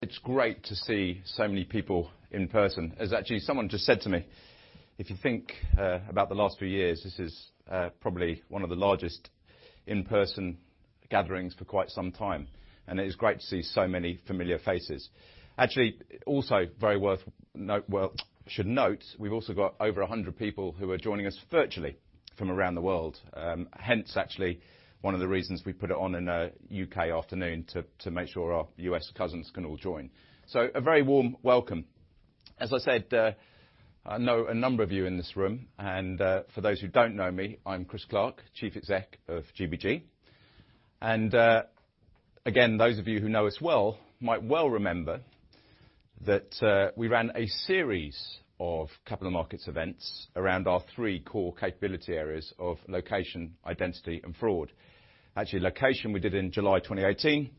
It's great to see so many people in person. As actually someone just said to me, if you think, about the last few years, this is, probably one of the largest in-person gatherings for quite some time, and it is great to see so many familiar faces. Actually, also should note, we've also got over 100 people who are joining us virtually from around the world. Hence, actually one of the reasons we put it on in a U.K. afternoon, to make sure our U.S. cousins can all join. A very warm welcome. As I said, I know a number of you in this room, and for those who don't know me, I'm Chris Clark, Chief Executive of GBG. Again, those of you who know us well might well remember that we ran a series of capital markets events around our three core capability areas of location, identity, and fraud. Actually, location we did in July 2018,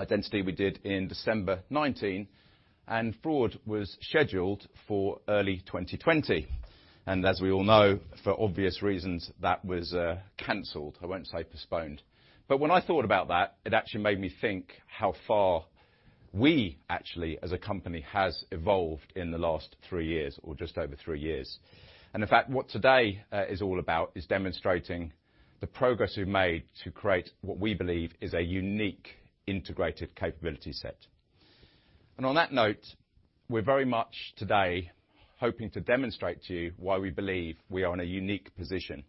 identity we did in December 2019, and fraud was scheduled for early 2020. As we all know, for obvious reasons, that was canceled. I won't say postponed. When I thought about that, it actually made me think how far we actually as a company has evolved in the last three years or just over three years. In fact, what today is all about is demonstrating the progress we've made to create what we believe is a unique integrated capability set. On that note, we're very much today hoping to demonstrate to you why we believe we are in a unique position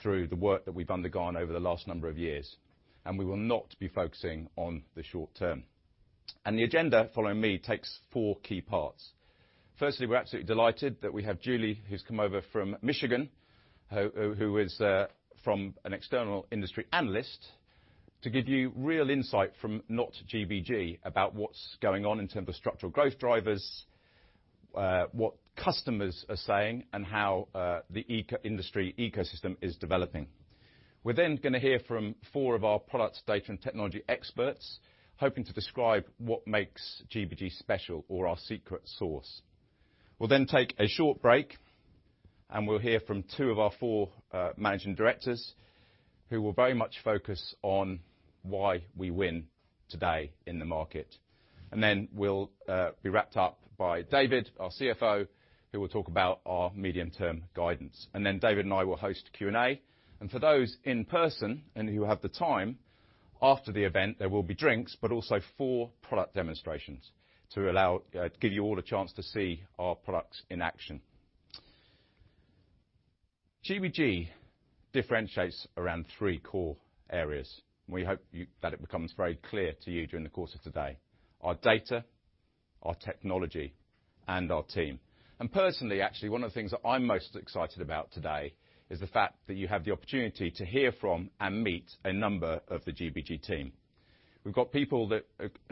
through the work that we've undergone over the last number of years. We will not be focusing on the short term. The agenda following me takes four key parts. Firstly, we're absolutely delighted that we have Julie, who's come over from Michigan, who is from an external industry analyst, to give you real insight from not GBG about what's going on in terms of structural growth drivers, what customers are saying, and how the industry ecosystem is developing. We are then going to hear from four of our products data and technology experts, hoping to describe what makes GBG special or our secret sauce. We'll then take a short break, and we'll hear from two of our four managing directors, who will very much focus on why we win today in the market. Then we'll be wrapped up by David, our CFO, who will talk about our medium-term guidance. Then David and I will host a Q&A. For those in person and who have the time, after the event, there will be drinks, but also four product demonstrations to allow, give you all a chance to see our products in action. GBG differentiates around three core areas. We hope that it becomes very clear to you during the course of today. Our data, our technology, and our team. Personally, actually, one of the things that I'm most excited about today is the fact that you have the opportunity to hear from and meet a number of the GBG team. We've got people that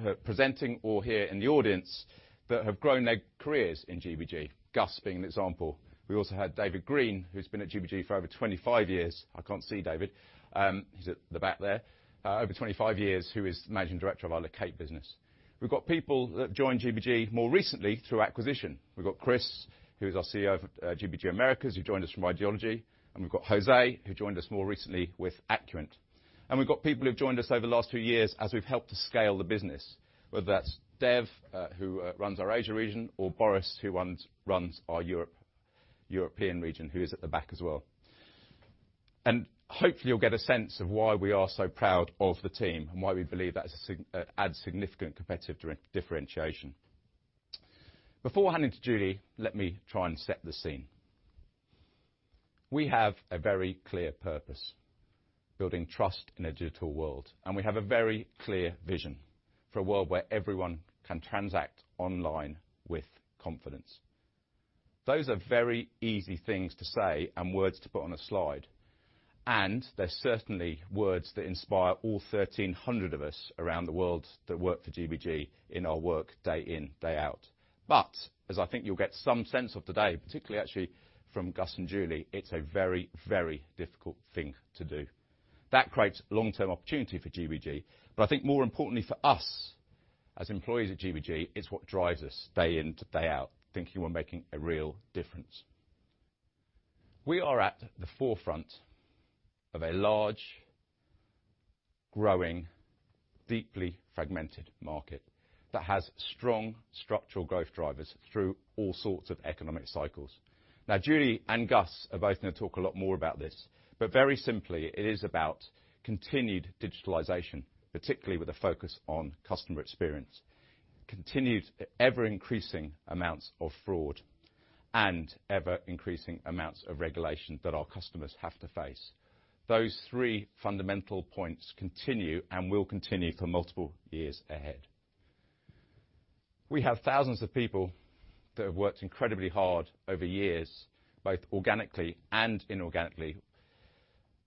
are presenting or here in the audience that have grown their careers in GBG, Gus being an example. We also had David Green, who's been at GBG for over 25 years. I can't see David. He's at the back there. Over 25 years, who is Managing Director of our Loqate business. We've got people that joined GBG more recently through acquisition. We've got Chris, who's our CEO of GBG Americas, who joined us from IDology. We've got José, who joined us more recently with Acuant. We've got people who've joined us over the last few years as we've helped to scale the business, whether that's Dev, who runs our Asia region or Boris, who runs our European region, who is at the back as well. Hopefully you'll get a sense of why we are so proud of the team and why we believe that adds significant competitive differentiation. Before handing to Julie, let me try and set the scene. We have a very clear purpose, building trust in a digital world. We have a very clear vision, for a world where everyone can transact online with confidence. Those are very easy things to say and words to put on a slide, They're certainly words that inspire all 1,300 of us around the world that work for GBG in our work day in, day out. As I think you'll get some sense of today, particularly actually from Gus and Julie, it's a very, very difficult thing to do. That creates long-term opportunity for GBG, but I think more importantly for us, as employees at GBG, it's what drives us day in to day out, thinking we're making a real difference. We are at the forefront of a large, growing, deeply fragmented market that has strong structural growth drivers through all sorts of economic cycles. Julie and Gus are both gonna talk a lot more about this, but very simply, it is about continued digitalization, particularly with a focus on customer experience, continued ever-increasing amounts of fraud, and ever-increasing amounts of regulation that our customers have to face. Those three fundamental points continue and will continue for multiple years ahead. We have thousands of people that have worked incredibly hard over years, both organically and inorganically,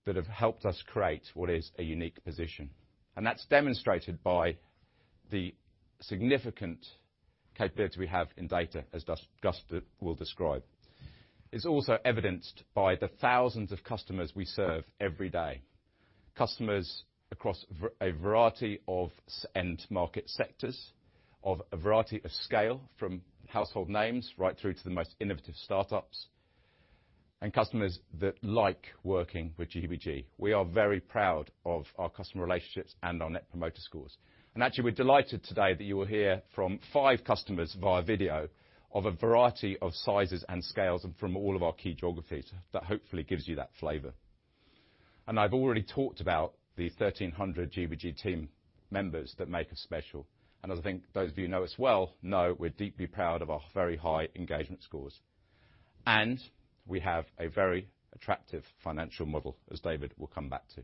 that have helped us create what is a unique position, and that's demonstrated by the significant capability we have in data, as Gus will describe. It's also evidenced by the thousands of customers we serve every day, customers across a variety of end market sectors, of a variety of scale from household names right through to the most innovative startups. Customers that like working with GBG. We are very proud of our customer relationships and our net promoter scores. Actually, we're delighted today that you will hear from five customers via video of a variety of sizes and scales and from all of our key geographies. That hopefully gives you that flavor. I've already talked about the 1,300 GBG team members that make us special. Another thing those of you know us well know we're deeply proud of our very high engagement scores. We have a very attractive financial model, as David will come back to.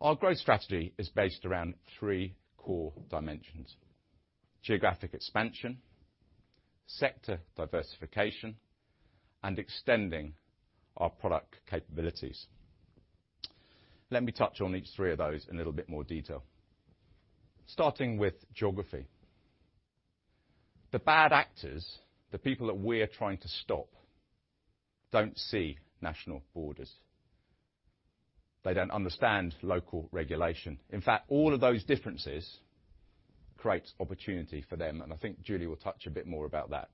Our growth strategy is based around three core dimensions: Geographic Expansion, Sector Diversification, and Extending our product capabilities. Let me touch on each three of those in a little bit more detail. Starting with geography. The bad actors, the people that we're trying to stop, don't see national borders. They don't understand local regulation. In fact, all of those differences creates opportunity for them, and I think Julie will touch a bit more about that.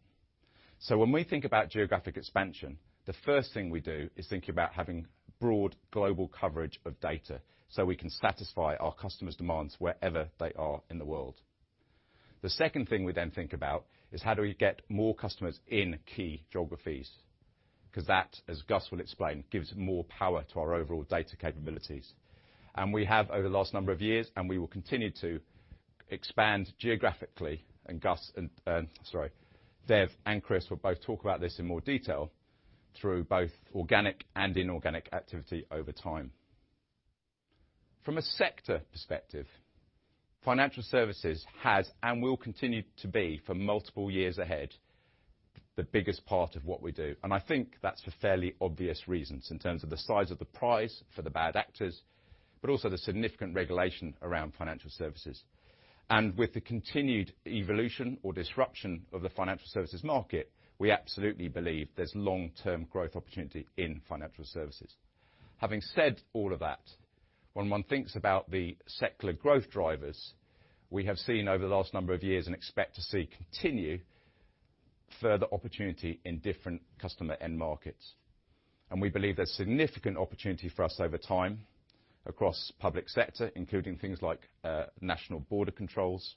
When we think about geographic expansion, the first thing we do is think about having broad global coverage of data, so we can satisfy our customers' demands wherever they are in the world. The second thing we then think about is how do we get more customers in key geographies, 'cause that, as Gus will explain, gives more power to our overall data capabilities. We have over the last number of years, and we will continue to, expand geographically. Gus and, sorry, Dev and Chris will both talk about this in more detail through both organic and inorganic activity over time. From a sector perspective, financial services has and will continue to be for multiple years ahead, the biggest part of what we do. I think that's for fairly obvious reasons in terms of the size of the prize for the bad actors, but also the significant regulation around financial services. With the continued evolution or disruption of the financial services market, we absolutely believe there's long-term growth opportunity in financial services. Having said all of that, when one thinks about the secular growth drivers, we have seen over the last number of years and expect to see continue further opportunity in different customer end markets. We believe there's significant opportunity for us over time across public sector, including things like, national border controls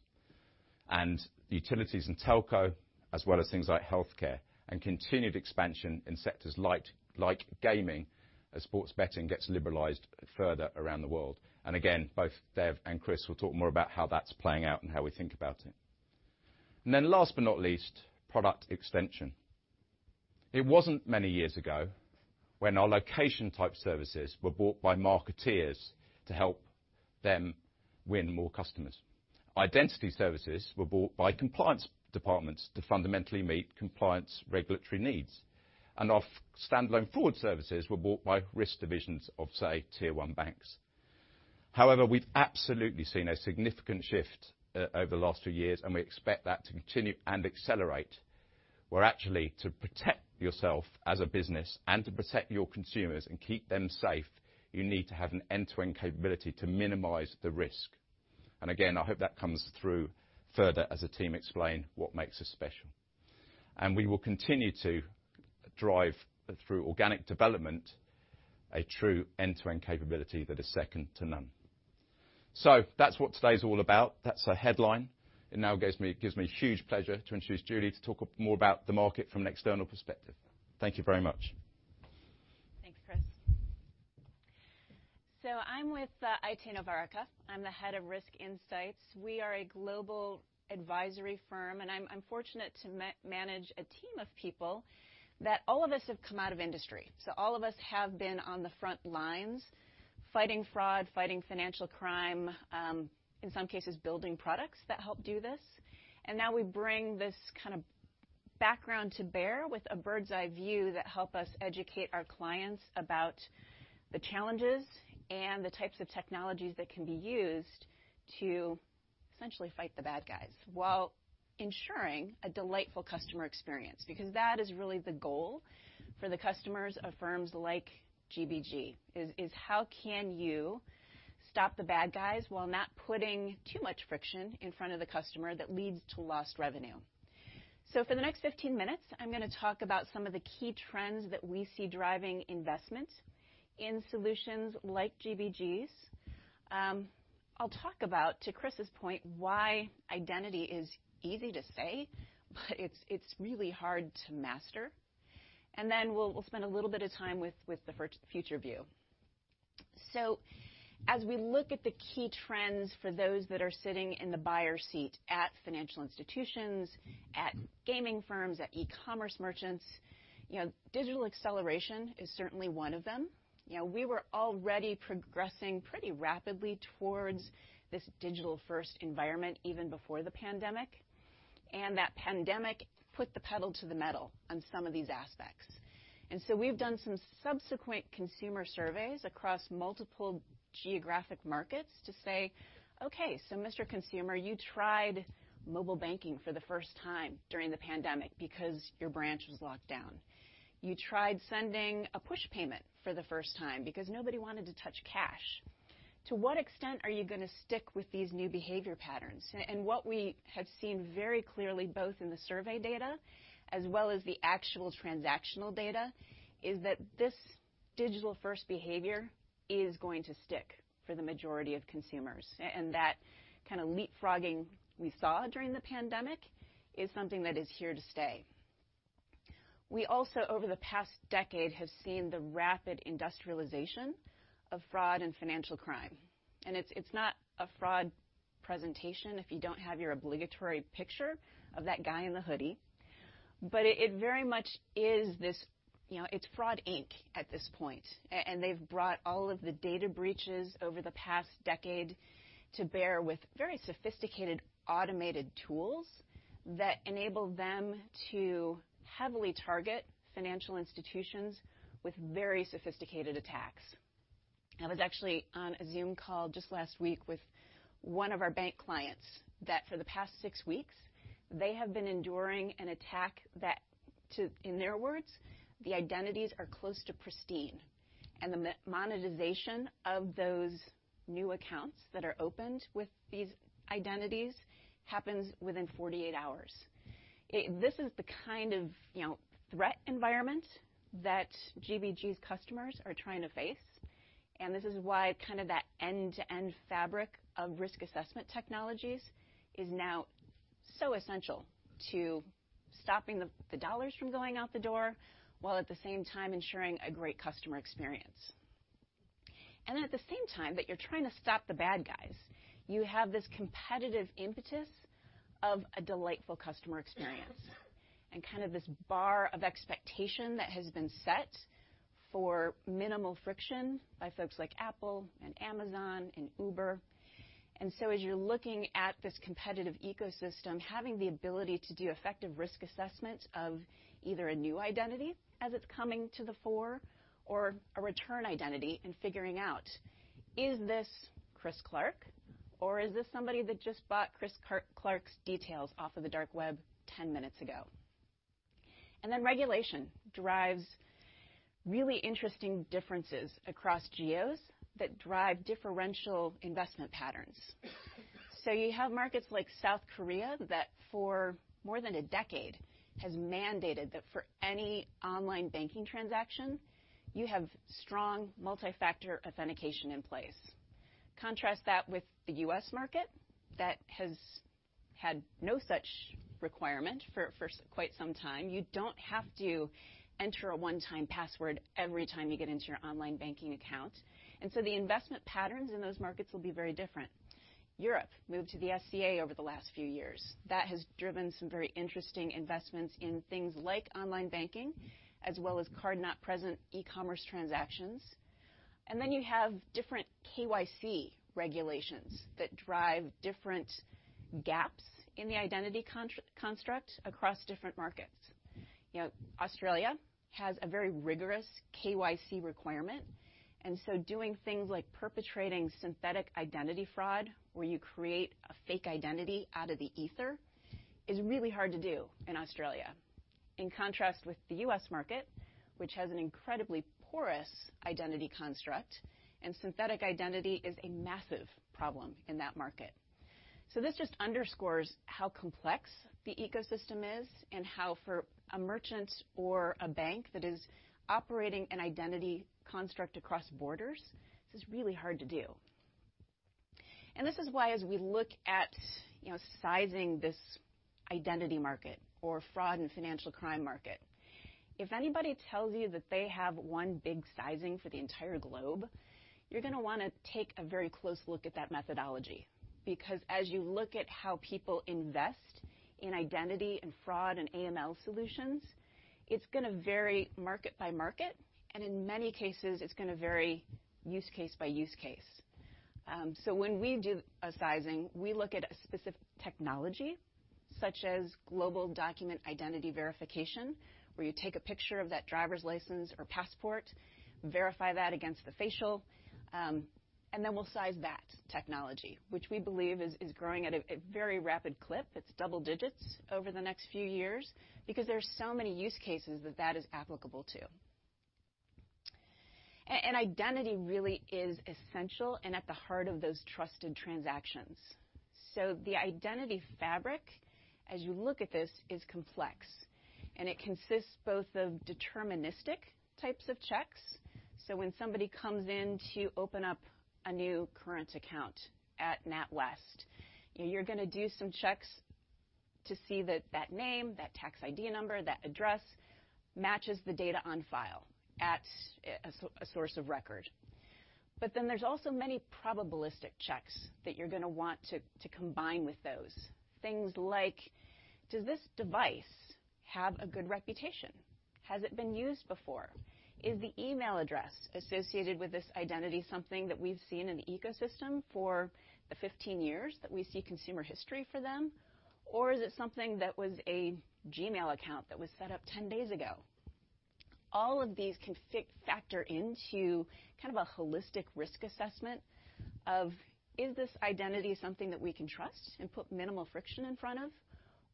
and utilities and telco, as well as things like healthcare, and continued expansion in sectors like gaming as sports betting gets liberalized further around the world. Again, both Dev and Chris will talk more about how that's playing out and how we think about it. Last but not least, product extension. It wasn't many years ago when our location-type services were bought by marketers to help them win more customers. Identity services were bought by compliance departments to fundamentally meet compliance regulatory needs. Our standalone fraud services were bought by risk divisions of, say, tier one banks. However, we've absolutely seen a significant shift over the last two years, and we expect that to continue and accelerate, where actually to protect yourself as a business and to protect your consumers and keep them safe, you need to have an end-to-end capability to minimize the risk. Again, I hope that comes through further as the team explain what makes us special. We will continue to drive through organic development, a true end-to-end capability that is second to none. That's what today's all about. That's a headline. It now gives me huge pleasure to introduce Julie to talk more about the market from an external perspective. Thank you very much. Thanks, Chris. I'm with Aite-Novarica. I'm the Head of Risk Insights. We are a global advisory firm, and I'm fortunate to manage a team of people that all of us have come out of industry. All of us have been on the front lines fighting fraud, fighting financial crime, in some cases, building products that help do this. Now we bring this kind of background to bear with a bird's eye view that help us educate our clients about the challenges and the types of technologies that can be used to essentially fight the bad guys while ensuring a delightful customer experience, because that is really the goal for the customers of firms like GBG, is how can you stop the bad guys while not putting too much friction in front of the customer that leads to lost revenue. For the next 15 minutes, I'm going to talk about some of the key trends that we see driving investment in solutions like GBG's. I'll talk about, to Chris's point, why identity is easy to say, but it's really hard to master. We'll spend a little bit of time with the future view. As we look at the key trends for those that are sitting in the buyer seat at financial institutions, at gaming firms, at E-commerce merchants, you know, digital acceleration is certainly one of them. You know, we were already progressing pretty rapidly towards this digital-first environment even before the pandemic, and that pandemic put the pedal to the metal on some of these aspects. We've done some subsequent consumer surveys across multiple geographic markets to say, "Okay, so Mr. Consumer, you tried mobile banking for the first time during the pandemic because your branch was locked down. You tried sending a push payment for the first time because nobody wanted to touch cash. To what extent are you gonna stick with these new behavior patterns? What we have seen very clearly, both in the survey data as well as the actual transactional data, is that this digital-first behavior is going to stick for the majority of consumers. That kind of leapfrogging we saw during the pandemic is something that is here to stay. We also, over the past decade, have seen the rapid industrialization of fraud and financial crime. It's not a fraud presentation if you don't have your obligatory picture of that guy in the hoodie, but it very much is this, you know, it's Fraud Inc. at this point. They've brought all of the data breaches over the past decade to bear with very sophisticated automated tools that enable them to heavily target financial institutions with very sophisticated attacks. I was actually on a Zoom call just last week with one of our bank clients that for the past six weeks, they have been enduring an attack that in their words, the identities are close to pristine, and the monetization of those new accounts that are opened with these identities happens within 48 hours. This is the kind of, you know, threat environment that GBG's customers are trying to face, and this is why kind of that end-to-end fabric of risk assessment technologies is now so essential to stopping the dollars from going out the door, while at the same time ensuring a great customer experience. Then at the same time that you're trying to stop the bad guys, you have this competitive impetus of a delightful customer experience and kind of this bar of expectation that has been set for minimal friction by folks like Apple and Amazon and Uber. As you're looking at this competitive ecosystem, having the ability to do effective risk assessment of either a new identity as it's coming to the fore or a return identity and figuring out, is this Chris Clark, or is this somebody that just bought Chris Clark's details off of the dark web 10 minutes ago? Regulation drives really interesting differences across geos that drive differential investment patterns. You have markets like South Korea that for more than a decade has mandated that for any online banking transaction, you have strong multi-factor authentication in place. Contrast that with the U.S. market that has had no such requirement for quite some time. You don't have to enter a one-time password every time you get into your online banking account. The investment patterns in those markets will be very different. Europe moved to the SCA over the last few years. That has driven some very interesting investments in things like online banking as well as card-not-present E-commerce transactions. You have different KYC regulations that drive different gaps in the identity construct across different markets. You know, Australia has a very rigorous KYC requirement. Doing things like perpetrating synthetic identity fraud, where you create a fake identity out of the ether, is really hard to do in Australia. In contrast with the U.S. market, which has an incredibly porous identity construct, and synthetic identity is a massive problem in that market. This just underscores how complex the ecosystem is and how for a merchant or a bank that is operating an identity construct across borders, this is really hard to do. This is why as we look at, you know, sizing this identity market or fraud and financial crime market, if anybody tells you that they have one big sizing for the entire globe, you're gonna wanna take a very close look at that methodology because as you look at how people invest in identity and fraud and AML solutions, it's gonna vary market by market, and in many cases, it's gonna vary use case by use case. When we do a sizing, we look at a specific technology, such as global document identity verification, where you take a picture of that driver's license or passport, verify that against the facial, and then we'll size that technology, which we believe is growing at a very rapid clip. It's double digits over the next few years because there are so many use cases that that is applicable to. Identity really is essential and at the heart of those trusted transactions. The identity fabric, as you look at this, is complex, and it consists both of deterministic types of checks. When somebody comes in to open up a new current account at NatWest, you know, you're gonna do some checks to see that that name, that tax ID number, that address matches the data on file at, a source of record. There's also many probabilistic checks that you're gonna want to combine with those. Things like, does this device have a good reputation? Has it been used before? Is the email address associated with this identity something that we've seen in the ecosystem for the 15 years that we see consumer history for them? Or is it something that was a Gmail account that was set up 10 days ago? All of these can factor into kind of a holistic risk assessment of, is this identity something that we can trust and put minimal friction in front of,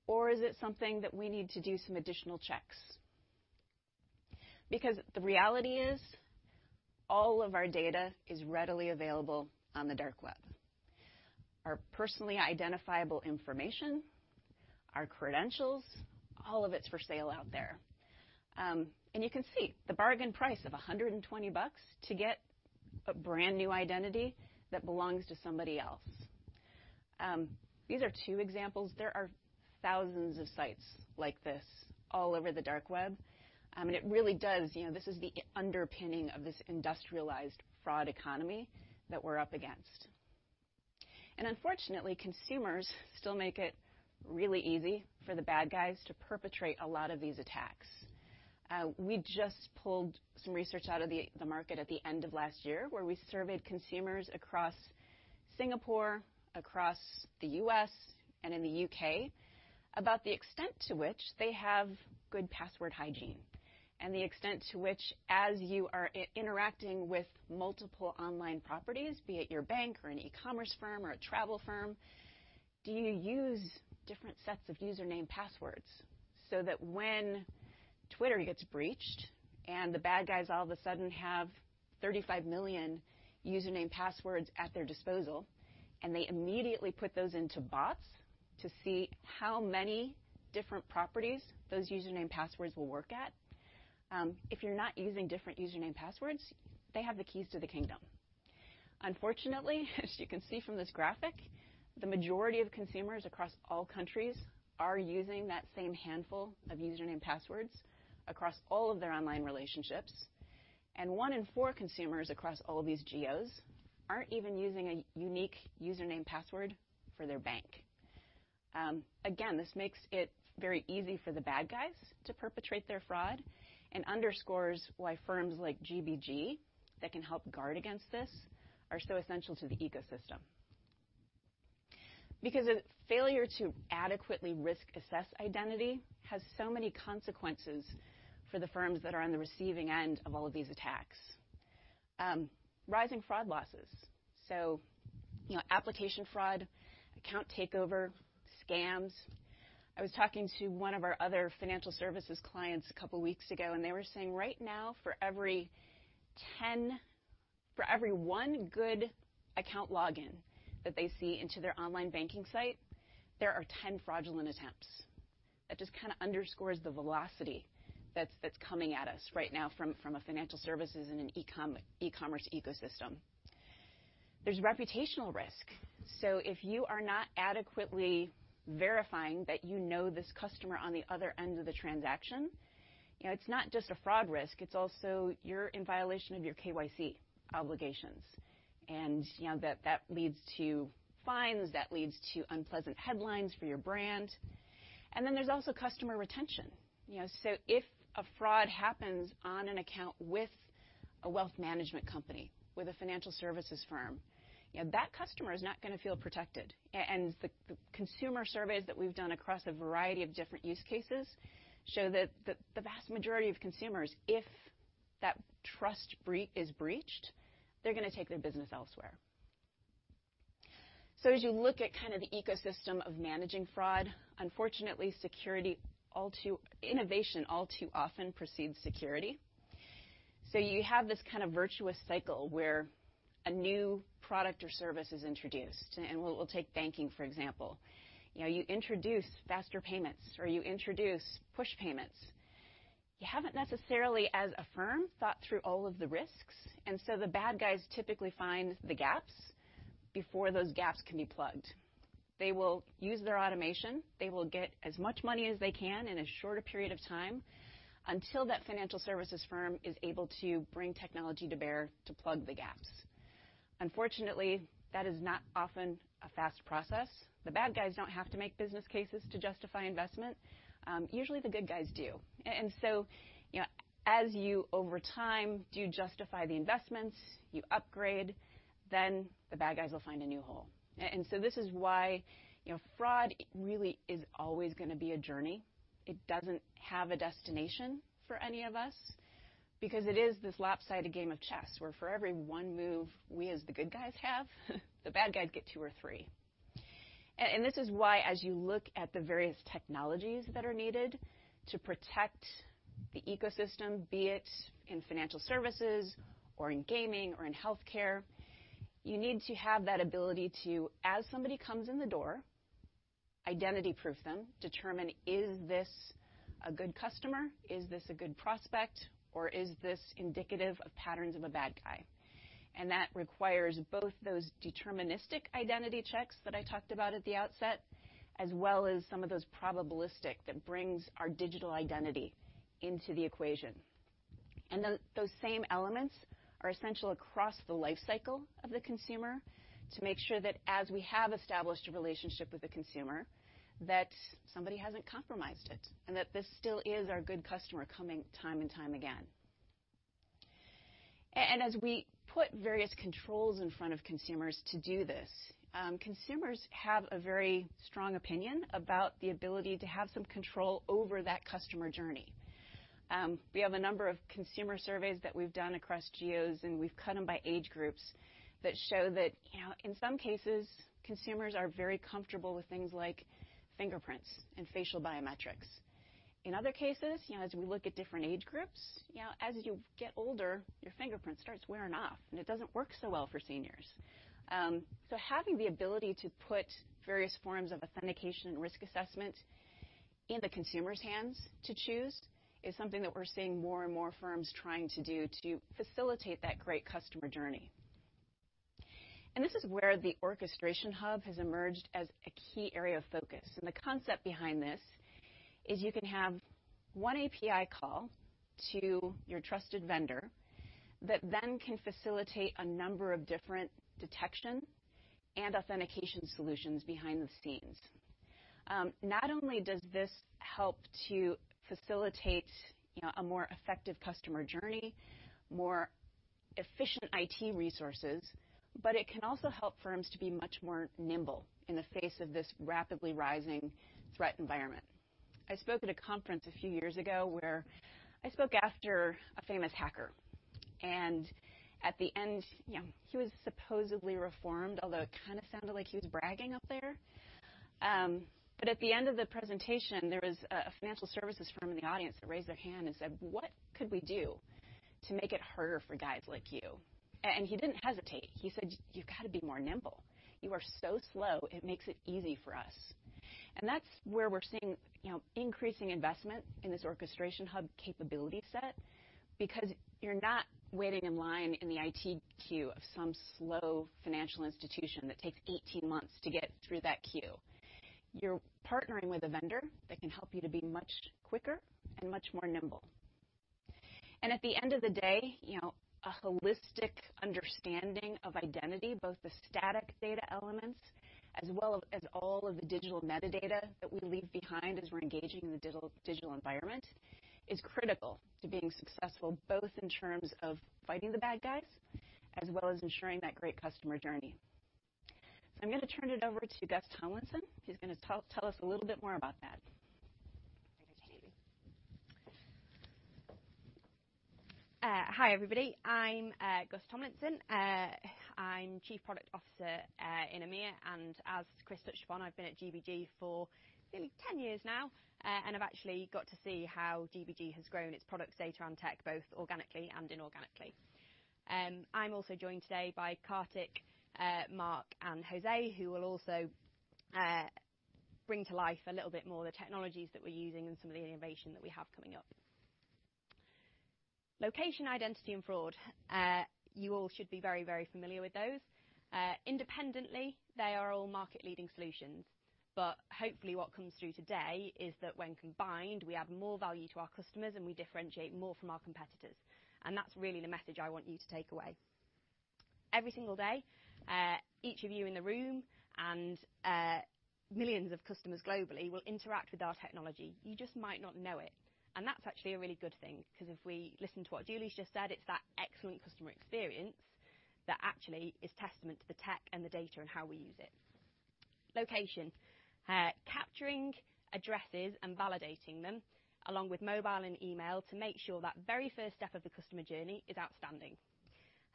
or is it something that we need to do some additional checks. The reality is all of our data is readily available on the dark web. Our personally identifiable information, our credentials, all of it's for sale out there. You can see the bargain price of $120 to get a brand-new identity that belongs to somebody else. These are two examples. There are thousands of sites like this all over the dark web. It really does... You know, this is the underpinning of this industrialized fraud economy that we're up against. Unfortunately, consumers still make it really easy for the bad guys to perpetrate a lot of these attacks. We just pulled some research out of the market at the end of last year where we surveyed consumers across Singapore, across the U.S., and in the U.K. about the extent to which they have good password hygiene and the extent to which as you are interacting with multiple online properties, be it your bank or an E-commerce firm or a travel firm, do you use different sets of username passwords so that when Twitter gets breached and the bad guys all of a sudden have 35 million username passwords at their disposal, they immediately put those into bots to see how many different properties those username passwords will work at, if you're not using different username passwords, they have the keys to the kingdom. Unfortunately, as you can see from this graphic, the majority of consumers across all countries are using that same handful of username passwords across all of their online relationships, one in four consumers across all these geos aren't even using a unique username password for their bank. Again, this makes it very easy for the bad guys to perpetrate their fraud and underscores why firms like GBG that can help guard against this are so essential to the ecosystem. A failure to adequately risk assess identity has so many consequences for the firms that are on the receiving end of all of these attacks. Rising fraud losses, so, you know, application fraud, account takeover, scams. I was talking to one of our other financial services clients a couple weeks ago. They were saying right now, for every one good account login that they see into their online banking site, there are 10 fraudulent attempts. That just kinda underscores the velocity that's coming at us right now from a financial services and an E-commerce ecosystem. There's reputational risk. If you are not adequately verifying that you know this customer on the other end of the transaction, you know, it's not just a fraud risk, it's also you're in violation of your KYC obligations. You know, that leads to fines, that leads to unpleasant headlines for your brand. Then there's also customer retention. You know, if a fraud happens on an account with a wealth management company, with a financial services firm, you know, that customer is not gonna feel protected. The consumer surveys that we've done across a variety of different use cases show that the vast majority of consumers, if that trust is breached, they're gonna take their business elsewhere. As you look at kind of the ecosystem of managing fraud, unfortunately innovation all too often precedes security. You have this kind of virtuous cycle where a new product or service is introduced, we'll take banking for example. You know, you introduce faster payments or you introduce push payments. You haven't necessarily as a firm thought through all of the risks, the bad guys typically find the gaps before those gaps can be plugged. They will use their automation. They will get as much money as they can in as short a period of time until that financial services firm is able to bring technology to bear to plug the gaps. Unfortunately, that is not often a fast process. The bad guys don't have to make business cases to justify investment. Usually the good guys do. You know, as you over time do justify the investments, you upgrade, then the bad guys will find a new hole. This is why, you know, fraud really is always gonna be a journey. It doesn't have a destination for any of us because it is this lopsided game of chess where for every one move we as the good guys have, the bad guys get two or three. This is why as you look at the various technologies that are needed to protect the ecosystem, be it in financial services or in gaming or in healthcare, you need to have that ability to, as somebody comes in the door, identity proof them, determine is this a good customer? Is this a good prospect, or is this indicative of patterns of a bad guy? Those same elements are essential across the life cycle of the consumer to make sure that as we have established a relationship with the consumer, that somebody hasn't compromised it, and that this still is our good customer coming time and time again. As we put various controls in front of consumers to do this, consumers have a very strong opinion about the ability to have some control over that customer journey. We have a number of consumer surveys that we've done across geos, and we've cut them by age groups that show that, you know, in some cases, consumers are very comfortable with things like fingerprints and facial biometrics. In other cases, you know, as we look at different age groups, you know, as you get older, your fingerprint starts wearing off, and it doesn't work so well for seniors. Having the ability to put various forms of authentication and risk assessment in the consumer's hands to choose is something that we're seeing more and more firms trying to do to facilitate that great customer journey. This is where the orchestration hub has emerged as a key area of focus. The concept behind this is you can have one API call to your trusted vendor that then can facilitate a number of different detection and authentication solutions behind the scenes. Not only does this help to facilitate, you know, a more effective customer journey, more efficient IT resources, but it can also help firms to be much more nimble in the face of this rapidly rising threat environment. I spoke at a conference a few years ago where I spoke after a famous hacker, and at the end, you know, he was supposedly reformed, although it kinda sounded like he was bragging up there. At the end of the presentation, there was a financial services firm in the audience that raised their hand and said, "What could we do to make it harder for guys like you?" He didn't hesitate. He said, "You've gotta be more nimble. You are so slow. It makes it easy for us." That's where we're seeing, you know, increasing investment in this orchestration hub capability set. Because you're not waiting in line in the IT queue of some slow financial institution that takes 18 months to get through that queue. You're partnering with a vendor that can help you to be much quicker and much more nimble. At the end of the day, you know, a holistic understanding of identity, both the static data elements as well as all of the digital metadata that we leave behind as we're engaging in the digital environment, is critical to being successful, both in terms of fighting the bad guys as well as ensuring that great customer journey. I'm gonna turn it over to Gus Tomlinson, who's gonna tell us a little bit more about that. Thank you, Julie. Hi, everybody. I'm Gus Tomlinson. I'm chief product officer in EMEA. As Chris touched upon, I've been at GBG for nearly 10 years now. I've actually got to see how GBG has grown its products, data, and tech both organically and inorganically. I'm also joined today by Kartik, Mark, and José, who will also bring to life a little bit more the technologies that we're using and some of the innovation that we have coming up. Location, identity, and fraud. You all should be very, very familiar with those. Independently, they are all market-leading solutions. Hopefully, what comes through today is that when combined, we add more value to our customers, and we differentiate more from our competitors. That's really the message I want you to take away. Every single day, each of you in the room and millions of customers globally will interact with our technology. You just might not know it. That's actually a really good thing, 'cause if we listen to what Julie's just said, it's that excellent customer experience that actually is testament to the tech and the data and how we use it. Location. Capturing addresses and validating them, along with mobile and email, to make sure that very first step of the customer journey is outstanding.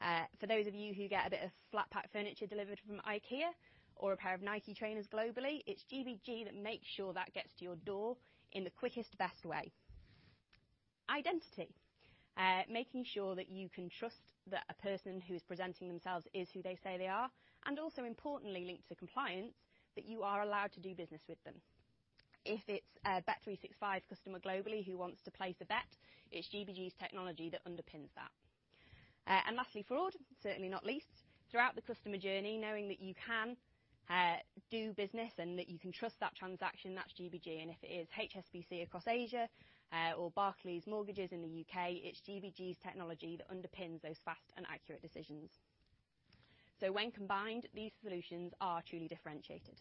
For those of you who get a bit of flat-pack furniture delivered from IKEA or a pair of Nike trainers globally, it's GBG that makes sure that gets to your door in the quickest, best way. Identity. Making sure that you can trust that a person who is presenting themselves is who they say they are, and also importantly linked to compliance, that you are allowed to do business with them. If it's a bet365 customer globally who wants to place a bet, it's GBG's technology that underpins that. Lastly, fraud, certainly not least. Throughout the customer journey, knowing that you can do business and that you can trust that transaction, that's GBG. If it is HSBC across Asia, or Barclays mortgages in the U.K., it's GBG's technology that underpins those fast and accurate decisions. When combined, these solutions are truly differentiated.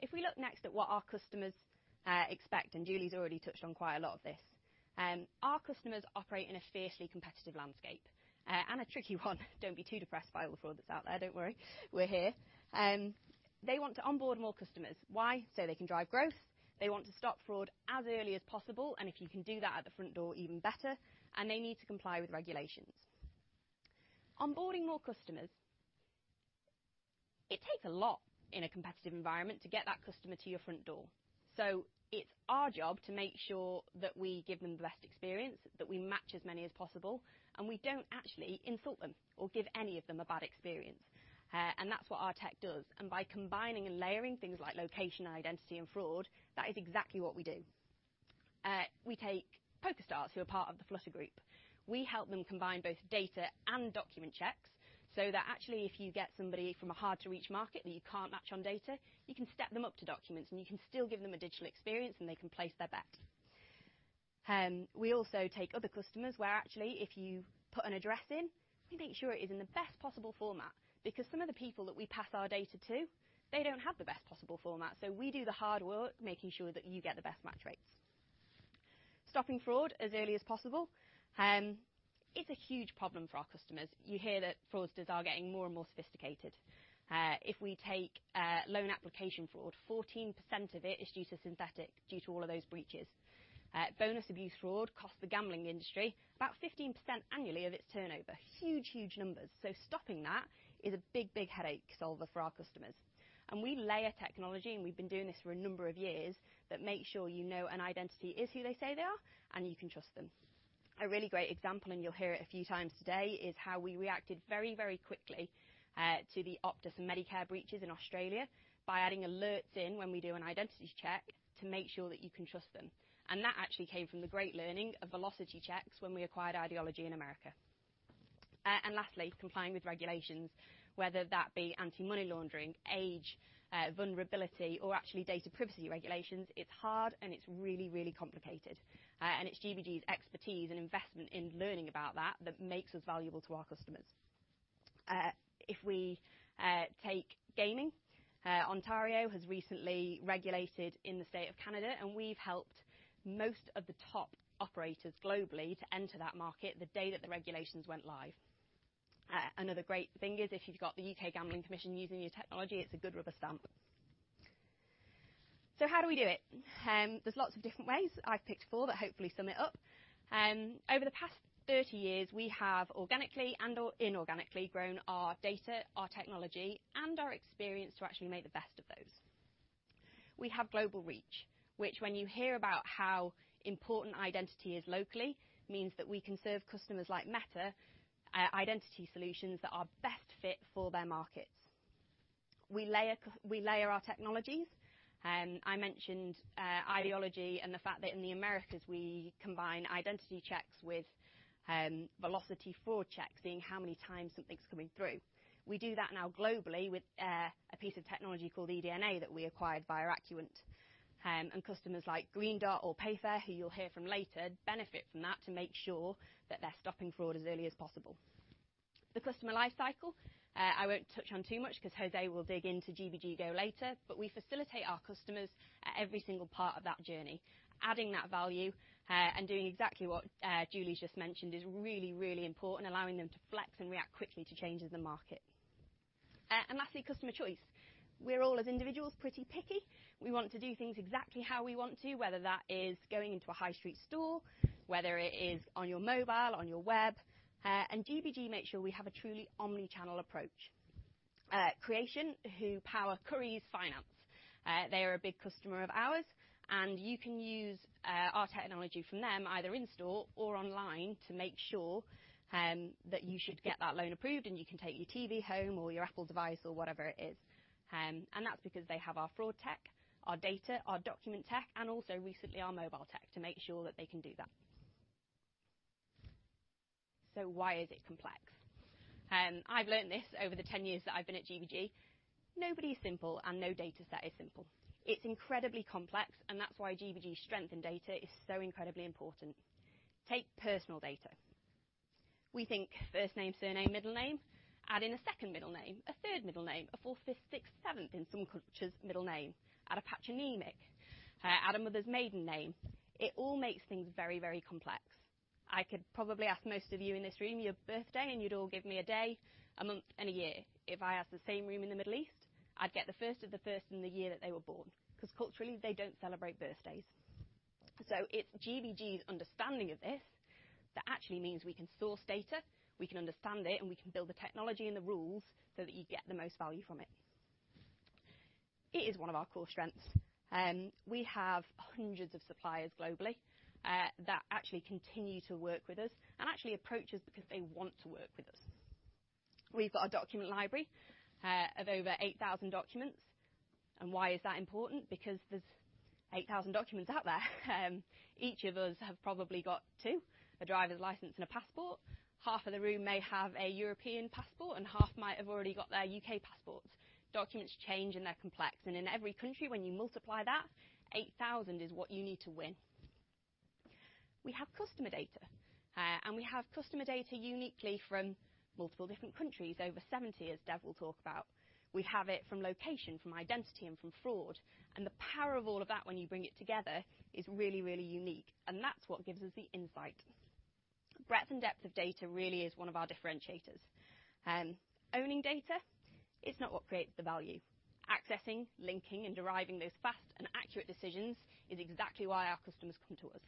If we look next at what our customers expect, and Julie's already touched on quite a lot of this. Our customers operate in a fiercely competitive landscape. A tricky one. Don't be too depressed by all the fraud that's out there. Don't worry. We're here. They want to onboard more customers. Why? They can drive growth. They want to stop fraud as early as possible, and if you can do that at the front door, even better, and they need to comply with regulations. Onboarding more customers. It takes a lot in a competitive environment to get that customer to your front door, so it's our job to make sure that we give them the best experience, that we match as many as possible, and we don't actually insult them or give any of them a bad experience. That's what our tech does. By combining and layering things like location, identity, and fraud, that is exactly what we do. We take PokerStars, who are part of the Flutter group. We help them combine both data and document checks so that actually if you get somebody from a hard-to-reach market that you can't match on data, you can step them up to documents, and you can still give them a digital experience, and they can place their bet. We also take other customers where actually if you put an address in, we make sure it is in the best possible format because some of the people that we pass our data to, they don't have the best possible format. We do the hard work making sure that you get the best match rates. Stopping fraud as early as possible is a huge problem for our customers. You hear that fraudsters are getting more and more sophisticated. If we take loan application fraud, 14% of it is due to synthetic due to all of those breaches. Bonus abuse fraud costs the gambling industry about 15% annually of its turnover. Huge, huge numbers. Stopping that is a big, big headache solver for our customers. We layer technology, we've been doing this for a number of years, that make sure you know an identity is who they say they are, and you can trust them. A really great example, and you'll hear it a few times today, is how we reacted very, very quickly to the Optus and Medicare breaches in Australia by adding alerts in when we do an identity check to make sure that you can trust them. That actually came from the great learning of velocity checks when we acquired IDology in America. Lastly, complying with regulations, whether that be anti-money laundering, age, vulnerability, or actually data privacy regulations, it's hard and it's really, really complicated. It's GBG's expertise and investment in learning about that that makes us valuable to our customers. If we take gaming, Ontario has recently regulated in the state of Canada, and we've helped most of the top operators globally to enter that market the day that the regulations went live. Another great thing is if you've got the U.K. Gambling Commission using your technology, it's a good rubber stamp. How do we do it? There's lots of different ways. I've picked four that hopefully sum it up. Over the past 30 years, we have organically and/or inorganically grown our data, our technology, and our experience to actually make the best of those. We have global reach, which when you hear about how important identity is locally, means that we can serve customers like Meta, identity solutions that are best fit for their markets. We layer our technologies. I mentioned IDology and the fact that in the Americas, we combine identity checks with velocity fraud checks, seeing how many times something's coming through. We do that now globally with a piece of technology called eDNA that we acquired via Acuant. Customers like Green Dot or Payfare, who you'll hear from later, benefit from that to make sure that they're stopping fraud as early as possible. The customer life cycle, I won't touch on too much 'cause José will dig into GBG Go later. We facilitate our customers at every single part of that journey, adding that value and doing exactly what Julie's just mentioned is really important, allowing them to flex and react quickly to changes in the market. Lastly, customer choice. We're all as individuals, pretty picky. We want to do things exactly how we want to, whether that is going into a high street store, whether it is on your mobile, on your web. GBG makes sure we have a truly Omni-channel approach. Creation, who power Currys Finance, they are a big customer of ours. You can use our technology from them either in store or online to make sure that you should get that loan approved and you can take your TV home or your Apple device or whatever it is. That's because they have our fraud tech, our data, our document tech, and also recently, our mobile tech to make sure that they can do that. Why is it complex? I've learned this over the 10 years that I've been at GBG. Nobody is simple and no data set is simple. It's incredibly complex, and that's why GBG's strength in data is so incredibly important. Take personal data. We think first name, surname, middle name. Add in a second middle name, a third middle name, a fourth, fifth, sixth, seventh in some cultures, middle name. Add a patronymic. Add a mother's maiden name. It all makes things very, very complex. I could probably ask most of you in this room your birthday, and you'd all give me a day, a month, and a year. If I asked the same room in the Middle East, I'd get the first of the first and the year that they were born 'cause culturally, they don't celebrate birthdays. It's GBG's understanding of this that actually means we can source data, we can understand it, and we can build the technology and the rules so that you get the most value from it. It is one of our core strengths. We have hundreds of suppliers globally that actually continue to work with us and actually approach us because they want to work with us. We've got a document library of over 8,000 documents. Why is that important? Because there's 8,000 documents out there. Each of us have probably got two, a driver's license and a passport. Half of the room may have a European passport, and half might have already got their U.K. passports. Documents change, they're complex. In every country, when you multiply that, 8,000 is what you need to win. We have customer data, we have customer data uniquely from multiple different countries, over 70, as Dev will talk about. We have it from location, from identity, and from fraud. The power of all of that when you bring it together is really, really unique, and that's what gives us the insight. Breadth and depth of data really is one of our differentiators. Owning data is not what creates the value. Accessing, linking, and deriving those fast and accurate decisions is exactly why our customers come to us.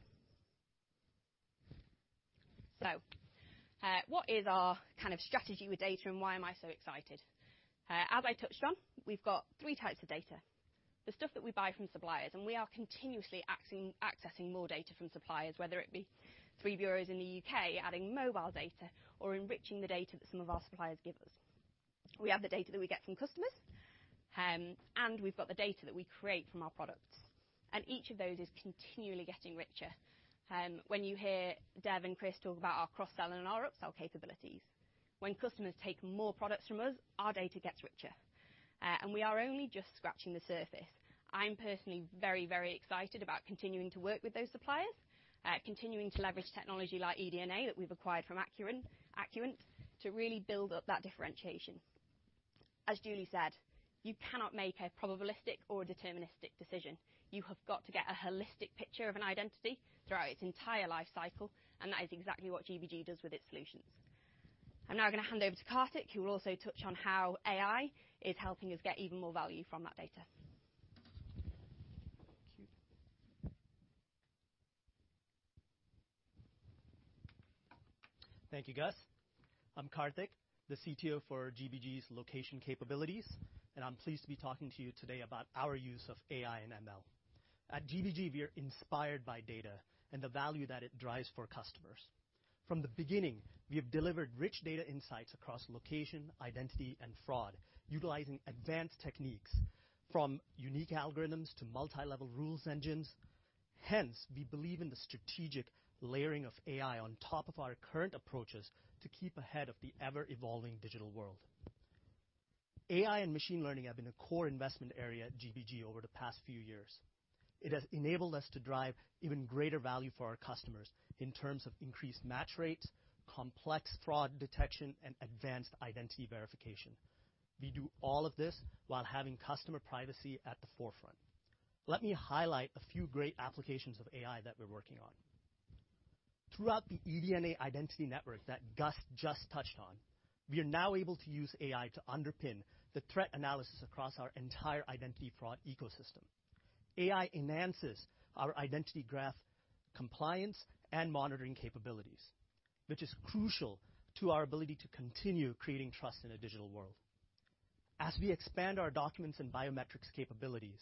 What is our kind of strategy with data, and why am I so excited? As I touched on, we've got three types of data. The stuff that we buy from suppliers, and we are continuously accessing more data from suppliers, whether it be three bureaus in the U.K. adding mobile data or enriching the data that some of our suppliers give us. We have the data that we get from customers, and we've got the data that we create from our products. Each of those is continually getting richer. When you hear Dev and Chris talk about our cross-sell and our upsell capabilities, when customers take more products from us, our data gets richer. We are only just scratching the surface. I'm personally very, very excited about continuing to work with those suppliers, continuing to leverage technology like eDNA that we've acquired from Acuant, to really build up that differentiation. As Julie said, you cannot make a probabilistic or a deterministic decision. You have got to get a holistic picture of an identity throughout its entire life cycle, and that is exactly what GBG does with its solutions. I'm now gonna hand over to Karthik, who will also touch on how AI is helping us get even more value from that data. Thank you. Thank you, Gus. I'm Karthik, the CTO for GBG's location capabilities, and I'm pleased to be talking to you today about our use of AI and ML. At GBG, we are inspired by data and the value that it drives for customers. From the beginning, we have delivered rich data insights across location, identity, and fraud, utilizing advanced techniques from unique algorithms to multilevel rules engines. Hence, we believe in the strategic layering of AI on top of our current approaches to keep ahead of the ever-evolving digital world. AI and machine learning have been a core investment area at GBG over the past few years. It has enabled us to drive even greater value for our customers in terms of increased match rates, complex fraud detection, and advanced identity verification. We do all of this while having customer privacy at the forefront. Let me highlight a few great applications of AI that we're working on. Throughout the eDNA identity network that Gus just touched on, we are now able to use AI to underpin the threat analysis across our entire identity fraud ecosystem. AI enhances our identity graph compliance and monitoring capabilities, which is crucial to our ability to continue creating trust in a digital world. As we expand our documents and biometrics capabilities,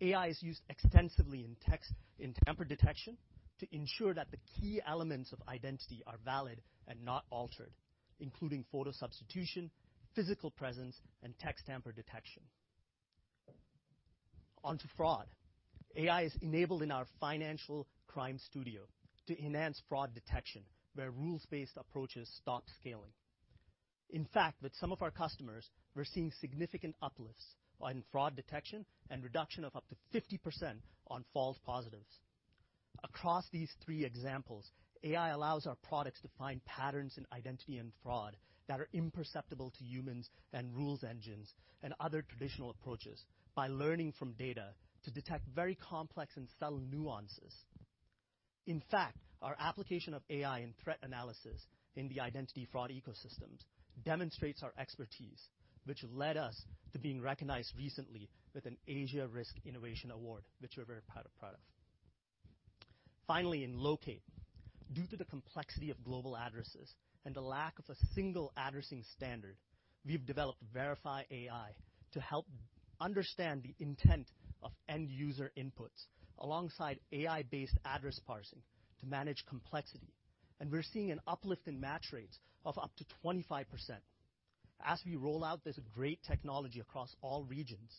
AI is used extensively in text in tamper detection to ensure that the key elements of identity are valid and not altered, including photo substitution, physical presence, and text tamper detection. On to fraud. AI is enabled in our Financial Crime Studio to enhance fraud detection where rules-based approaches stop scaling. In fact, with some of our customers, we're seeing significant uplifts on fraud detection and reduction of up to 50% on false positives. Across these three examples, AI allows our products to find patterns in identity and fraud that are imperceptible to humans and rules engines and other traditional approaches by learning from data to detect very complex and subtle nuances. In fact, our application of AI and threat analysis in the identity fraud ecosystems demonstrates our expertise, which led us to being recognized recently with an Asia Risk Innovation Award, which we're very proud of. Finally, in Loqate, due to the complexity of global addresses and the lack of a single addressing standard, we've developed Verify AI to help understand the intent of end user inputs alongside AI-based address parsing to manage complexity. We're seeing an uplift in match rates of up to 25%. As we roll out this great technology across all regions,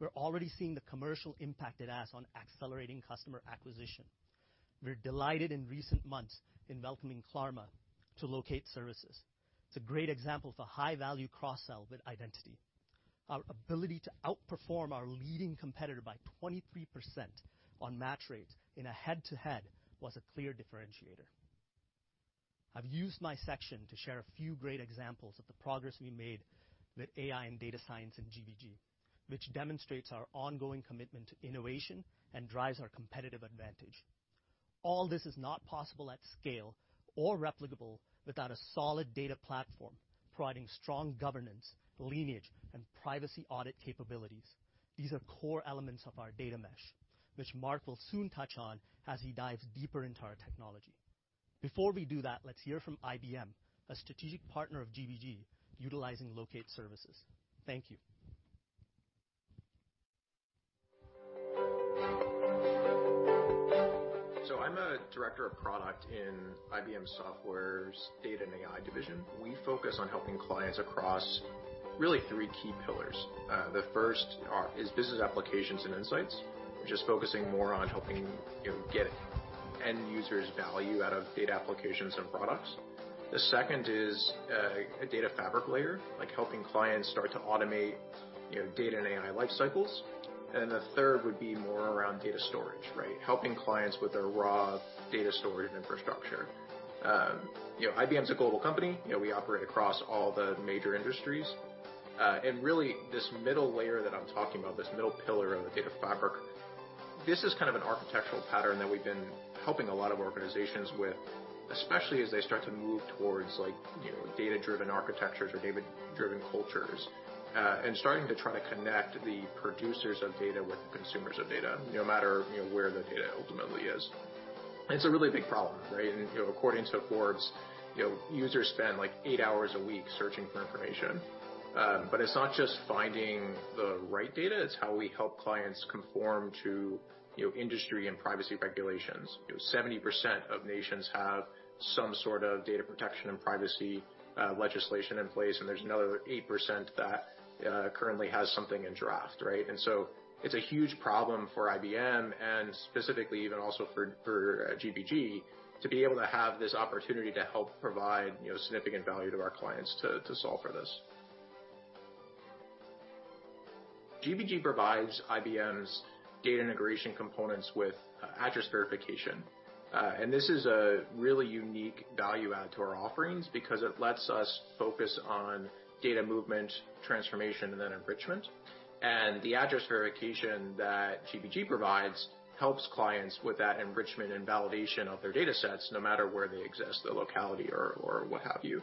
we're already seeing the commercial impact it has on accelerating customer acquisition. We're delighted in recent months in welcoming Klarna to Loqate services. It's a great example of a high-value cross-sell with identity. Our ability to outperform our leading competitor by 23% on match rates in a head-to-head was a clear differentiator. I've used my section to share a few great examples of the progress we made with AI and data science in GBG, which demonstrates our ongoing commitment to innovation and drives our competitive advantage. All this is not possible at scale or replicable without a solid data platform providing strong governance, lineage, and privacy audit capabilities. These are core elements of our data mesh, which Mark will soon touch on as he dives deeper into our technology. Before we do that, let's hear from IBM, a strategic partner of GBG, utilizing Loqate services. Thank you. I'm a director of product in IBM Software's Data and AI division. We focus on helping clients across really three key pillars. The first is business applications and insights. We're just focusing more on helping, you know, get end users value out of data applications and products. The second is a data fabric layer, like helping clients start to automate, you know, data and AI life cycles. The third would be more around data storage, right? Helping clients with their raw data storage infrastructure. You know, IBM's a global company. You know, we operate across all the major industries. Really this middle layer that I'm talking about, this middle pillar of the data fabric, this is kind of an architectural pattern that we've been helping a lot of organizations with, especially as they start to move towards like, you know, data-driven architectures or data-driven cultures, and starting to try to connect the producers of data with the consumers of data, no matter, you know, where the data ultimately is. It's a really big problem, right? You know, according to Forbes, you know, users spend like eight hours a week searching for information. It's not just finding the right data, it's how we help clients conform to, you know, industry and privacy regulations. You know, 70% of nations have some sort of data protection and privacy legislation in place, and there's another 8% that currently has something in draft, right? It's a huge problem for IBM and specifically even also for GBG to be able to have this opportunity to help provide, you know, significant value to our clients to solve for this. GBG provides IBM's data integration components with address verification. This is a really unique value add to our offerings because it lets us focus on data movement, transformation, and then enrichment. The address verification that GBG provides helps clients with that enrichment and validation of their data sets no matter where they exist, the locality or what have you.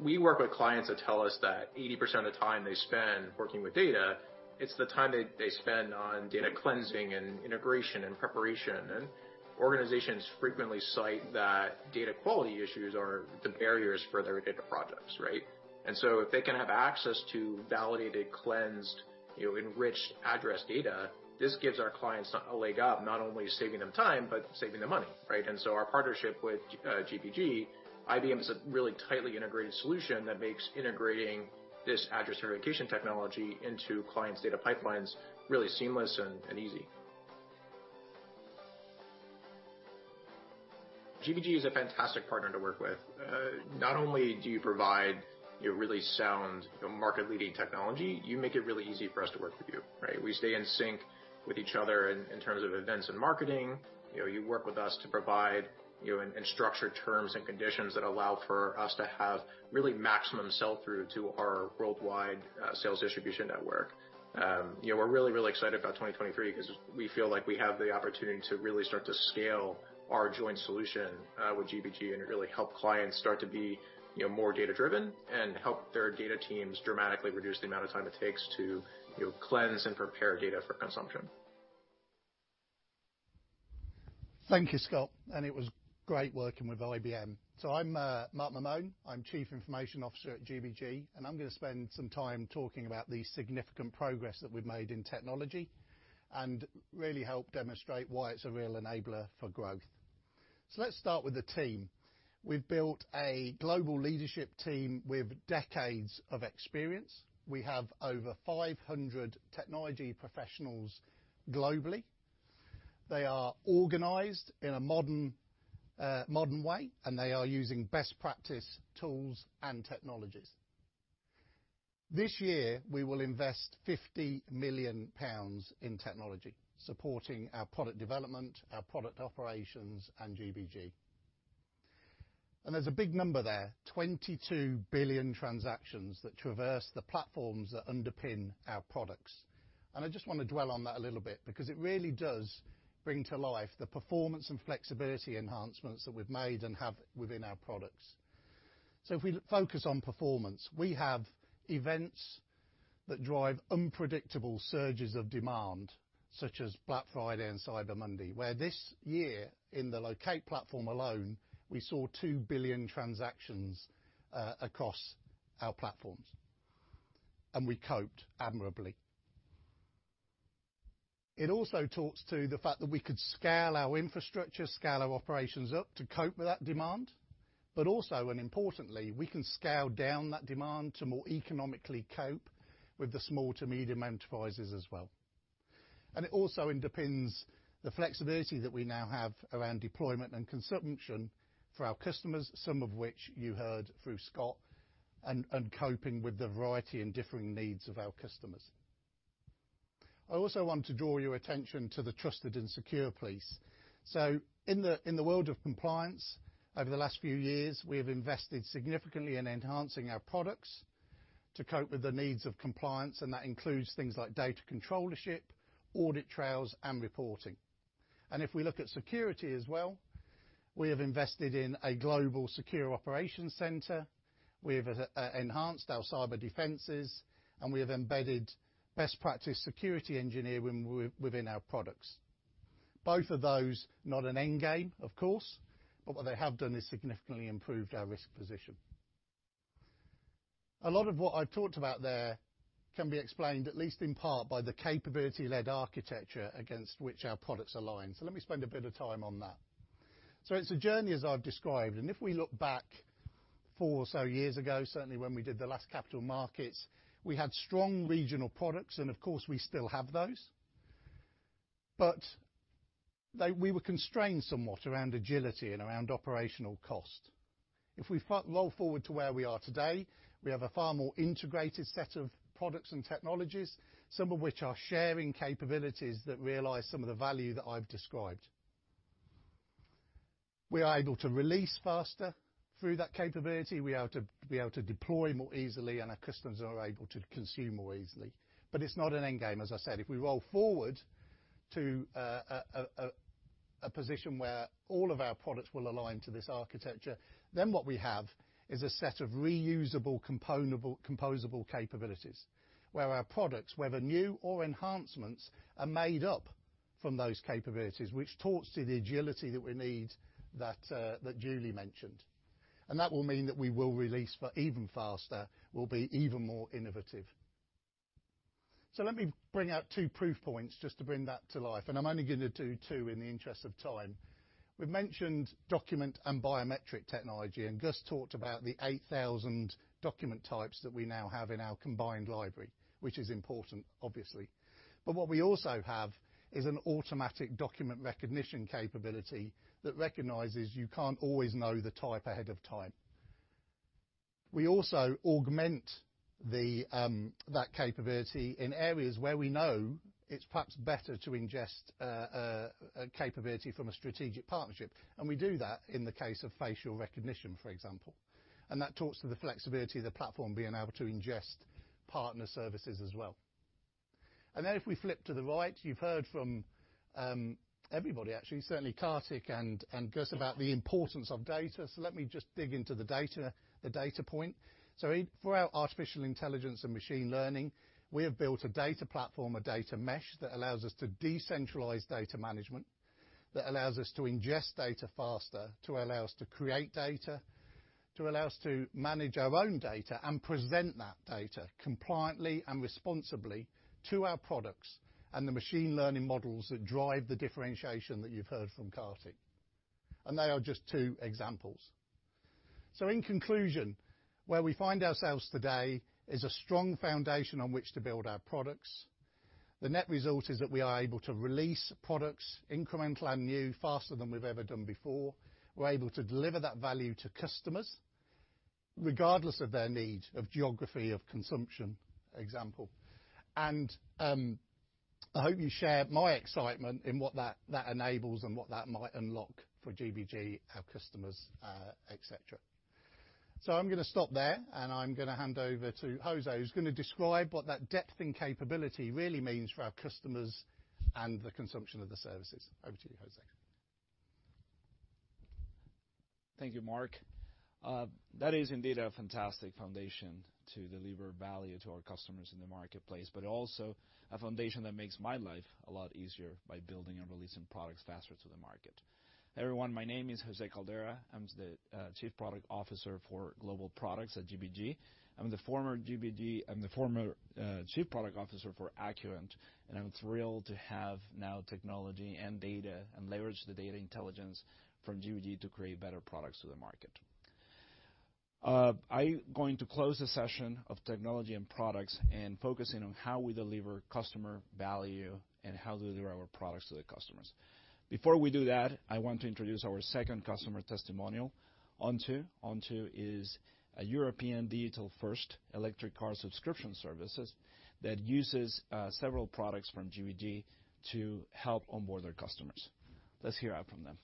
We work with clients that tell us that 80% of the time they spend working with data, it's the time they spend on data cleansing and integration and preparation. Organizations frequently cite that data quality issues are the barriers for their data projects, right? If they can have access to validated, cleansed, you know, enriched address data, this gives our clients a leg up, not only saving them time, but saving them money, right? Our partnership with GBG, IBM is a really tightly integrated solution that makes integrating this address verification technology into clients' data pipelines really seamless and easy. GBG is a fantastic partner to work with. Not only do you provide your really sound market-leading technology, you make it really easy for us to work with you, right? We stay in sync with each other in terms of events and marketing. You know, you work with us to provide, you know, and structured terms and conditions that allow for us to have really maximum sell-through to our worldwide sales distribution network. You know, we're really, really excited about 2023 'cause we feel like we have the opportunity to really start to scale our joint solution with GBG and really help clients start to be, you know, more data-driven and help their data teams dramatically reduce the amount of time it takes to, you know, cleanse and prepare data for consumption. Thank you, Scott. It was great working with IBM. I'm Mark Mamone. I'm Chief Information Officer at GBG, and I'm gonna spend some time talking about the significant progress that we've made in technology and really help demonstrate why it's a real enabler for growth. Let's start with the team. We've built a global leadership team with decades of experience. We have over 500 technology professionals globally. They are organized in a modern way. They are using best practice tools and technologies. This year, we will invest 50 million pounds in technology, supporting our product development, our product operations, and GBG. There's a big number there, $22 billion transactions that traverse the platforms that underpin our products. I just wanna dwell on that a little bit because it really does bring to life the performance and flexibility enhancements that we've made and have within our products. If we focus on performance, we have events that drive unpredictable surges of demand, such as Black Friday and Cyber Monday, where this year, in the Loqate platform alone, we saw $2 billion transactions across our platforms, and we coped admirably. It also talks to the fact that we could scale our infrastructure, scale our operations up to cope with that demand, but also, and importantly, we can scale down that demand to more economically cope with the small to medium enterprises as well. It also underpins the flexibility that we now have around deployment and consumption for our customers, some of which you heard through Scott, and coping with the variety and differing needs of our customers. I also want to draw your attention to the trusted and secure piece. In the, in the world of compliance, over the last few years, we have invested significantly in enhancing our products to cope with the needs of compliance, and that includes things like data controllership, audit trails, and reporting. If we look at security as well, we have invested in a global secure operations center, we have enhanced our cyber defenses, and we have embedded best practice security engineering within our products. Both of those, not an endgame, of course, but what they have done is significantly improved our risk position. A lot of what I talked about there can be explained at least in part by the capability-led architecture against which our products align. Let me spend a bit of time on that. It's a journey as I've described, and if we look back four or so years ago, certainly when we did the last capital markets, we had strong regional products. Of course, we still have those. We were constrained somewhat around agility and around operational cost. If we roll forward to where we are today, we have a far more integrated set of products and technologies, some of which are sharing capabilities that realize some of the value that I've described. We are able to release faster through that capability. We are able to deploy more easily. Our customers are able to consume more easily. It's not an end game, as I said. If we roll forward to a position where all of our products will align to this architecture, then what we have is a set of reusable composable capabilities. Where our products, whether new or enhancements, are made up from those capabilities, which talks to the agility that we need that Julie mentioned. That will mean that we will release even faster. We'll be even more innovative. Let me bring out two proof points just to bring that to life, and I'm only gonna do two in the interest of time. We've mentioned document and biometric technology and just talked about the 8,000 document types that we now have in our combined library, which is important, obviously. What we also have is an automatic document recognition capability that recognizes you can't always know the type ahead of time. We also augment that capability in areas where we know it's perhaps better to ingest a capability from a strategic partnership, and we do that in the case of facial recognition, for example. That talks to the flexibility of the platform being able to ingest partner services as well. If we flip to the right, you've heard from everybody actually, certainly Kartik and Gus about the importance of data. Let me just dig into the data point. For our artificial intelligence and machine learning, we have built a data platform, a data mesh, that allows us to decentralize data management, that allows us to ingest data faster, to allow us to create data, to allow us to manage our own data and present that data compliantly and responsibly to our products and the machine learning models that drive the differentiation that you've heard from Kartik. They are just two examples. In conclusion, where we find ourselves today is a strong foundation on which to build our products. The net result is that we are able to release products incremental and new faster than we've ever done before. We're able to deliver that value to customers regardless of their need of geography, of consumption, example. I hope you share my excitement in what that enables and what that might unlock for GBG, our customers, etc.. I'm gonna stop there, and I'm gonna hand over to José, who's gonna describe what that depth and capability really means for our customers and the consumption of the services. Over to you, José. Thank you, Mark. That is indeed a fantastic foundation to deliver value to our customers in the marketplace, but also a foundation that makes my life a lot easier by building and releasing products faster to the market. Everyone, my name is José Caldera. I'm the Chief Product Officer for Global Products at GBG. I'm the former Chief Product Officer for Acuant, and I'm thrilled to have now technology and data and leverage the data intelligence from GBG to create better products to the market. I going to close the session of technology and products and focusing on how we deliver customer value and how deliver our products to the customers. Before we do that, I want to introduce our second customer testimonial, Onto. Onto is a European digital first electric car subscription services that uses several products from GBG to help onboard their customers. Let's hear out from them.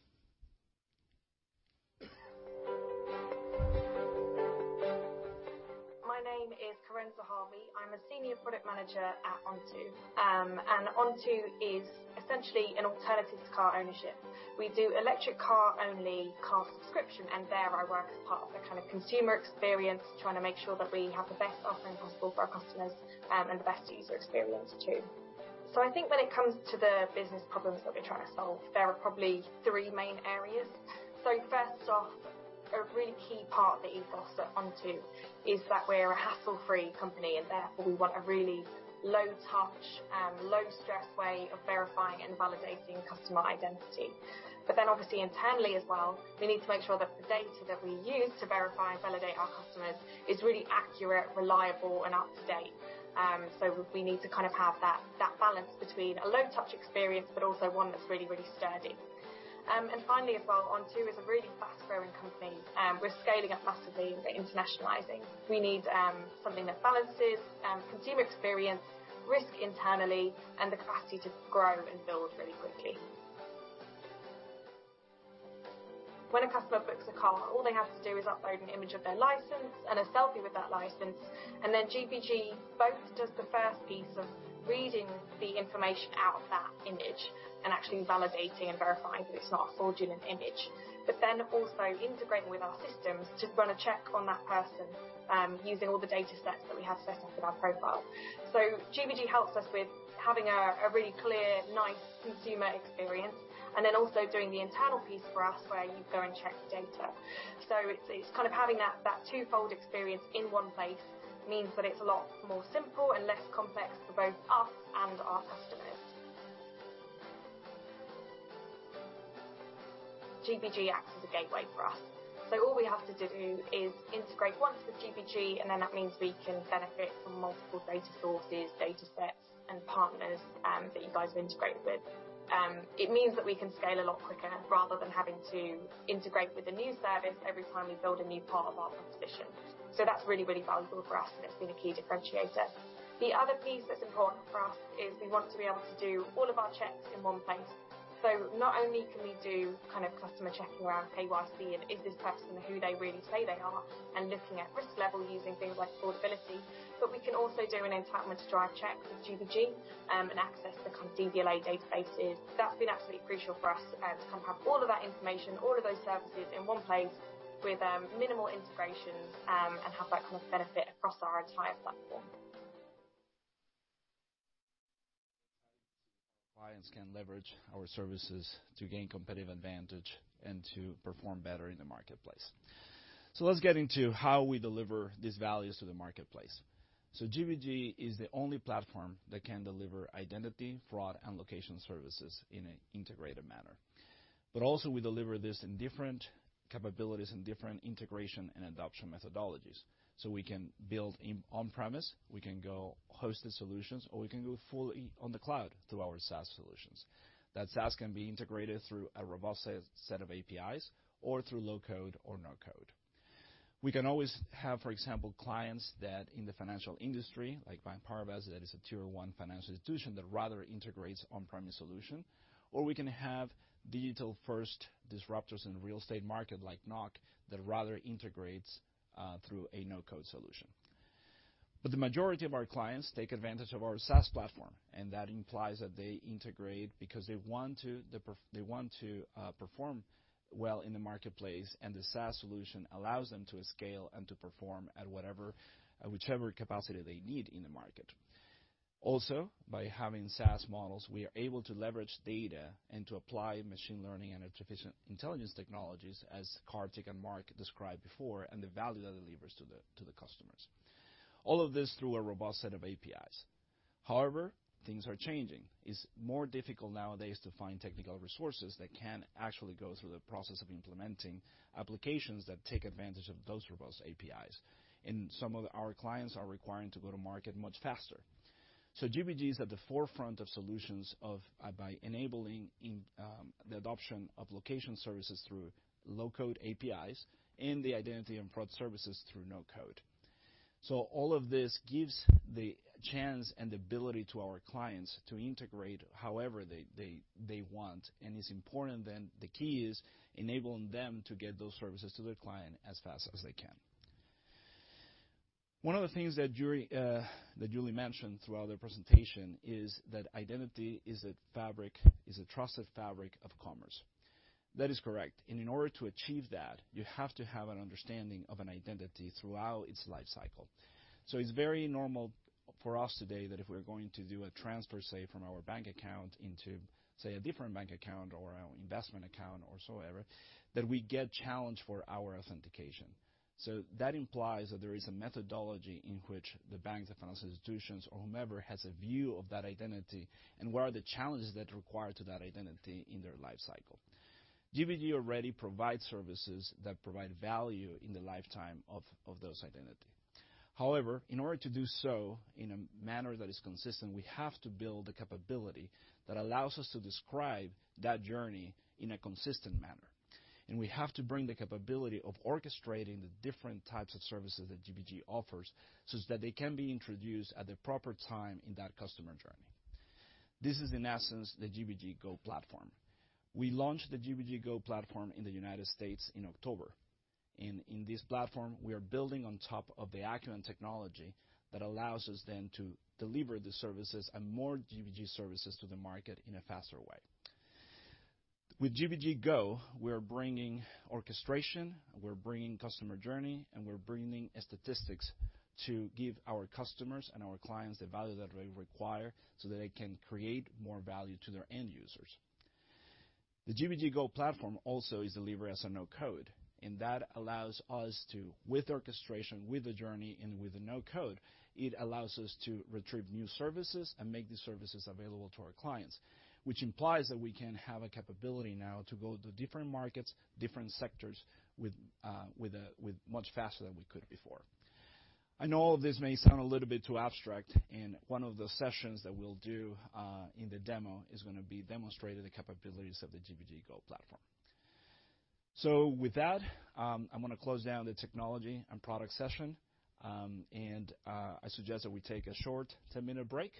My name is Karen Zahavi. I'm a Senior Product Manager at Onto. Onto is essentially an alternative to car ownership. We do electric car only car subscription, and there I work as part of the kinda consumer experience, trying to make sure that we have the best offering possible for our customers, and the best user experience too. I think when it comes to the business problems that we're trying to solve, there are probably three main areas. First off, a really key part that you foster Onto is that we're a hassle-free company, and therefore we want a really low touch and low stress way of verifying and validating customer identity. Obviously internally as well, we need to make sure that the data that we use to verify and validate our customers is really accurate, reliable, and up to date. We need to kind of have that balance between a low touch experience, but also one that's really sturdy. Finally as well, Onto is a really fast-growing company, and we're scaling up massively and we're internationalizing. We need something that balances consumer experience, risk internally, and the capacity to grow and build really quickly. When a customer books a car, all they have to do is upload an image of their license and a selfie with that license, and then GBG both does the first piece of reading the information out of that image and actually validating and verifying that it's not a fraudulent image. Also integrating with our systems to run a check on that person, using all the data sets that we have set up in our profile. GBG helps us with having a really clear, nice consumer experience, and then also doing the internal piece for us where you go and check the data. It's kind of having that twofold experience in one place means that it's a lot more simple and less complex for both us and our customers. GBG acts as a gateway for us. All we have to do is integrate once with GBG, and then that means we can benefit from multiple data sources, data sets and partners that you guys have integrated with. It means that we can scale a lot quicker rather than having to integrate with a new service every time we build a new part of our proposition. That's really valuable for us, and it's been a key differentiator. The other piece that's important for us is we want to be able to do all of our checks in one place. Not only can we do kind of customer checking around KYC and is this person who they really say they are and looking at risk level using things like affordability, but we can also do an entitlement to drive checks with GBG and access the kind of DVLA databases. That's been absolutely crucial for us to kind of have all of that information, all of those services in one place with minimal integrations and have that kind of benefit across our entire platform. Clients can leverage our services to gain competitive advantage and to perform better in the marketplace. Let's get into how we deliver these values to the marketplace. GBG is the only platform that can deliver identity, fraud, and location services in an integrated manner. Also we deliver this in different capabilities and different integration and adoption methodologies. We can build in on-premise, we can go hosted solutions, or we can go fully on the cloud through our SaaS solutions. That SaaS can be integrated through a robust set of APIs or through low-code or no-code. We can always have, for example, clients that in the financial industry, like BNP Paribas, that is a tier one financial institution that rather integrates on-premise solution. We can have digital first disruptors in real estate market like Knock that rather integrates through a no-code solution. The majority of our clients take advantage of our SaaS platform, and that implies that they integrate because they want to perform well in the marketplace, and the SaaS solution allows them to scale and to perform at whatever, whichever capacity they need in the market. By having SaaS models, we are able to leverage data and to apply machine learning and artificial intelligence technologies as Kartik and Mark described before, and the value that delivers to the customers. All of this through a robust set of APIs. Things are changing. It's more difficult nowadays to find technical resources that can actually go through the process of implementing applications that take advantage of those robust APIs. Some of our clients are requiring to go to market much faster. GBG is at the forefront of solutions of by enabling the adoption of location services through low-code APIs and the identity and product services through no-code. All of this gives the chance and ability to our clients to integrate however they want. It's important then the key is enabling them to get those services to their client as fast as they can. One of the things that Julie mentioned throughout their presentation is that identity is a fabric, is a trusted fabric of commerce. That is correct. In order to achieve that, you have to have an understanding of an identity throughout its life cycle. It's very normal for us today that if we're going to do a transfer, say, from our bank account into, say, a different bank account or our investment account or so ever, that we get challenged for our authentication. That implies that there is a methodology in which the banks or financial institutions or whomever, has a view of that identity and what are the challenges that require to that identity in their life cycle. GBG already provides services that provide value in the lifetime of those identity. However, in order to do so in a manner that is consistent, we have to build the capability that allows us to describe that journey in a consistent manner. We have to bring the capability of orchestrating the different types of services that GBG offers, such that they can be introduced at the proper time in that customer journey. This is in essence the GBG Go platform. We launched the GBG Go platform in the United States in October. In this platform, we are building on top of the Acuant technology that allows us then to deliver the services and more GBG services to the market in a faster way. With GBG Go, we're bringing orchestration, we're bringing customer journey, and we're bringing statistics to give our customers and our clients the value that they require so that they can create more value to their end users. The GBG Go platform also is delivered as a no-code, and that allows us to, with orchestration, with the journey, and with the no-code, it allows us to retrieve new services and make these services available to our clients. Which implies that we can have a capability now to go to different markets, different sectors with much faster than we could before. I know all this may sound a little bit too abstract. One of the sessions that we'll do in the demo is gonna be demonstrating the capabilities of the GBG Go platform. With that, I'm gonna close down the technology and product session. I suggest that we take a short 10-minute break,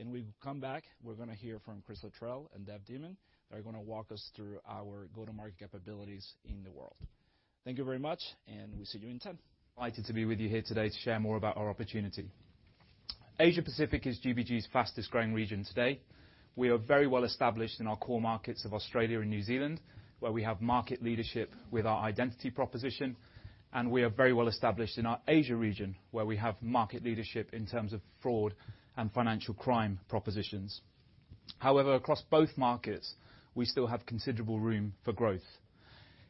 and we come back, we're gonna hear from Chris Luttrell and Dev Dhiman, that are gonna walk us through our go-to-market capabilities in the world. Thank you very much, and we see you in 10. Delighted to be with you here today to share more about our opportunity. Asia Pacific is GBG's fastest-growing region today. We are very well established in our core markets of Australia and New Zealand, where we have market leadership with our identity proposition, and we are very well established in our Asia region, where we have market leadership in terms of fraud and financial crime propositions. However, across both markets, we still have considerable room for growth.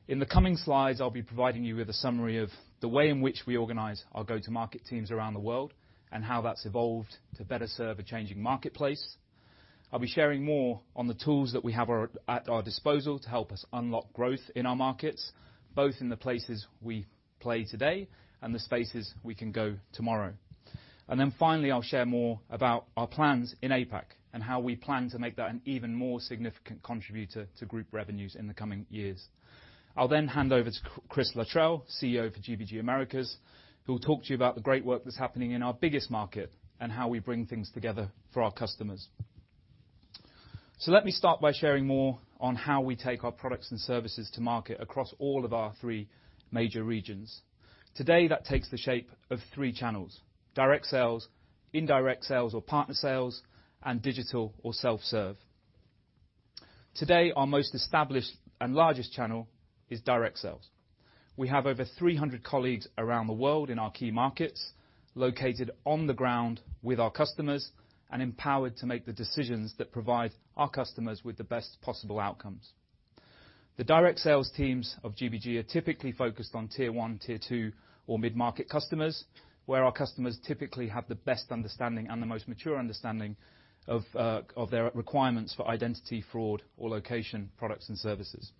In the coming slides, I'll be providing you with a summary of the way in which we organize our go-to-market teams around the world, and how that's evolved to better serve a changing marketplace. I'll be sharing more on the tools that we have at our disposal to help us unlock growth in our markets, both in the places we play today and the spaces we can go tomorrow. Finally, I'll share more about our plans in APAC and how we plan to make that an even more significant contributor to group revenues in the coming years. I'll then hand over to Chris Luttrell, CEO for GBG Americas, who will talk to you about the great work that's happening in our biggest market and how we bring things together for our customers. Let me start by sharing more on how we take our products and services to market across all of our three major regions. Today, that takes the shape of three channels: direct sales, indirect sales or partner sales, and digital or self-serve. Today, our most established and largest channel is direct sales. We have over 300 colleagues around the world in our key markets, located on the ground with our customers and empowered to make the decisions that provide our customers with the best possible outcomes. The direct sales teams of GBG are typically focused on tier one, tier two, or mid-market customers, where our customers typically have the best understanding and the most mature understanding of their requirements for identity fraud or location products and services.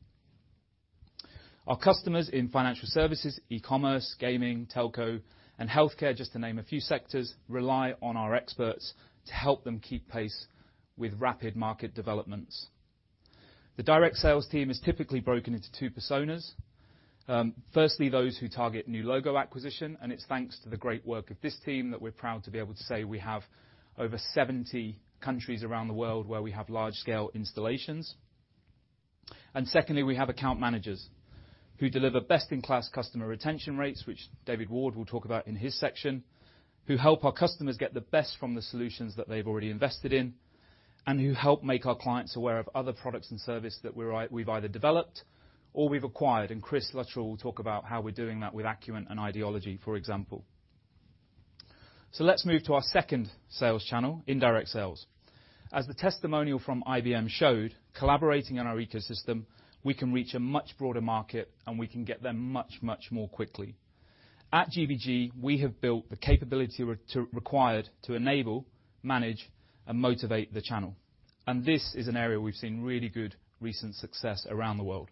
Our customers in financial services, E-commerce, gaming, telco, and healthcare, just to name a few sectors, rely on our experts to help them keep pace with rapid market developments. The direct sales team is typically broken into two personas. Firstly, those who target new logo acquisition, it's thanks to the great work of this team that we're proud to be able to say we have over 70 countries around the world where we have large-scale installations. Secondly, we have account managers who deliver best-in-class customer retention rates, which David Ward will talk about in his section, who help our customers get the best from the solutions that they've already invested in, and who help make our clients aware of other products and service that we've either developed or we've acquired, and Chris Luttrell will talk about how we're doing that with Acuant and IDology, for example. Let's move to our second sales channel, indirect sales. As the testimonial from IBM showed, collaborating on our ecosystem, we can reach a much broader market, and we can get there much, much more quickly. At GBG, we have built the capability required to enable, manage, and motivate the channel. This is an area we've seen really good recent success around the world.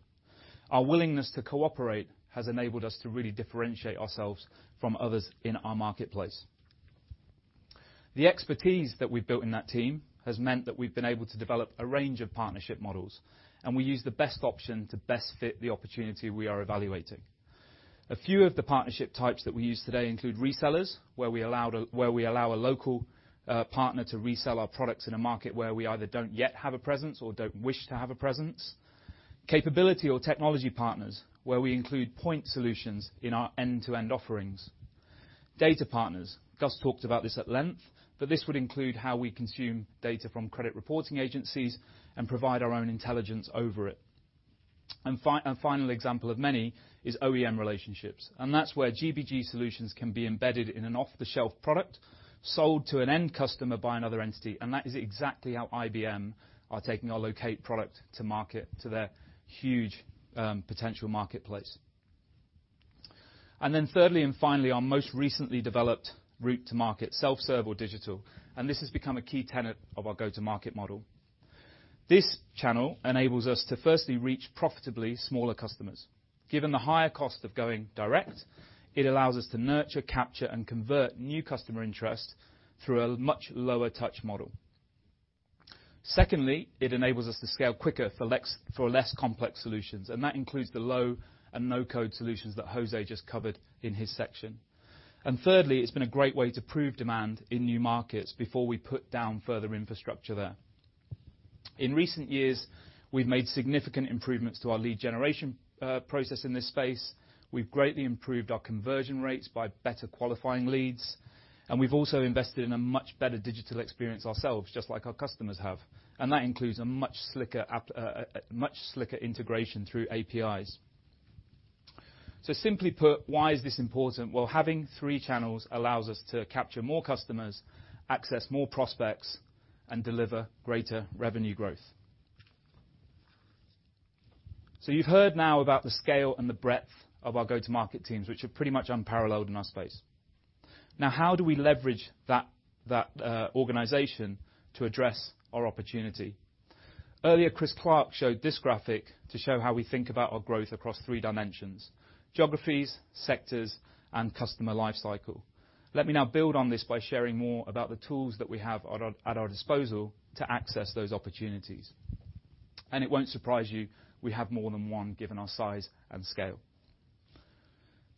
Our willingness to cooperate has enabled us to really differentiate ourselves from others in our marketplace. The expertise that we've built in that team has meant that we've been able to develop a range of partnership models, and we use the best option to best fit the opportunity we are evaluating. A few of the partnership types that we use today include resellers, where we allow a local partner to resell our products in a market where we either don't yet have a presence or don't wish to have a presence. Capability or technology partners, where we include point solutions in our end-to-end offerings. Data partners. Gus talked about this at length. This would include how we consume data from credit reporting agencies and provide our own intelligence over it. Final example of many is OEM relationships, and that's where GBG solutions can be embedded in an off-the-shelf product, sold to an end customer by another entity, and that is exactly how IBM are taking our Loqate product to market to their huge potential marketplace. Thirdly and finally, our most recently developed route to market, self-serve or digital. This has become a key tenet of our go-to-market model. This channel enables us to firstly reach profitably smaller customers. Given the higher cost of going direct, it allows us to nurture, capture, and convert new customer interest through a much lower touch model. Secondly, it enables us to scale quicker for less complex solutions, and that includes the low and no-code solutions that José just covered in his section. Thirdly, it's been a great way to prove demand in new markets before we put down further infrastructure there. In recent years, we've made significant improvements to our lead generation process in this space. We've greatly improved our conversion rates by better qualifying leads. We've also invested in a much better digital experience ourselves, just like our customers have. That includes a much slicker integration through APIs. Simply put, why is this important? Well, having three channels allows us to capture more customers, access more prospects, and deliver greater revenue growth. You've heard now about the scale and the breadth of our go-to-market teams, which are pretty much unparalleled in our space. How do we leverage that organization to address our opportunity? Earlier, Chris Clark showed this graphic to show how we think about our growth across three dimensions, geographies, sectors, and customer life cycle. Let me now build on this by sharing more about the tools that we have at our disposal to access those opportunities. It won't surprise you we have more than one given our size and scale.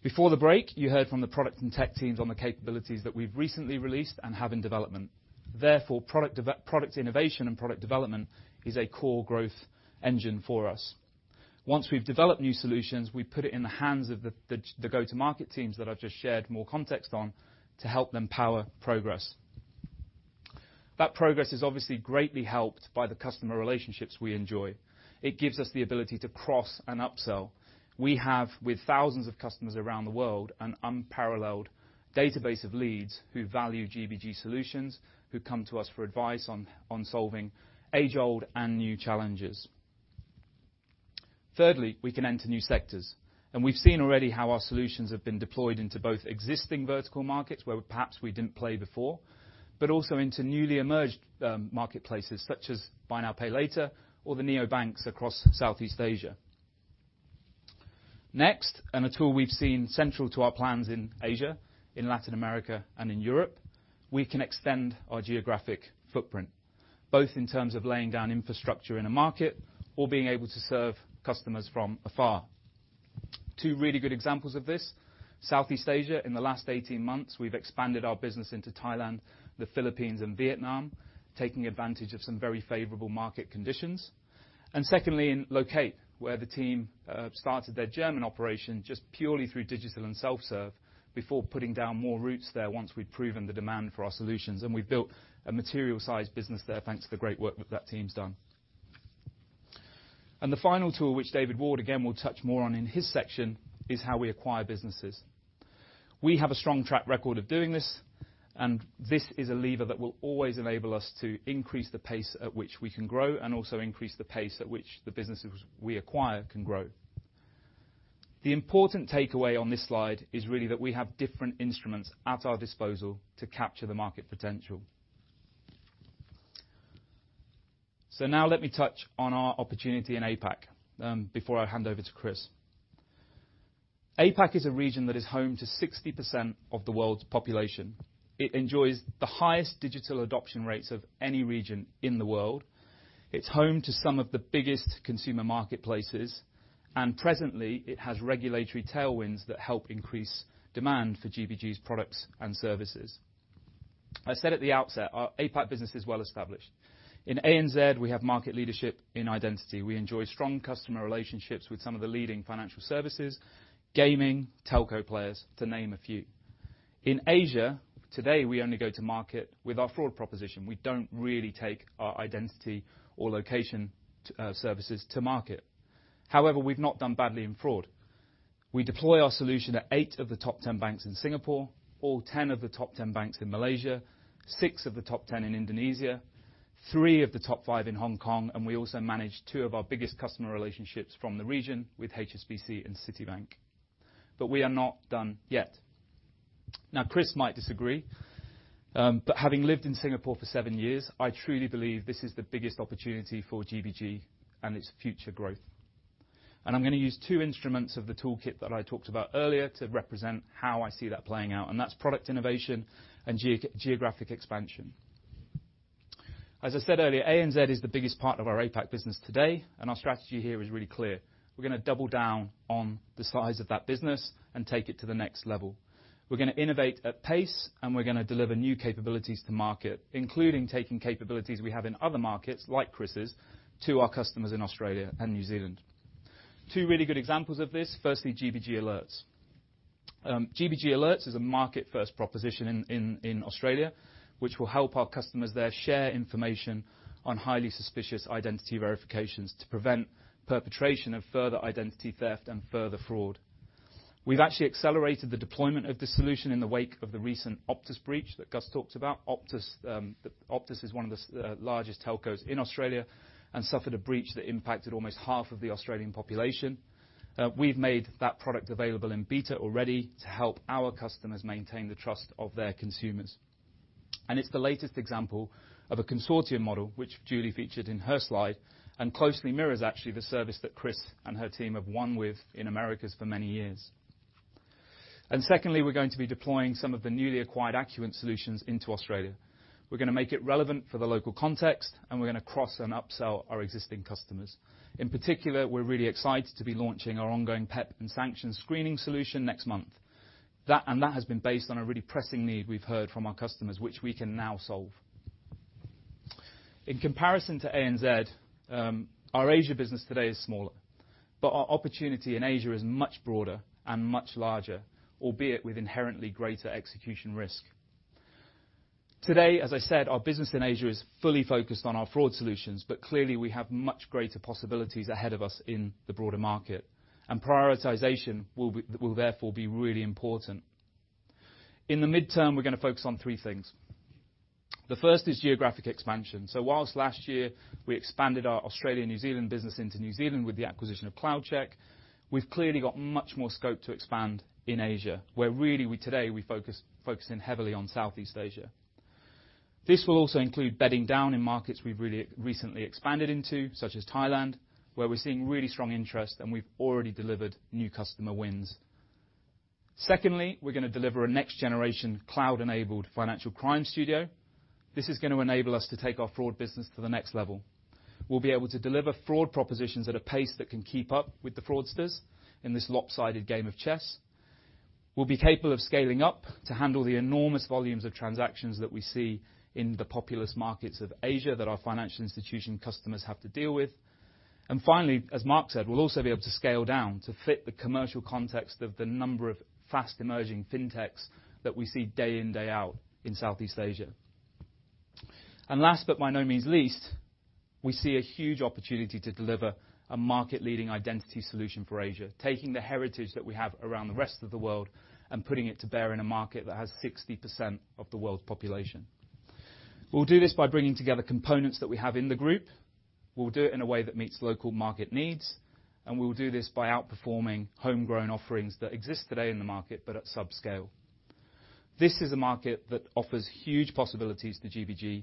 Before the break, you heard from the product and tech teams on the capabilities that we've recently released and have in development. Therefore, product innovation and product development is a core growth engine for us. Once we've developed new solutions, we put it in the hands of the go-to-market teams that I've just shared more context on to help them power progress. That progress is obviously greatly helped by the customer relationships we enjoy. It gives us the ability to cross and upsell. We have with thousands of customers around the world, an unparalleled database of leads who value GBG solutions, who come to us for advice on solving age-old and new challenges. Thirdly, we can enter new sectors. We've seen already how our solutions have been deployed into both existing vertical markets, where perhaps we didn't play before, but also into newly emerged marketplaces such as Buy Now, Pay Later, or the neobanks across Southeast Asia. Next, a tool we've seen central to our plans in Asia, in Latin America, and in Europe, we can extend our geographic footprint, both in terms of laying down infrastructure in a market or being able to serve customers from afar. Two really good examples of this, Southeast Asia, in the last 18 months, we've expanded our business into Thailand, the Philippines, and Vietnam, taking advantage of some very favorable market conditions. Secondly, in Loqate, where the team started their German operation just purely through digital and self-serve before putting down more roots there once we'd proven the demand for our solutions. We've built a material-sized business there thanks to the great work that team's done. The final tool, which David Ward again will touch more on in his section, is how we acquire businesses. We have a strong track record of doing this, and this is a lever that will always enable us to increase the pace at which we can grow and also increase the pace at which the businesses we acquire can grow. The important takeaway on this slide is really that we have different instruments at our disposal to capture the market potential. Now let me touch on our opportunity in APAC before I hand over to Chris. APAC is a region that is home to 60% of the world's population. It enjoys the highest digital adoption rates of any region in the world. It's home to some of the biggest consumer marketplaces. Presently, it has regulatory tailwinds that help increase demand for GBG's products and services. I said at the outset, our APAC business is well established. In ANZ, we have market leadership in identity. We enjoy strong customer relationships with some of the leading financial services, gaming, telco players, to name a few. In Asia, today, we only go to market with our fraud proposition. We don't really take our identity or location services to market. However, we've not done badly in fraud. We deploy our solution at 8 of the top 10 banks in Singapore, all 10 of the top 10 banks in Malaysia, 6 of the top 10 in Indonesia, 3 of the top 5 in Hong Kong, and we also manage two of our biggest customer relationships from the region with HSBC and Citibank. We are not done yet. Now, Chris might disagree, but having lived in Singapore for seven years, I truly believe this is the biggest opportunity for GBG and its future growth. I'm gonna use two instruments of the toolkit that I talked about earlier to represent how I see that playing out, and that's product innovation and geo-geographic expansion. I said earlier, ANZ is the biggest part of our APAC business today, and our strategy here is really clear. We're gonna double down on the size of that business and take it to the next level. We're gonna innovate at pace, and we're gonna deliver new capabilities to market, including taking capabilities we have in other markets, like Chris's, to our customers in Australia and New Zealand. Two really good examples of this, firstly, GBG Alerts. GBG Alerts is a market-first proposition in Australia, which will help our customers there share information on highly suspicious identity verifications to prevent perpetration of further identity theft and further fraud. We've actually accelerated the deployment of this solution in the wake of the recent Optus breach that Gus talked about. Optus is one of the largest telcos in Australia and suffered a breach that impacted almost half of the Australian population. We've made that product available in beta already to help our customers maintain the trust of their consumers. It's the latest example of a consortium model, which Julie featured in her slide, and closely mirrors actually the service that Chris and her team have won with in Americas for many years. Secondly, we're going to be deploying some of the newly acquired Acuant solutions into Australia. We're gonna make it relevant for the local context, and we're gonna cross and upsell our existing customers. In particular, we're really excited to be launching our ongoing PEP & Sanctions screening solution next month. That has been based on a really pressing need we've heard from our customers, which we can now solve. In comparison to ANZ, our Asia business today is smaller, but our opportunity in Asia is much broader and much larger, albeit with inherently greater execution risk. Today, as I said, our business in Asia is fully focused on our fraud solutions, but clearly, we have much greater possibilities ahead of us in the broader market, and prioritization will therefore be really important. In the midterm, we're gonna focus on three things. The first is geographic expansion. Whilst last year we expanded our Australia/New Zealand business into New Zealand with the acquisition of CloudCheck, we've clearly got much more scope to expand in Asia, where really today, we focusing heavily on Southeast Asia. This will also include bedding down in markets we've recently expanded into, such as Thailand, where we're seeing really strong interest, and we've already delivered new customer wins. Secondly, we're going to deliver a next-generation cloud-enabled Financial Crime Studio. This is going to enable us to take our fraud business to the next level. We'll be able to deliver fraud propositions at a pace that can keep up with the fraudsters in this lopsided game of chess. We'll be capable of scaling up to handle the enormous volumes of transactions that we see in the populous markets of Asia that our financial institution customers have to deal with. Finally, as Mark said, we'll also be able to scale down to fit the commercial context of the number of fast-emerging fintechs that we see day in, day out in Southeast Asia. Last but by no means least, we see a huge opportunity to deliver a market-leading identity solution for Asia, taking the heritage that we have around the rest of the world and putting it to bear in a market that has 60% of the world's population. We'll do this by bringing together components that we have in the group. We'll do it in a way that meets local market needs, and we will do this by outperforming homegrown offerings that exist today in the market, but at sub-scale. This is a market that offers huge possibilities to GBG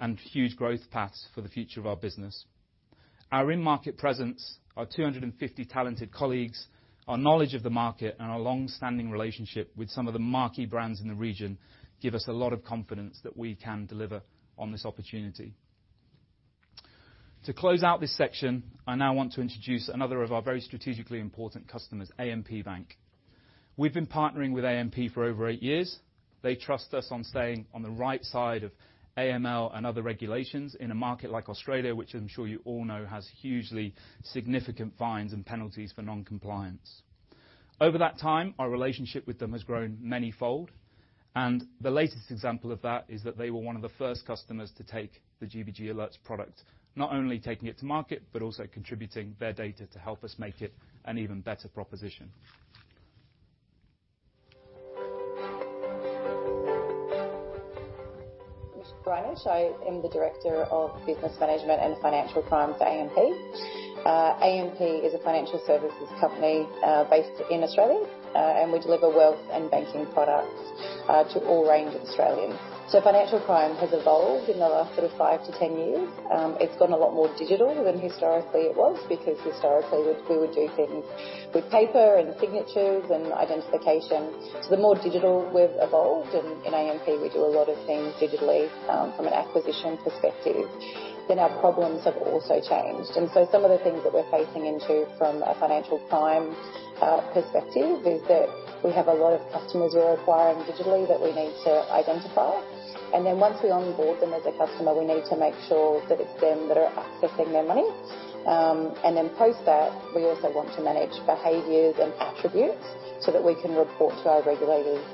and huge growth paths for the future of our business. Our in-market presence, our 250 talented colleagues, our knowledge of the market, and our long-standing relationship with some of the marquee brands in the region give us a lot of confidence that we can deliver on this opportunity. To close out this section, I now want to introduce another of our very strategically important customers, AMP Bank. We've been partnering with AMP for over eight years. They trust us on staying on the right side of AML and other regulations in a market like Australia, which I'm sure you all know has hugely significant fines and penalties for non-compliance. Over that time, our relationship with them has grown many-fold, and the latest example of that is that they were one of the first customers to take the GBG Alerts product, not only taking it to market, but also contributing their data to help us make it an even better proposition. Bryony. I am the Director of Business Management and Financial Crime for AMP. AMP is a financial services company, based in Australia, and we deliver wealth and banking products, to all range of Australians. Financial crime has evolved in the last sort of 5-10 years. It's gotten a lot more digital than historically it was because historically we would do things with paper and signatures and identification. The more digital we've evolved, and in AMP we do a lot of things digitally, from an acquisition perspective, then our problems have also changed. Some of the things that we're facing into from a financial crime perspective is that we have a lot of customers who are acquiring digitally that we need to identify. Once we onboard them as a customer, we need to make sure that it's them that are accessing their money. Post that, we also want to manage behaviors and attributes so that we can report to our regulators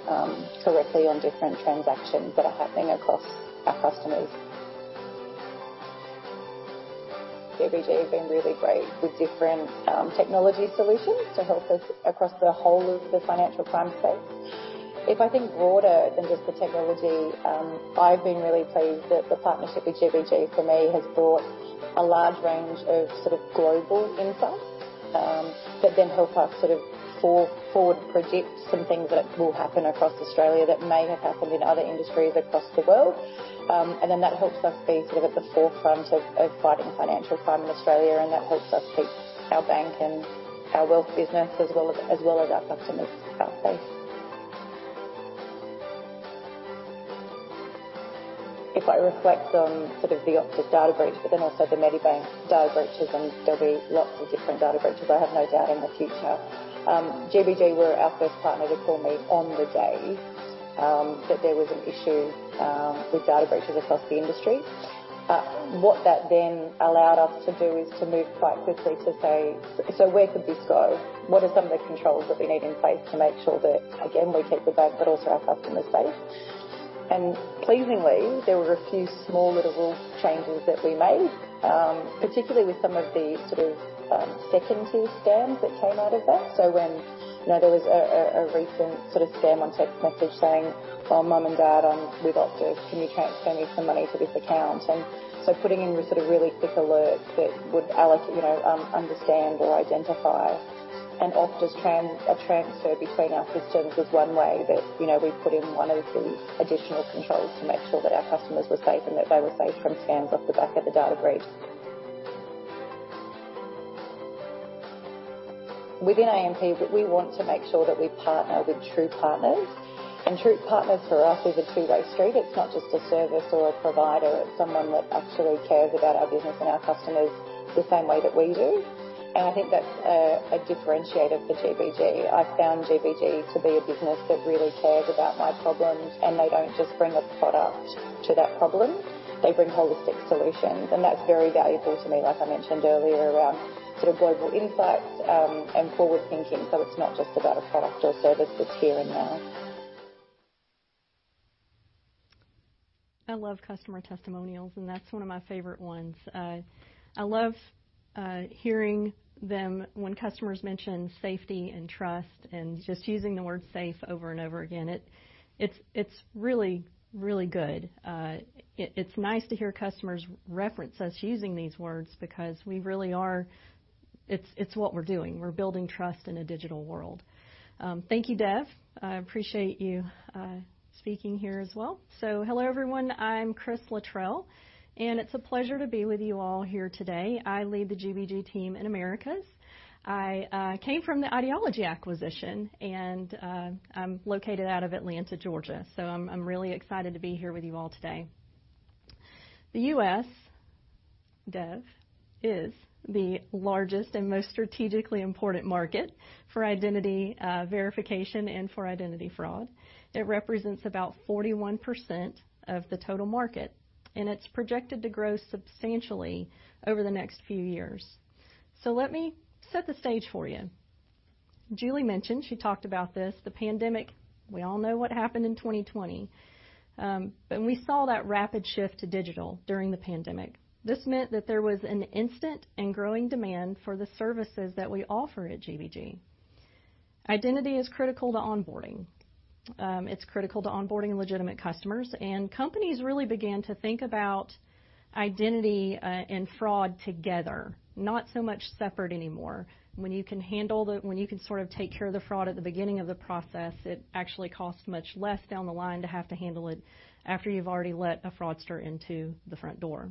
correctly on different transactions that are happening across our customers. GBG has been really great with different technology solutions to help us across the whole of the financial crime space. If I think broader than just the technology, I've been really pleased that the partnership with GBG for me has brought a large range of sort of global insights that then help us sort of forward project some things that will happen across Australia that may have happened in other industries across the world. That helps us be sort of at the forefront of fighting financial crime in Australia, and that helps us keep our bank and our wealth business as well as our customers safe. If I reflect on sort of the Optus data breach, but then also the Medibank data breaches, and there'll be lots of different data breaches, I have no doubt, in the future. GBG were our first partner to call me on the day that there was an issue with data breaches across the industry. What that then allowed us to do is to move quite quickly to say, "So where could this go? What are some of the controls that we need in place to make sure that, again, we keep the bank but also our customers safe?" Pleasingly, there were a few small little changes that we made, particularly with some of the sort of, second-tier scams that came out of that. When, you know, there was a, a recent sort of scam on text message saying, "Oh, Mum and Dad, I'm with Optus. Can you send me some money to this account?" Putting in sort of really quick alerts that would alert, you know, understand or identify an Optus a transfer between our systems was one way that, you know, we put in one of the additional controls to make sure that our customers were safe and that they were safe from scams off the back of the data breach. Within AMP, we want to make sure that we partner with true partners. True partners for us is a two-way street. It's not just a service or a provider. It's someone that actually cares about our business and our customers the same way that we do. I think that's a differentiator for GBG. I found GBG to be a business that really cares about my problems, and they don't just bring a product to that problem. They bring holistic solutions, and that's very valuable to me, like I mentioned earlier, around sort of global insights, and forward-thinking. It's not just about a product or service that's here and now. I love customer testimonials. That's one of my favorite ones. I love hearing them when customers mention safety and trust and just using the word safe over and over again. It's really, really good. It's nice to hear customers reference us using these words because we really are... It's what we're doing. We're building trust in a digital world. Thank you, Dev. I appreciate you speaking here as well. Hello, everyone. I'm Chris Luttrell, and it's a pleasure to be with you all here today. I lead the GBG team in Americas. I came from the IDology acquisition, and I'm located out of Atlanta, Georgia. I'm really excited to be here with you all today. The U.S., Dev, is the largest and most strategically important market for identity verification and for identity fraud. It represents about 41% of the total market, and it's projected to grow substantially over the next few years. Let me set the stage for you. Julie mentioned, she talked about this, the pandemic. We all know what happened in 2020. We saw that rapid shift to digital during the pandemic. This meant that there was an instant and growing demand for the services that we offer at GBG. Identity is critical to onboarding. It's critical to onboarding legitimate customers. Companies really began to think about identity and fraud together, not so much separate anymore. When you can sort of take care of the fraud at the beginning of the process, it actually costs much less down the line to have to handle it after you've already let a fraudster into the front door.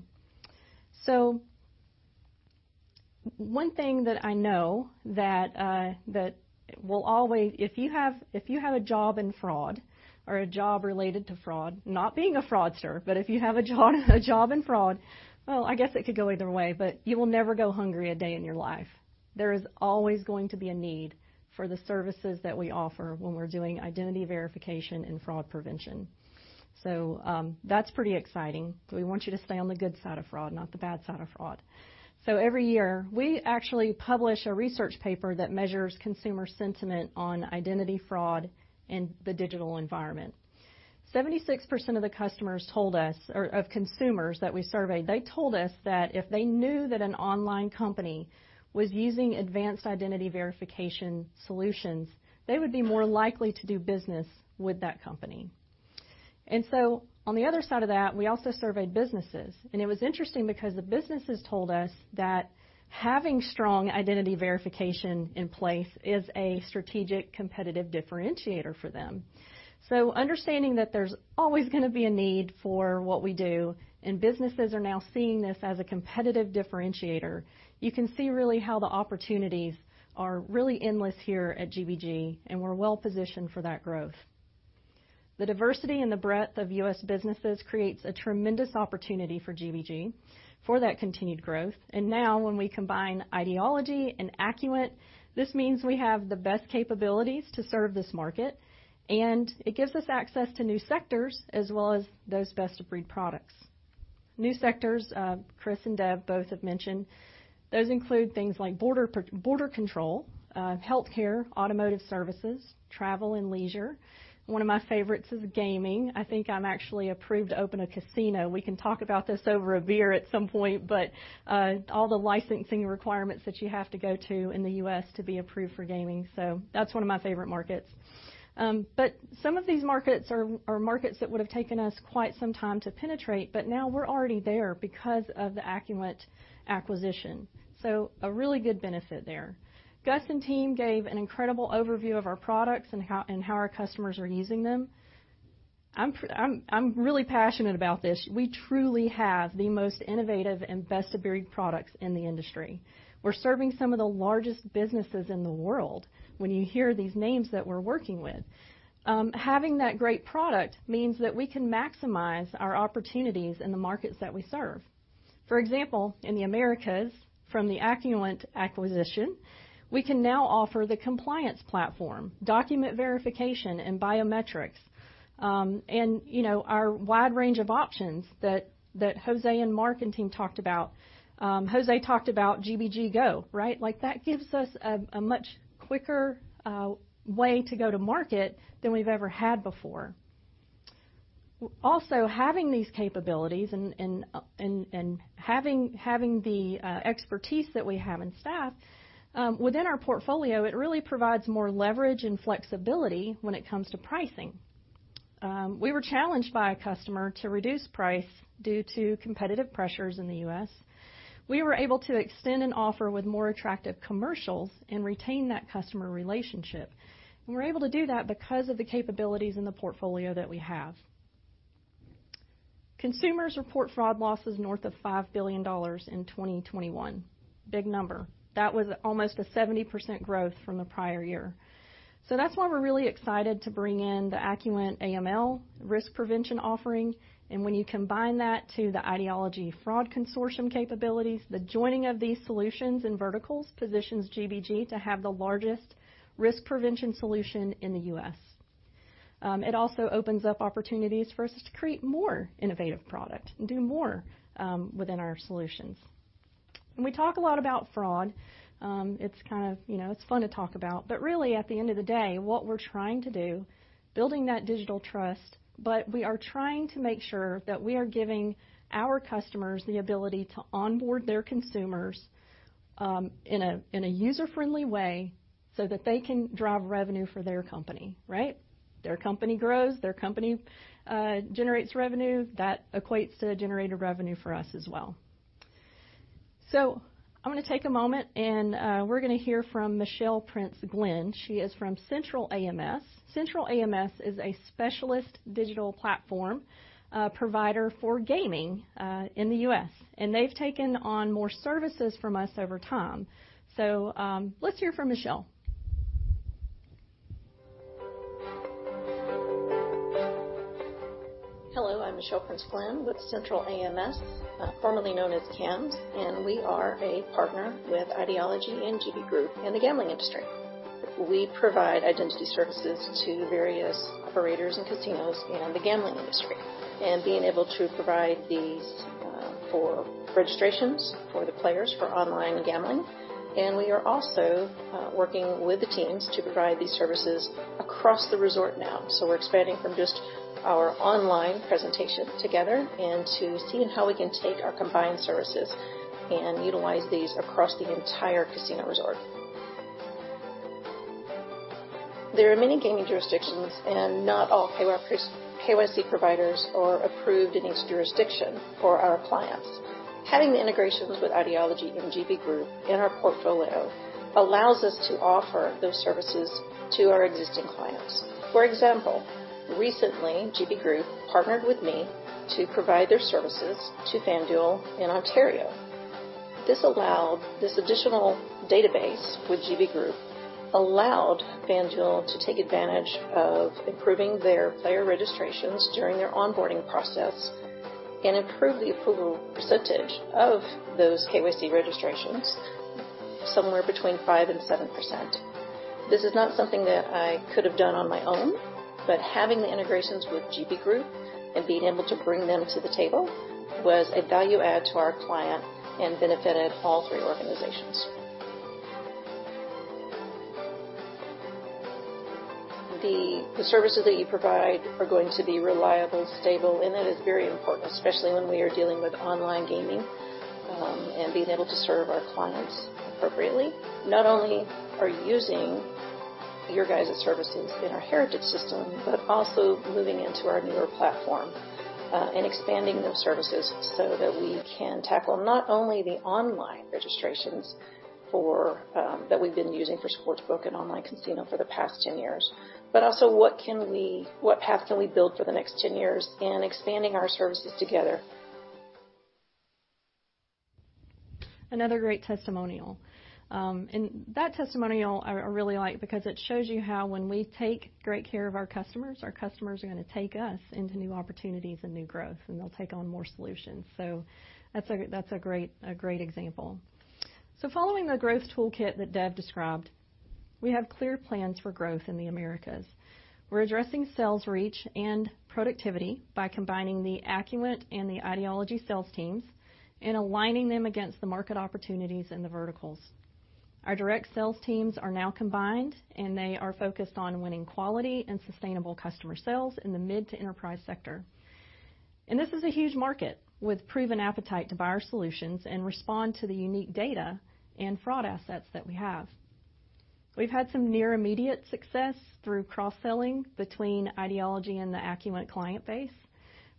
One thing that I know that will always... If you have a job in fraud or a job related to fraud, not being a fraudster, but if you have a job in fraud, well, I guess it could go either way, but you will never go hungry a day in your life. There is always going to be a need for the services that we offer when we're doing identity verification and fraud prevention. That's pretty exciting. We want you to stay on the good side of fraud, not the bad side of fraud. Every year, we actually publish a research paper that measures consumer sentiment on identity fraud in the digital environment. 76% of the customers told us, or of consumers that we surveyed, they told us that if they knew that an online company was using advanced identity verification solutions, they would be more likely to do business with that company. On the other side of that, we also surveyed businesses. It was interesting because the businesses told us that having strong identity verification in place is a strategic competitive differentiator for them. Understanding that there's always gonna be a need for what we do, and businesses are now seeing this as a competitive differentiator, you can see really how the opportunities are really endless here at GBG, and we're well-positioned for that growth. The diversity and the breadth of U.S. businesses creates a tremendous opportunity for GBG for that continued growth. Now when we combine IDology and Acuant, this means we have the best capabilities to serve this market, and it gives us access to new sectors as well as those best-of-breed products. New sectors, Chris and Dev both have mentioned. Those include things like border control, healthcare, automotive services, travel and leisure. One of my favorites is gaming. I think I'm actually approved to open a casino. We can talk about this over a beer at some point, all the licensing requirements that you have to go to in the U.S. to be approved for gaming. That's one of my favorite markets. Some of these markets are markets that would have taken us quite some time to penetrate, but now we're already there because of the Acuant acquisition. A really good benefit there. Gus and team gave an incredible overview of our products and how our customers are using them. I'm really passionate about this. We truly have the most innovative and best-of-breed products in the industry. We're serving some of the largest businesses in the world when you hear these names that we're working with. Having that great product means that we can maximize our opportunities in the markets that we serve. For example, in the Americas, from the Acuant acquisition, we can now offer the compliance platform, document verification and biometrics. You know, our wide range of options that José and Mark and team talked about. José talked about GBG Go, right? Like, that gives us a much quicker way to go to market than we've ever had before. Also, having these capabilities and having the expertise that we have in staff within our portfolio, it really provides more leverage and flexibility when it comes to pricing. We were challenged by a customer to reduce price due to competitive pressures in the U.S.. We were able to extend an offer with more attractive commercials and retain that customer relationship. We're able to do that because of the capabilities in the portfolio that we have. Consumers report fraud losses north of $5 billion in 2021. Big number. That was almost a 70% growth from the prior year. That's why we're really excited to bring in the Acuant AML risk prevention offering. When you combine that to the IDology fraud consortium capabilities, the joining of these solutions and verticals positions GBG to have the largest risk prevention solution in the U.S.. It also opens up opportunities for us to create more innovative product and do more within our solutions. When we talk a lot about fraud, it's kind of you know, it's fun to talk about. Really at the end of the day, what we're trying to do, building that digital trust, but we are trying to make sure that we are giving our customers the ability to onboard their consumers in a, in a user-friendly way so that they can drive revenue for their company, right? Their company grows, their company generates revenue. That equates to generated revenue for us as well. I'm gonna take a moment and we're gonna hear from Michelle Prince-Glynn. She is from CentralAMS. CentralAMS is a specialist digital platform provider for gaming in the U.S. They've taken on more services from us over time. Let's hear from Michelle. Hello, I'm Michelle Prince-Glynn with CentralAMS, formerly known as CAMS, and we are a partner with IDology and GB Group in the gambling industry. We provide identity services to various operators and casinos in the gambling industry, and being able to provide these for registrations for the players for online gambling. We are also working with the teams to provide these services across the resort now. We're expanding from just our online presentation together and to seeing how we can take our combined services and utilize these across the entire casino resort. There are many gaming jurisdictions and not all KYC providers are approved in each jurisdiction for our clients. Having the integrations with IDology and GB Group in our portfolio allows us to offer those services to our existing clients. For example, recently, GB Group partnered with me to provide their services to FanDuel in Ontario. This additional database with GB Group allowed FanDuel to take advantage of improving their player registrations during their onboarding process and improve the approval percentage of those KYC registrations somewhere between 5% - 7%. This is not something that I could have done on my own, but having the integrations with GB Group and being able to bring them to the table was a value add to our client and benefited all three organizations. The services that you provide are going to be reliable, stable, and it is very important, especially when we are dealing with online gaming. Being able to serve our clients appropriately. Not only are you using your guys' services in our heritage system, but also moving into our newer platform, and expanding those services so that we can tackle not only the online registrations for, that we've been using for sportsbook and online casino for the past 10 years, but also what path can we build for the next 10 years in expanding our services together? Another great testimonial. That testimonial I really like because it shows you how when we take great care of our customers, our customers are gonna take us into new opportunities and new growth, and they'll take on more solutions. That's a, that's a great, a great example. Following the growth toolkit that Dev described, we have clear plans for growth in the Americas. We're addressing sales reach and productivity by combining the Acuant and the IDology sales teams and aligning them against the market opportunities in the verticals. Our direct sales teams are now combined, and they are focused on winning quality and sustainable customer sales in the mid to enterprise sector. This is a huge market with proven appetite to buy our solutions and respond to the unique data and fraud assets that we have. We've had some near immediate success through cross-selling between IDology and the Acuant client base.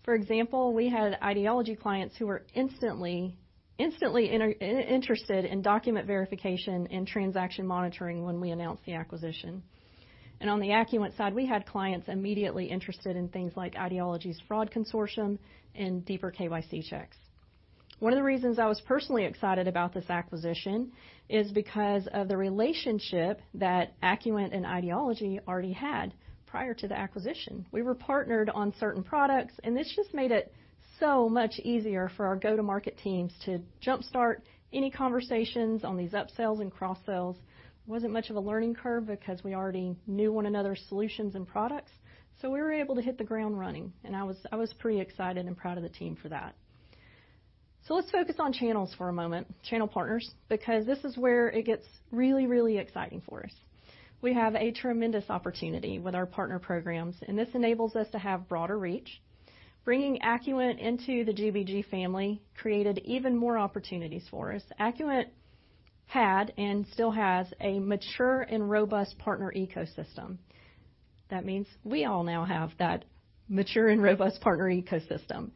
For example, we had IDology clients who were instantly interested in document verification and transaction monitoring when we announced the acquisition. On the Acuant side, we had clients immediately interested in things like IDology's fraud consortium and deeper KYC checks. One of the reasons I was personally excited about this acquisition is because of the relationship that Acuant and IDology already had prior to the acquisition. We were partnered on certain products, and this just made it so much easier for our go-to-market teams to jump-start any conversations on these up-sells and cross-sells. Wasn't much of a learning curve because we already knew one another's solutions and products, so we were able to hit the ground running, and I was pretty excited and proud of the team for that. Let's focus on channels for a moment, channel partners, because this is where it gets really, really exciting for us. We have a tremendous opportunity with our partner programs, this enables us to have broader reach. Bringing Acuant into the GBG family created even more opportunities for us. Acuant had and still has a mature and robust partner ecosystem. That means we all now have that mature and robust partner ecosystem.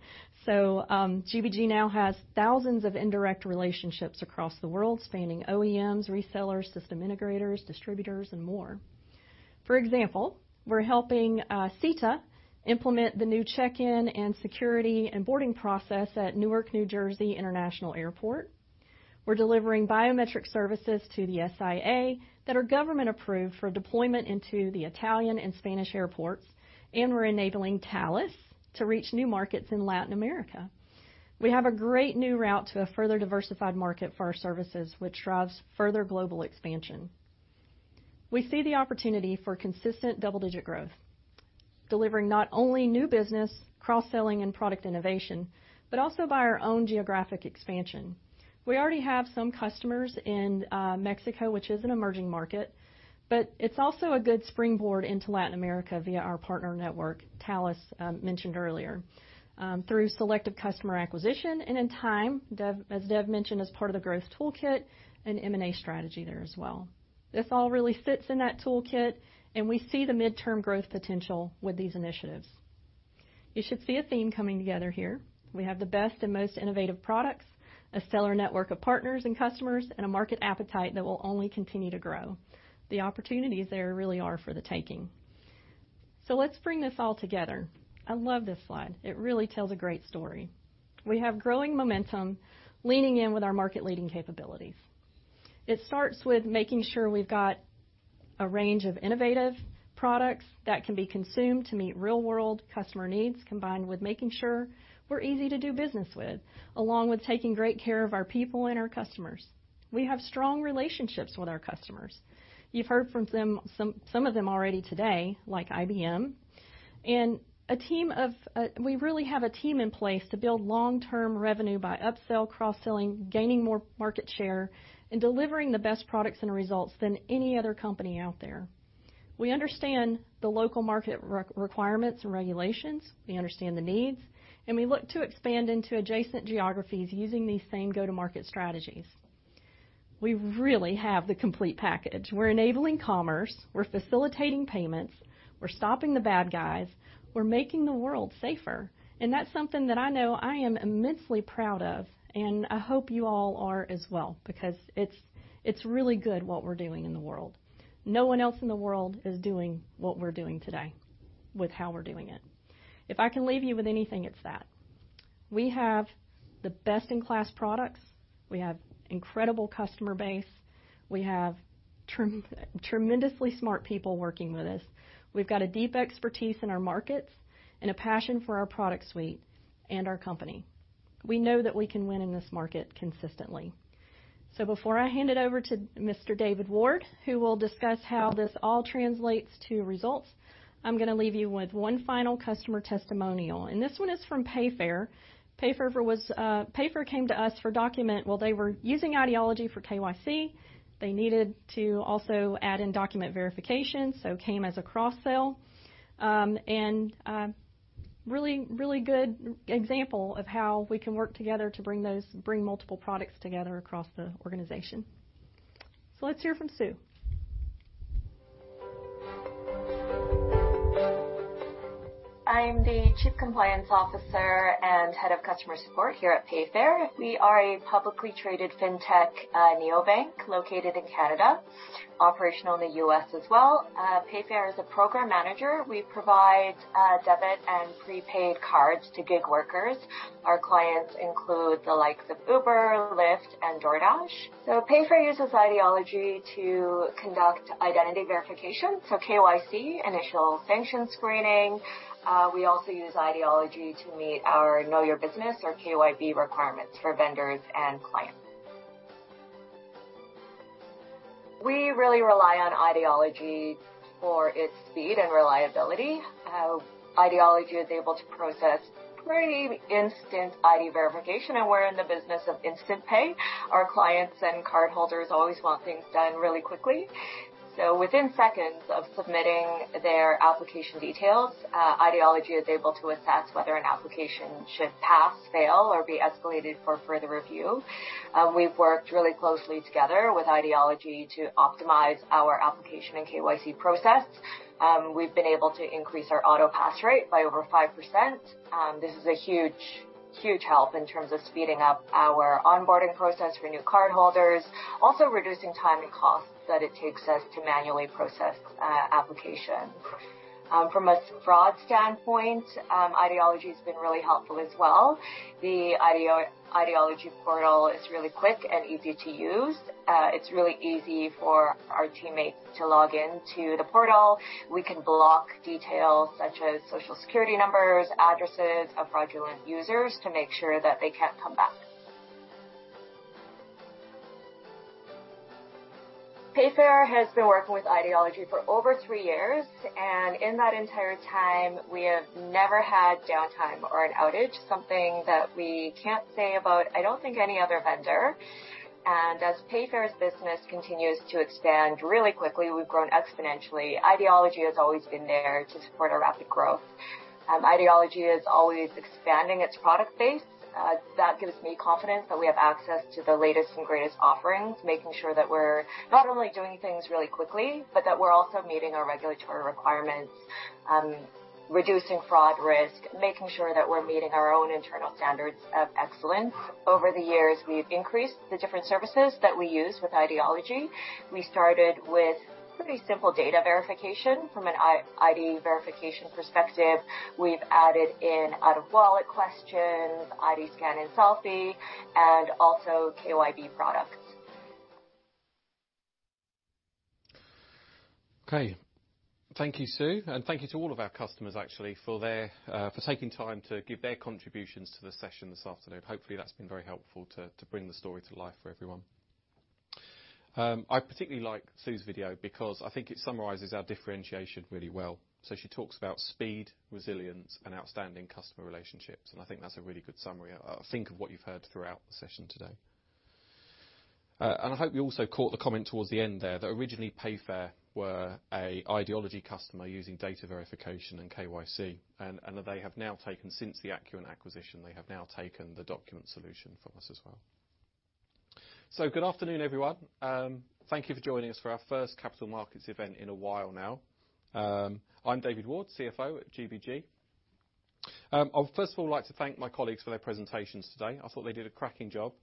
GBG now has thousands of indirect relationships across the world, spanning OEMs, resellers, system integrators, distributors, and more. For example, we're helping SITA implement the new check-in and security and boarding process at Newark, New Jersey International Airport. We're delivering biometric services to the SIA that are government-approved for deployment into the Italian and Spanish airports, and we're enabling Thales to reach new markets in Latin America. We have a great new route to a further diversified market for our services, which drives further global expansion. We see the opportunity for consistent double-digit growth, delivering not only new business, cross-selling, and product innovation, but also by our own geographic expansion. We already have some customers in Mexico, which is an emerging market. It's also a good springboard into Latin America via our partner network, Thales, mentioned earlier. Through selective customer acquisition and in time, as Dev mentioned, as part of the growth toolkit and M&A strategy there as well. This all really fits in that toolkit. We see the midterm growth potential with these initiatives. You should see a theme coming together here. We have the best and most innovative products, a seller network of partners and customers, and a market appetite that will only continue to grow. The opportunities there really are for the taking. Let's bring this all together. I love this slide. It really tells a great story. We have growing momentum leaning in with our market-leading capabilities. It starts with making sure we've got a range of innovative products that can be consumed to meet real-world customer needs, combined with making sure we're easy to do business with, along with taking great care of our people and our customers. We have strong relationships with our customers. You've heard from them, some of them already today, like IBM, and a team of, we really have a team in place to build long-term revenue by upsell, cross-selling, gaining more market share, and delivering the best products and results than any other company out there. We understand the local market requirements and regulations, we understand the needs, and we look to expand into adjacent geographies using these same go-to-market strategies. We really have the complete package. We're enabling commerce, we're facilitating payments, we're stopping the bad guys, we're making the world safer, and that's something that I know I am immensely proud of, and I hope you all are as well because it's really good what we're doing in the world. No one else in the world is doing what we're doing today with how we're doing it. If I can leave you with anything, it's that. We have the best-in-class products. We have incredible customer base. We have tremendously smart people working with us. We've got a deep expertise in our markets and a passion for our product suite and our company. We know that we can win in this market consistently. Before I hand it over to Mr. David Ward, who will discuss how this all translates to results, I'm gonna leave you with one final customer testimonial, and this one is from Payfare. Payfare came to us for document. They were using IDology for KYC. They needed to also add in document verification, so came as a cross-sell. Really, really good example of how we can work together to bring multiple products together across the organization. Let's hear from Su. I'm the Chief Compliance Officer and Head of Customer Support here at Payfare. We are a publicly traded fintech, neobank located in Canada, operational in the U.S. as well. Payfare is a program manager. We provide debit and prepaid cards to gig workers. Our clients include the likes of Uber, Lyft, and DoorDash. Payfare uses IDology to conduct identity verification, KYC, initial sanction screening. We also use IDology to meet our Know Your Business or KYB requirements for vendors and clients. We really rely on IDology for its speed and reliability, how IDology is able to process pretty instant ID verification, and we're in the business of instant pay. Our clients and cardholders always want things done really quickly. Within seconds of submitting their application details, IDology is able to assess whether an application should pass, fail, or be escalated for further review. We've worked really closely together with IDology to optimize our application and KYC process. We've been able to increase our auto pass rate by over 5%. This is a huge help in terms of speeding up our onboarding process for new cardholders, also reducing time and costs that it takes us to manually process applications. From a fraud standpoint, IDology has been really helpful as well. The IDology portal is really quick and easy to use. It's really easy for our teammates to log in to the portal. We can block details such as Social Security numbers, addresses of fraudulent users to make sure that they can't come back. Payfare has been working with IDology for over 3 years, and in that entire time we have never had downtime or an outage, something that we can't say about, I don't think, any other vendor. As Payfare's business continues to expand really quickly, we've grown exponentially, IDology has always been there to support our rapid growth. IDology is always expanding its product base. That gives me confidence that we have access to the latest and greatest offerings, making sure that we're not only doing things really quickly, but that we're also meeting our regulatory requirements, reducing fraud risk, making sure that we're meeting our own internal standards of excellence. Over the years, we've increased the different services that we use with IDology. We started with pretty simple data verification from an ID verification perspective. We've added in out-of-wallet questions, ID scan and selfie, and also KYB products. Okay. Thank you, Su. Thank you to all of our customers actually for their for taking time to give their contributions to the session this afternoon. Hopefully that's been very helpful to bring the story to life for everyone. I particularly like Su's video because I think it summarizes our differentiation really well. She talks about speed, resilience, and outstanding customer relationships, and I think that's a really good summary of think of what you've heard throughout the session today. And I hope you also caught the comment towards the end there that originally Payfare were a IDology customer using data verification and KYC, and that they have now taken, since the Acuant acquisition, they have now taken the document solution from us as well. Good afternoon, everyone. Thank you for joining us for our first capital markets event in a while now. I'm David Ward, CFO at GBG. I'd first of all like to thank my colleagues for their presentations today. I thought they did a cracking job.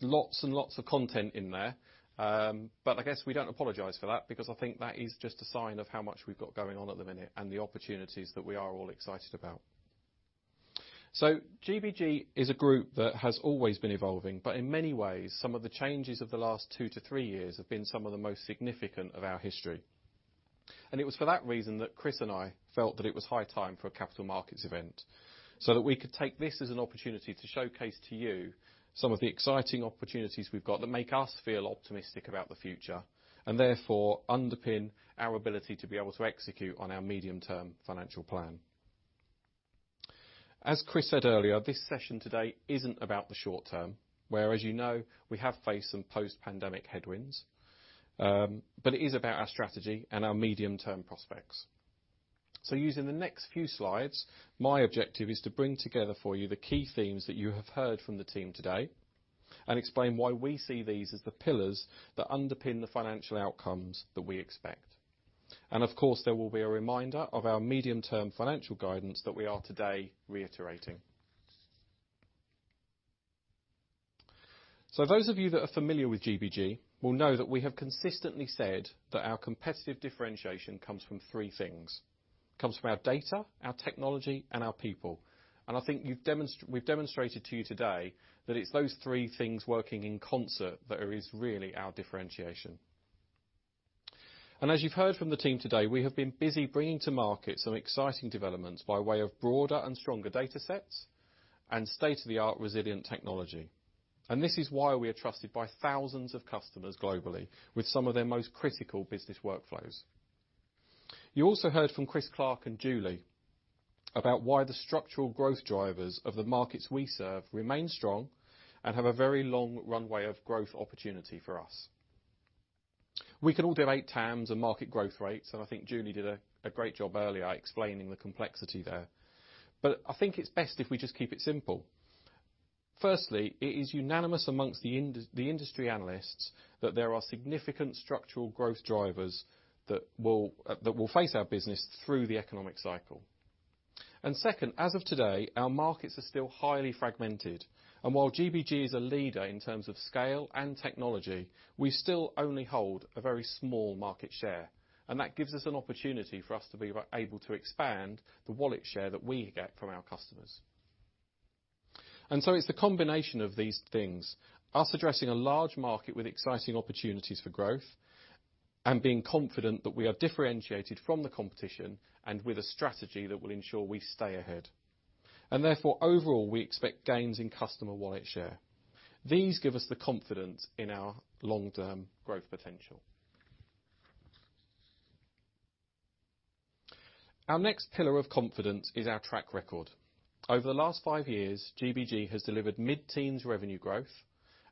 Lots and lots of content in there. I guess we don't apologize for that because I think that is just a sign of how much we've got going on at the minute and the opportunities that we are all excited about. GBG is a group that has always been evolving, but in many ways, some of the changes of the last two to three years have been some of the most significant of our history. It was for that reason that Chris and I felt that it was high time for a capital markets event, so that we could take this as an opportunity to showcase to you some of the exciting opportunities we've got that make us feel optimistic about the future, and therefore underpin our ability to be able to execute on our medium-term financial plan. Chris said earlier, this session today isn't about the short term, where, as you know, we have faced some post-pandemic headwinds. It is about our strategy and our medium-term prospects. Using the next few slides, my objective is to bring together for you the key themes that you have heard from the team today and explain why we see these as the pillars that underpin the financial outcomes that we expect. Of course, there will be a reminder of our medium-term financial guidance that we are today reiterating. Those of you that are familiar with GBG will know that we have consistently said that our competitive differentiation comes from three things. It comes from our data, our technology, and our people. I think we've demonstrated to you today that it's those three things working in concert that is really our differentiation. As you've heard from the team today, we have been busy bringing to market some exciting developments by way of broader and stronger datasets and state-of-the-art resilient technology. This is why we are trusted by thousands of customers globally with some of their most critical business workflows. You also heard from Chris Clark and Julie about why the structural growth drivers of the markets we serve remain strong and have a very long runway of growth opportunity for us. We can all do 8 TAMS and market growth rates, and I think Julie did a great job earlier explaining the complexity there. I think it's best if we just keep it simple. Firstly, it is unanimous amongst the industry analysts that there are significant structural growth drivers that will face our business through the economic cycle. Second, as of today, our markets are still highly fragmented, and while GBG is a leader in terms of scale and technology, we still only hold a very small market share, and that gives us an opportunity for us to be able to expand the wallet share that we get from our customers. It's the combination of these things, us addressing a large market with exciting opportunities for growth and being confident that we are differentiated from the competition, and with a strategy that will ensure we stay ahead. Overall, we expect gains in customer wallet share. These give us the confidence in our long-term growth potential. Our next pillar of confidence is our track record. Over the last five years, GBG has delivered mid-teens revenue growth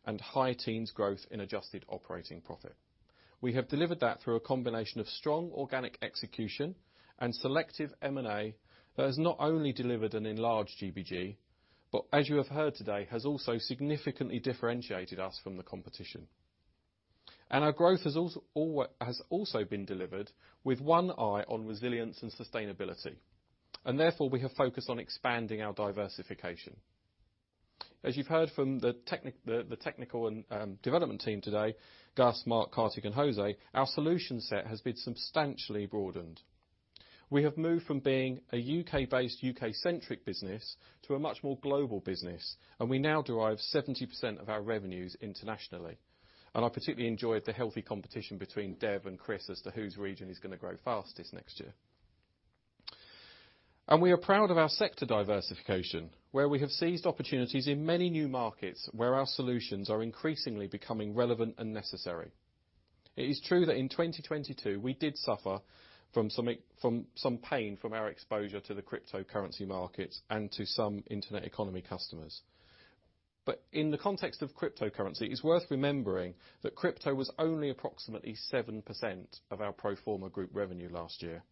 and high-teens growth in adjusted operating profit. We have delivered that through a combination of strong organic execution and selective M&A that has not only delivered an enlarged GBG, but as you have heard today, has also significantly differentiated us from the competition. Our growth has also been delivered with one eye on resilience and sustainability, and therefore, we have focused on expanding our diversification. As you've heard from the technical and development team today, Gus, Mark, Kartik, and José, our solution set has been substantially broadened. We have moved from being a U.K.-based, U.K.-centric business to a much more global business. We now derive 70% of our revenues internationally. I particularly enjoyed the healthy competition between Dev and Chris as to whose region is gonna grow fastest next year. We are proud of our sector diversification, where we have seized opportunities in many new markets, where our solutions are increasingly becoming relevant and necessary. It is true that in 2022 we did suffer from some pain from our exposure to the cryptocurrency markets and to some internet economy customers. In the context of cryptocurrency, it's worth remembering that crypto was only approximately 7% of our pro forma group revenue last year.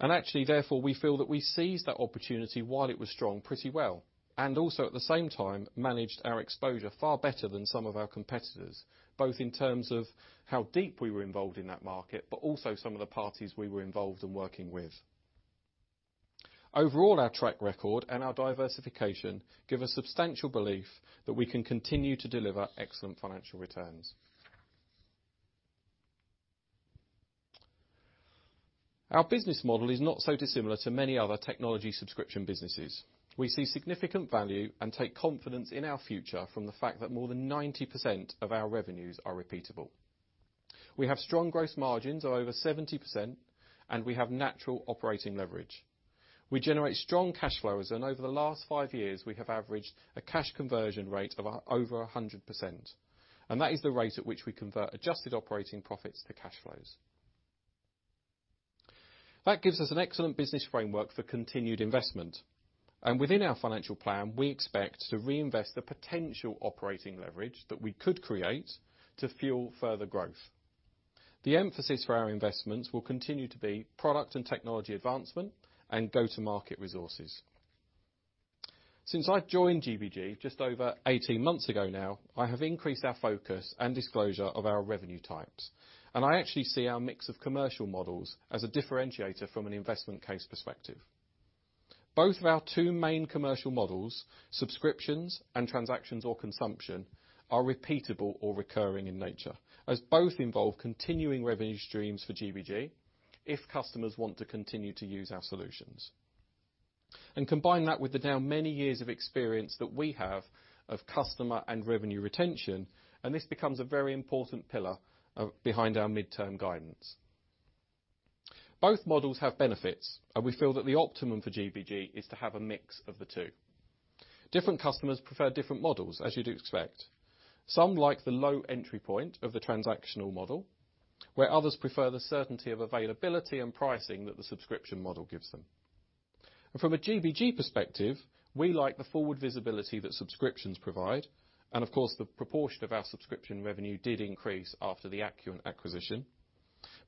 Actually, therefore, we feel that we seized that opportunity while it was strong pretty well, and also at the same time, managed our exposure far better than some of our competitors, both in terms of how deep we were involved in that market, but also some of the parties we were involved in working with. Overall, our track record and our diversification give us substantial belief that we can continue to deliver excellent financial returns. Our business model is not so dissimilar to many other technology subscription businesses. We see significant value and take confidence in our future from the fact that more than 90% of our revenues are repeatable. We have strong growth margins of over 70%, and we have natural operating leverage. We generate strong cash flows, and over the last 5 years, we have averaged a cash conversion rate of over 100%, and that is the rate at which we convert adjusted operating profits to cash flows. That gives us an excellent business framework for continued investment, and within our financial plan, we expect to reinvest the potential operating leverage that we could create to fuel further growth. The emphasis for our investments will continue to be product and technology advancement and go-to-market resources. Since I joined GBG just over 18 months ago now, I have increased our focus and disclosure of our revenue types, and I actually see our mix of commercial models as a differentiator from an investment case perspective. Both of our two main commercial models, subscriptions and transactions or consumption, are repeatable or recurring in nature, as both involve continuing revenue streams for GBG if customers want to continue to use our solutions. Combine that with the now many years of experience that we have of customer and revenue retention, and this becomes a very important pillar behind our midterm guidance. Both models have benefits, and we feel that the optimum for GBG is to have a mix of the two. Different customers prefer different models, as you'd expect. Some like the low entry point of the transactional model, where others prefer the certainty of availability and pricing that the subscription model gives them. From a GBG perspective, we like the forward visibility that subscriptions provide, and of course, the proportion of our subscription revenue did increase after the Acuant acquisition.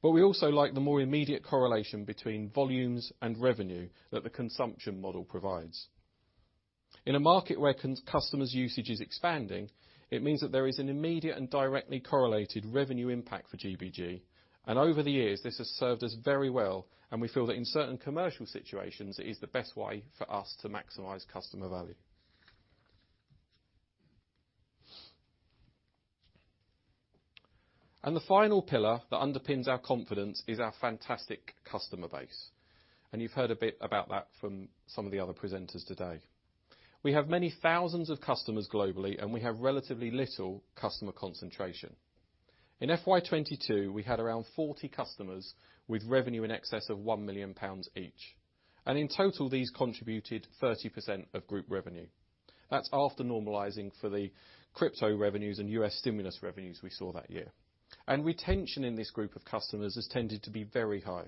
We also like the more immediate correlation between volumes and revenue that the consumption model provides. In a market where customer's usage is expanding, it means that there is an immediate and directly correlated revenue impact for GBG, and over the years, this has served us very well, and we feel that in certain commercial situations, it is the best way for us to maximize customer value. The final pillar that underpins our confidence is our fantastic customer base, and you've heard a bit about that from some of the other presenters today. We have many thousands of customers globally, and we have relatively little customer concentration. In FY 2022, we had around 40 customers with revenue in excess of 1 million pounds each. In total, these contributed 30% of group revenue. That's after normalizing for the crypto revenues and U.S. stimulus revenues we saw that year. Retention in this group of customers has tended to be very high.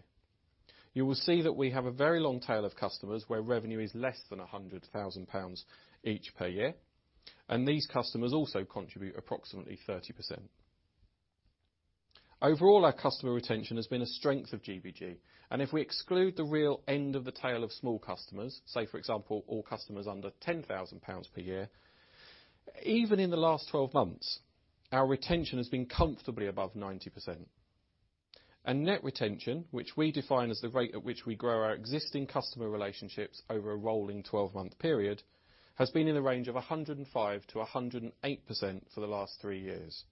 You will see that we have a very long tail of customers where revenue is less than 100,000 pounds each per year, and these customers also contribute approximately 30%. Overall, our customer retention has been a strength of GBG, and if we exclude the real end of the tail of small customers, say, for example, all customers under 10,000 pounds per year, even in the last 12 months, our retention has been comfortably above 90%. Net retention, which we define as the rate at which we grow our existing customer relationships over a rolling 12-month period, has been in the range of 105%-108% for the last three years.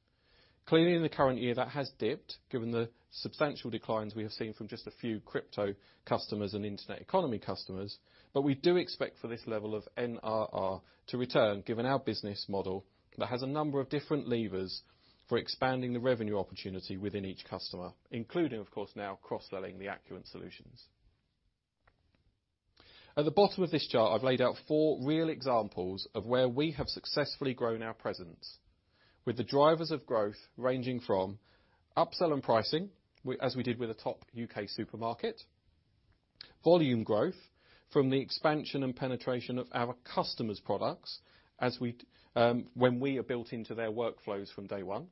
Clearly, in the current year, that has dipped given the substantial declines we have seen from just a few crypto customers and internet economy customers, but we do expect for this level of NRR to return given our business model that has a number of different levers for expanding the revenue opportunity within each customer, including, of course, now cross-selling the Acuant solutions. At the bottom of this chart, I've laid out four real examples of where we have successfully grown our presence with the drivers of growth ranging from upsell and pricing as we did with the top U.K. supermarket, volume growth from the expansion and penetration of our customers' products as we when we are built into their workflows from day one.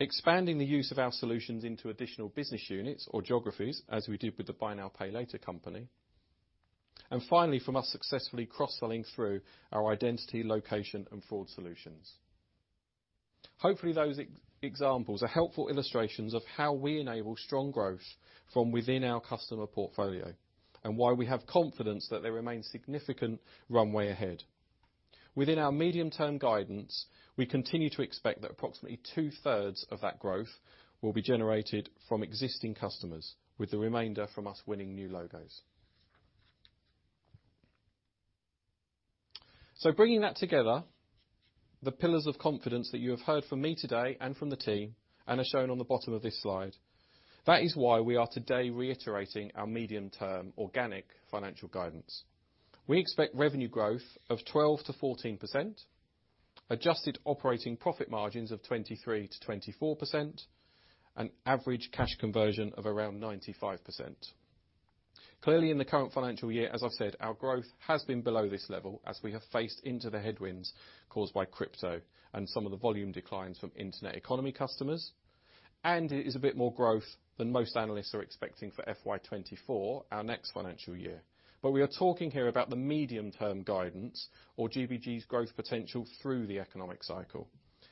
Expanding the use of our solutions into additional business units or geographies, as we did with the Buy Now, Pay Later company. Finally, from us successfully cross-selling through our identity, location, and fraud solutions. Hopefully, those examples are helpful illustrations of how we enable strong growth from within our customer portfolio and why we have confidence that there remains significant runway ahead. Within our medium-term guidance, we continue to expect that approximately two-thirds of that growth will be generated from existing customers, with the remainder from us winning new logos. Bringing that together, the pillars of confidence that you have heard from me today and from the team and are shown on the bottom of this slide, that is why we are today reiterating our medium-term organic financial guidance. We expect revenue growth of 12%-14%, adjusted operating profit margins of 23%-24%, and average cash conversion of around 95%. Clearly, in the current financial year, as I've said, our growth has been below this level as we have faced into the headwinds caused by crypto and some of the volume declines from internet economy customers. It is a bit more growth than most analysts are expecting for FY 2024, our next financial year. We are talking here about the medium-term guidance or GBG's growth potential through the economic cycle,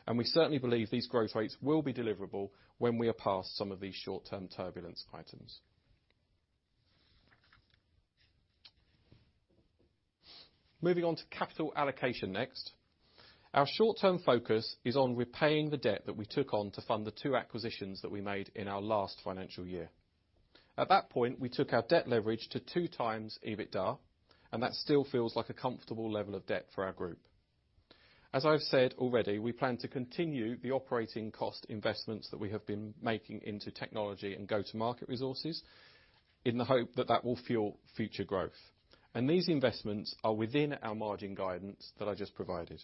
and we certainly believe these growth rates will be deliverable when we are past some of these short-term turbulence items. Moving on to capital allocation next. Our short-term focus is on repaying the debt that we took on to fund the two acquisitions that we made in our last financial year. At that point, we took our debt leverage to two times Adjusted EBITDA, and that still feels like a comfortable level of debt for our group. As I've said already, we plan to continue the operating cost investments that we have been making into technology and go-to-market resources in the hope that that will fuel future growth. These investments are within our margin guidance that I just provided.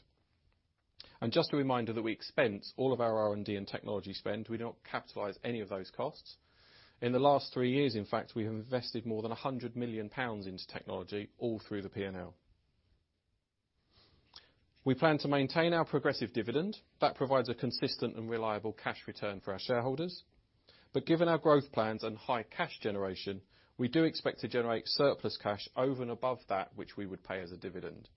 Just a reminder that we expense all of our R&D and technology spend. We don't capitalize any of those costs. In the last three years, in fact, we have invested more than 100 million pounds into technology all through the P&L. We plan to maintain our progressive dividend. That provides a consistent and reliable cash return for our shareholders. Given our growth plans and high cash generation, we do expect to generate surplus cash over and above that which we would pay as a dividend.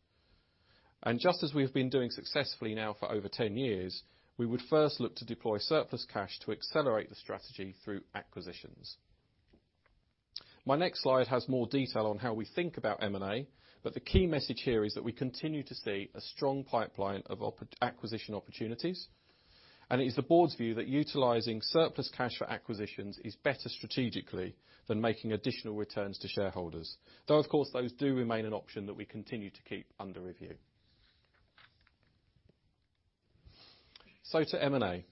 Just as we have been doing successfully now for over 10 years, we would first look to deploy surplus cash to accelerate the strategy through acquisitions. My next slide has more detail on how we think about M&A, the key message here is that we continue to see a strong pipeline of acquisition opportunities, and it is the board's view that utilizing surplus cash for acquisitions is better strategically than making additional returns to shareholders. Of course, those do remain an option that we continue to keep under review. To M&A.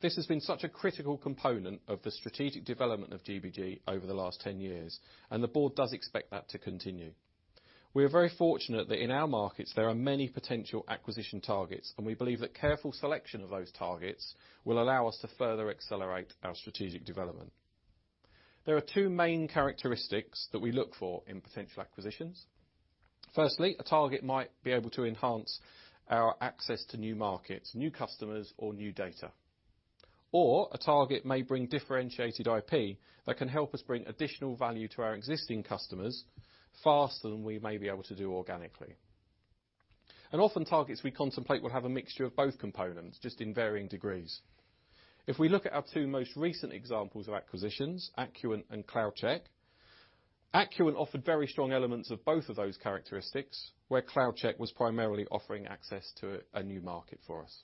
This has been such a critical component of the strategic development of GBG over the last 10 years, the board does expect that to continue. We are very fortunate that in our markets there are many potential acquisition targets. We believe that careful selection of those targets will allow us to further accelerate our strategic development. There are two main characteristics that we look for in potential acquisitions. Firstly, a target might be able to enhance our access to new markets, new customers, or new data. A target may bring differentiated IP that can help us bring additional value to our existing customers faster than we may be able to do organically. Often, targets we contemplate will have a mixture of both components, just in varying degrees. If we look at our two most recent examples of acquisitions, Acuant and CloudCheck, Acuant offered very strong elements of both of those characteristics, where CloudCheck was primarily offering access to a new market for us.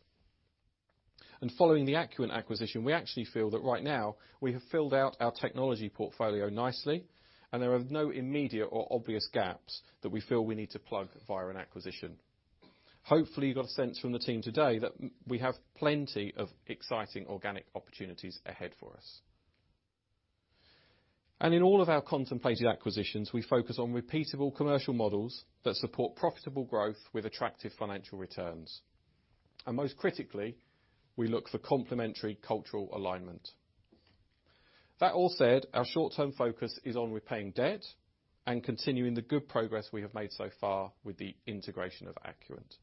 Following the Acuant acquisition, we actually feel that right now we have filled out our technology portfolio nicely, and there are no immediate or obvious gaps that we feel we need to plug via an acquisition. Hopefully, you got a sense from the team today that we have plenty of exciting organic opportunities ahead for us. In all of our contemplated acquisitions, we focus on repeatable commercial models that support profitable growth with attractive financial returns. Most critically, we look for complementary cultural alignment. That all said, our short-term focus is on repaying debt and continuing the good progress we have made so far with the integration of Acuant.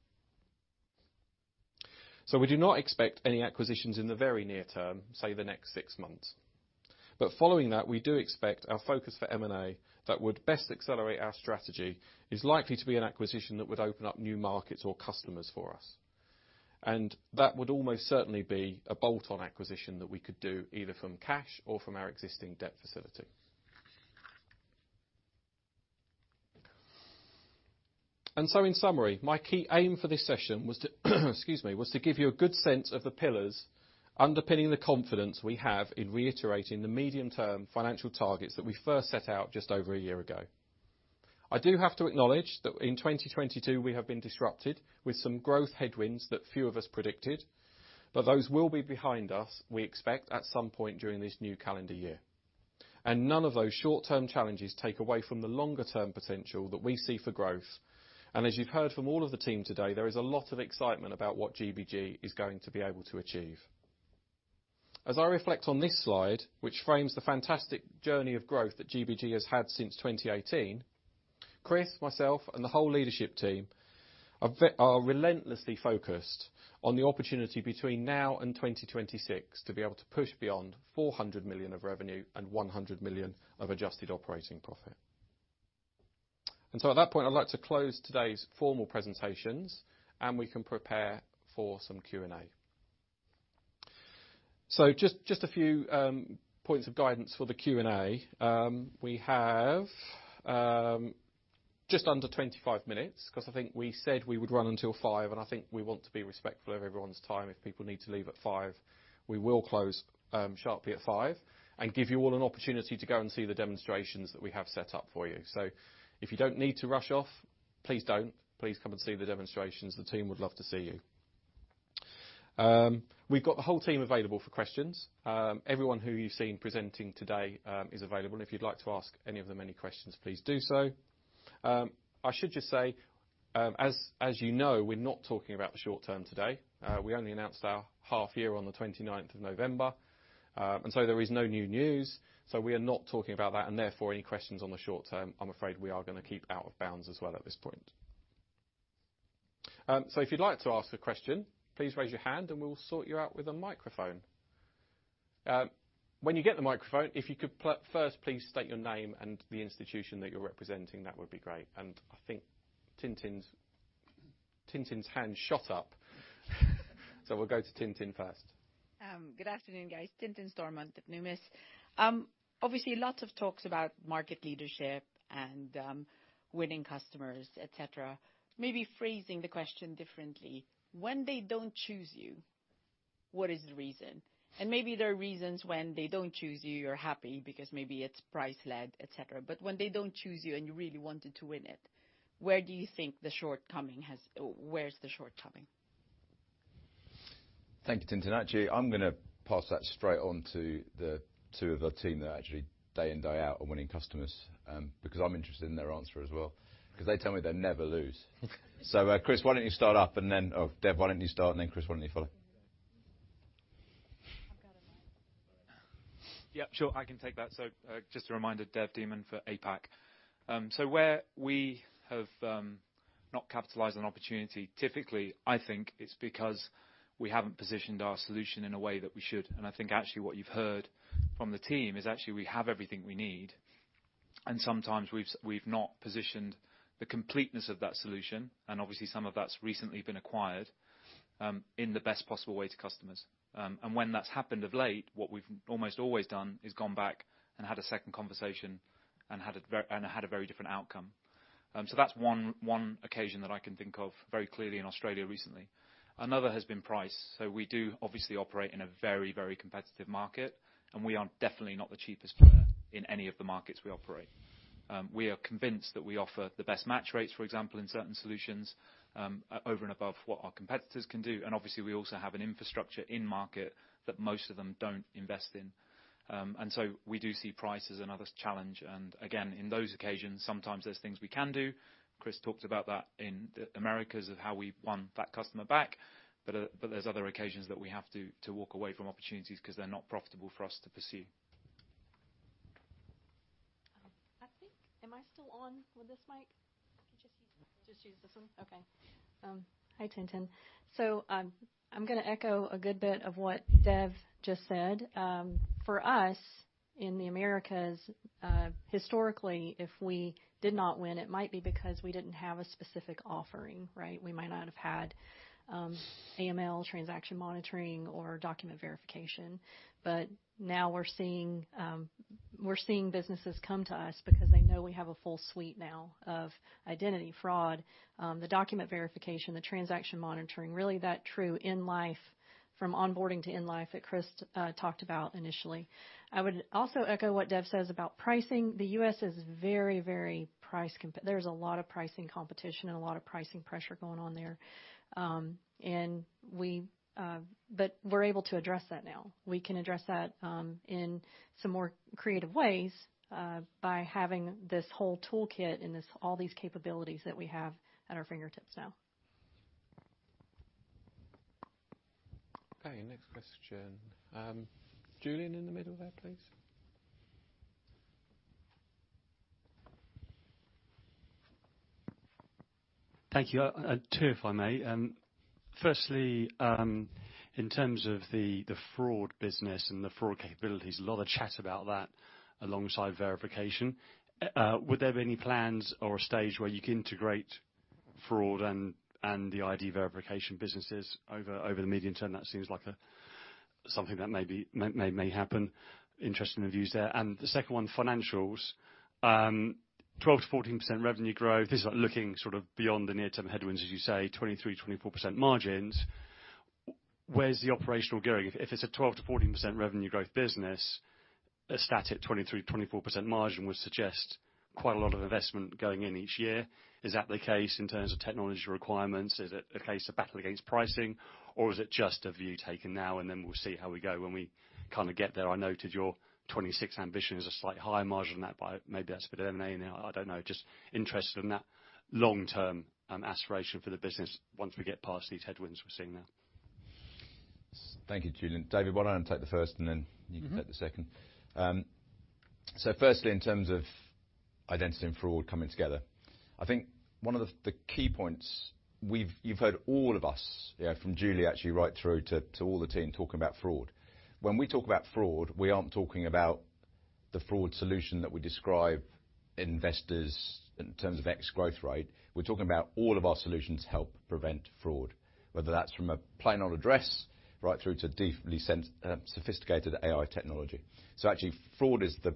We do not expect any acquisitions in the very near term, say, the next six months. Following that, we do expect our focus for M&A that would best accelerate our strategy is likely to be an acquisition that would open up new markets or customers for us. That would almost certainly be a bolt-on acquisition that we could do either from cash or from our existing debt facility. In summary, my key aim for this session was to give you a good sense of the pillars underpinning the confidence we have in reiterating the medium-term financial targets that we first set out just over a year ago. I do have to acknowledge that in 2022 we have been disrupted with some growth headwinds that few of us predicted, but those will be behind us, we expect, at some point during this new calendar year. None of those short-term challenges take away from the longer-term potential that we see for growth. As you've heard from all of the team today, there is a lot of excitement about what GBG is going to be able to achieve. As I reflect on this slide, which frames the fantastic journey of growth that GBG has had since 2018, Chris, myself, and the whole leadership team are relentlessly focused on the opportunity between now and 2026 to be able to push beyond 400 million of revenue and 100 million of adjusted operating profit. At that point, I'd like to close today's formal presentations, and we can prepare for some Q&A. Just a few points of guidance for the Q&A. We have just under 25 minutes 'cause I think we said we would run until 5. I think we want to be respectful of everyone's time. If people need to leave at 5, we will close sharply at 5 and give you all an opportunity to go and see the demonstrations that we have set up for you. If you don't need to rush off, please don't. Please come and see the demonstrations. The team would love to see you. We've got the whole team available for questions. Everyone who you've seen presenting today is available. If you'd like to ask any of them any questions, please do so. I should just say, as you know, we're not talking about the short term today. We only announced our half year on the 29th of November. There is no new news, we are not talking about that, and therefore, any questions on the short term, I'm afraid we are gonna keep out of bounds as well at this point. If you'd like to ask a question, please raise your hand and we'll sort you out with a microphone. When you get the microphone, if you could first please state your name and the institution that you're representing, that would be great. I think Ting-Ting's hand shot up. We'll go to Ting-Ting first. Good afternoon, guys. Ting-Ting Stormonth at Numis. Obviously lots of talks about market leadership and winning customers, etc.. Maybe phrasing the question differently. When they don't choose you, what is the reason? Maybe there are reasons when they don't choose you're happy because maybe it's price-led, etc.. When they don't choose you and you really wanted to win it. Where's the shortcoming? Thank you, Ting-Ting. Actually, I'm gonna pass that straight on to the two of the team that actually day in, day out are winning customers, because I'm interested in their answer as well, 'cause they tell me they never lose. Oh, Dev, why don't you start and then Chris, why don't you follow? I've got a mic. All right. Yeah, sure. I can take that. Just a reminder, Dev Dhiman for APAC. Where we have not capitalized on opportunity, typically, I think it's because we haven't positioned our solution in a way that we should. I think actually what you've heard from the team is actually we have everything we need, and sometimes we've not positioned the completeness of that solution, and obviously, some of that's recently been acquired, in the best possible way to customers. When that's happened of late, what we've almost always done is gone back and had a second conversation and had a very different outcome. That's one occasion that I can think of very clearly in Australia recently. Another has been price. We do obviously operate in a very, very competitive market, and we are definitely not the cheapest player in any of the markets we operate. We are convinced that we offer the best match rates, for example, in certain solutions, over and above what our competitors can do. Obviously, we also have an infrastructure in-market that most of them don't invest in. We do see price as another challenge. Again, in those occasions, sometimes there's things we can do. Chris talked about that in the Americas of how we won that customer back. But there's other occasions that we have to walk away from opportunities 'cause they're not profitable for us to pursue. Am I still on with this mic? You just use this one. Just use this one? Okay. Hi, Ting-Ting. I'm gonna echo a good bit of what Dev just said. For us in the Americas, historically, if we didn't win, it might be because we didn't have a specific offering, right? We might not have had AML transaction monitoring or document verification. Now we're seeing businesses come to us because they know we have a full suite now of identity fraud, the document verification, the transaction monitoring, really that true end life from onboarding to end life that Chris talked about initially. I would also echo what Dev says about pricing. The U.S. is very, very. There's a lot of pricing competition and a lot of pricing pressure going on there. We're able to address that now. We can address that, in some more creative ways, by having this whole toolkit and all these capabilities that we have at our fingertips now. Okay, next question. Julian in the middle there, please. Thank you. Two, if I may. Firstly, in terms of the fraud business and the fraud capabilities, a lot of chat about that alongside verification. Would there be any plans or a stage where you can integrate fraud and the ID verification businesses over the medium term? That seems like something that may happen. Interested in the views there. The second one, financials. 12%-14% revenue growth. This is like looking sort of beyond the near-term headwinds. As you say, 23%-24% margins. Where's the operational going? If it's a 12%-14% revenue growth business, a static 23%-24% margin would suggest quite a lot of investment going in each year. Is that the case in terms of technology requirements? Is it a case of battle against pricing or is it just a view taken now and then we'll see how we go when we kinda get there? I noted your 2026 ambition is a slightly higher margin than that, but maybe that's a bit of M&A now. I don't know. Just interested in that long-term aspiration for the business once we get past these headwinds we're seeing now. Thank you, Julian. David, why don't take the first and then you can take the second. Firstly, in terms of identity and fraud coming together, I think one of the key points you've heard all of us, you know, from Julie actually right through to all the team talking about fraud. When we talk about fraud, we aren't talking about the fraud solution that we describe investors in terms of X growth rate. We're talking about all of our solutions help prevent fraud, whether that's from a plain old address right through to deeply sophisticated AI technology. Actually, fraud is the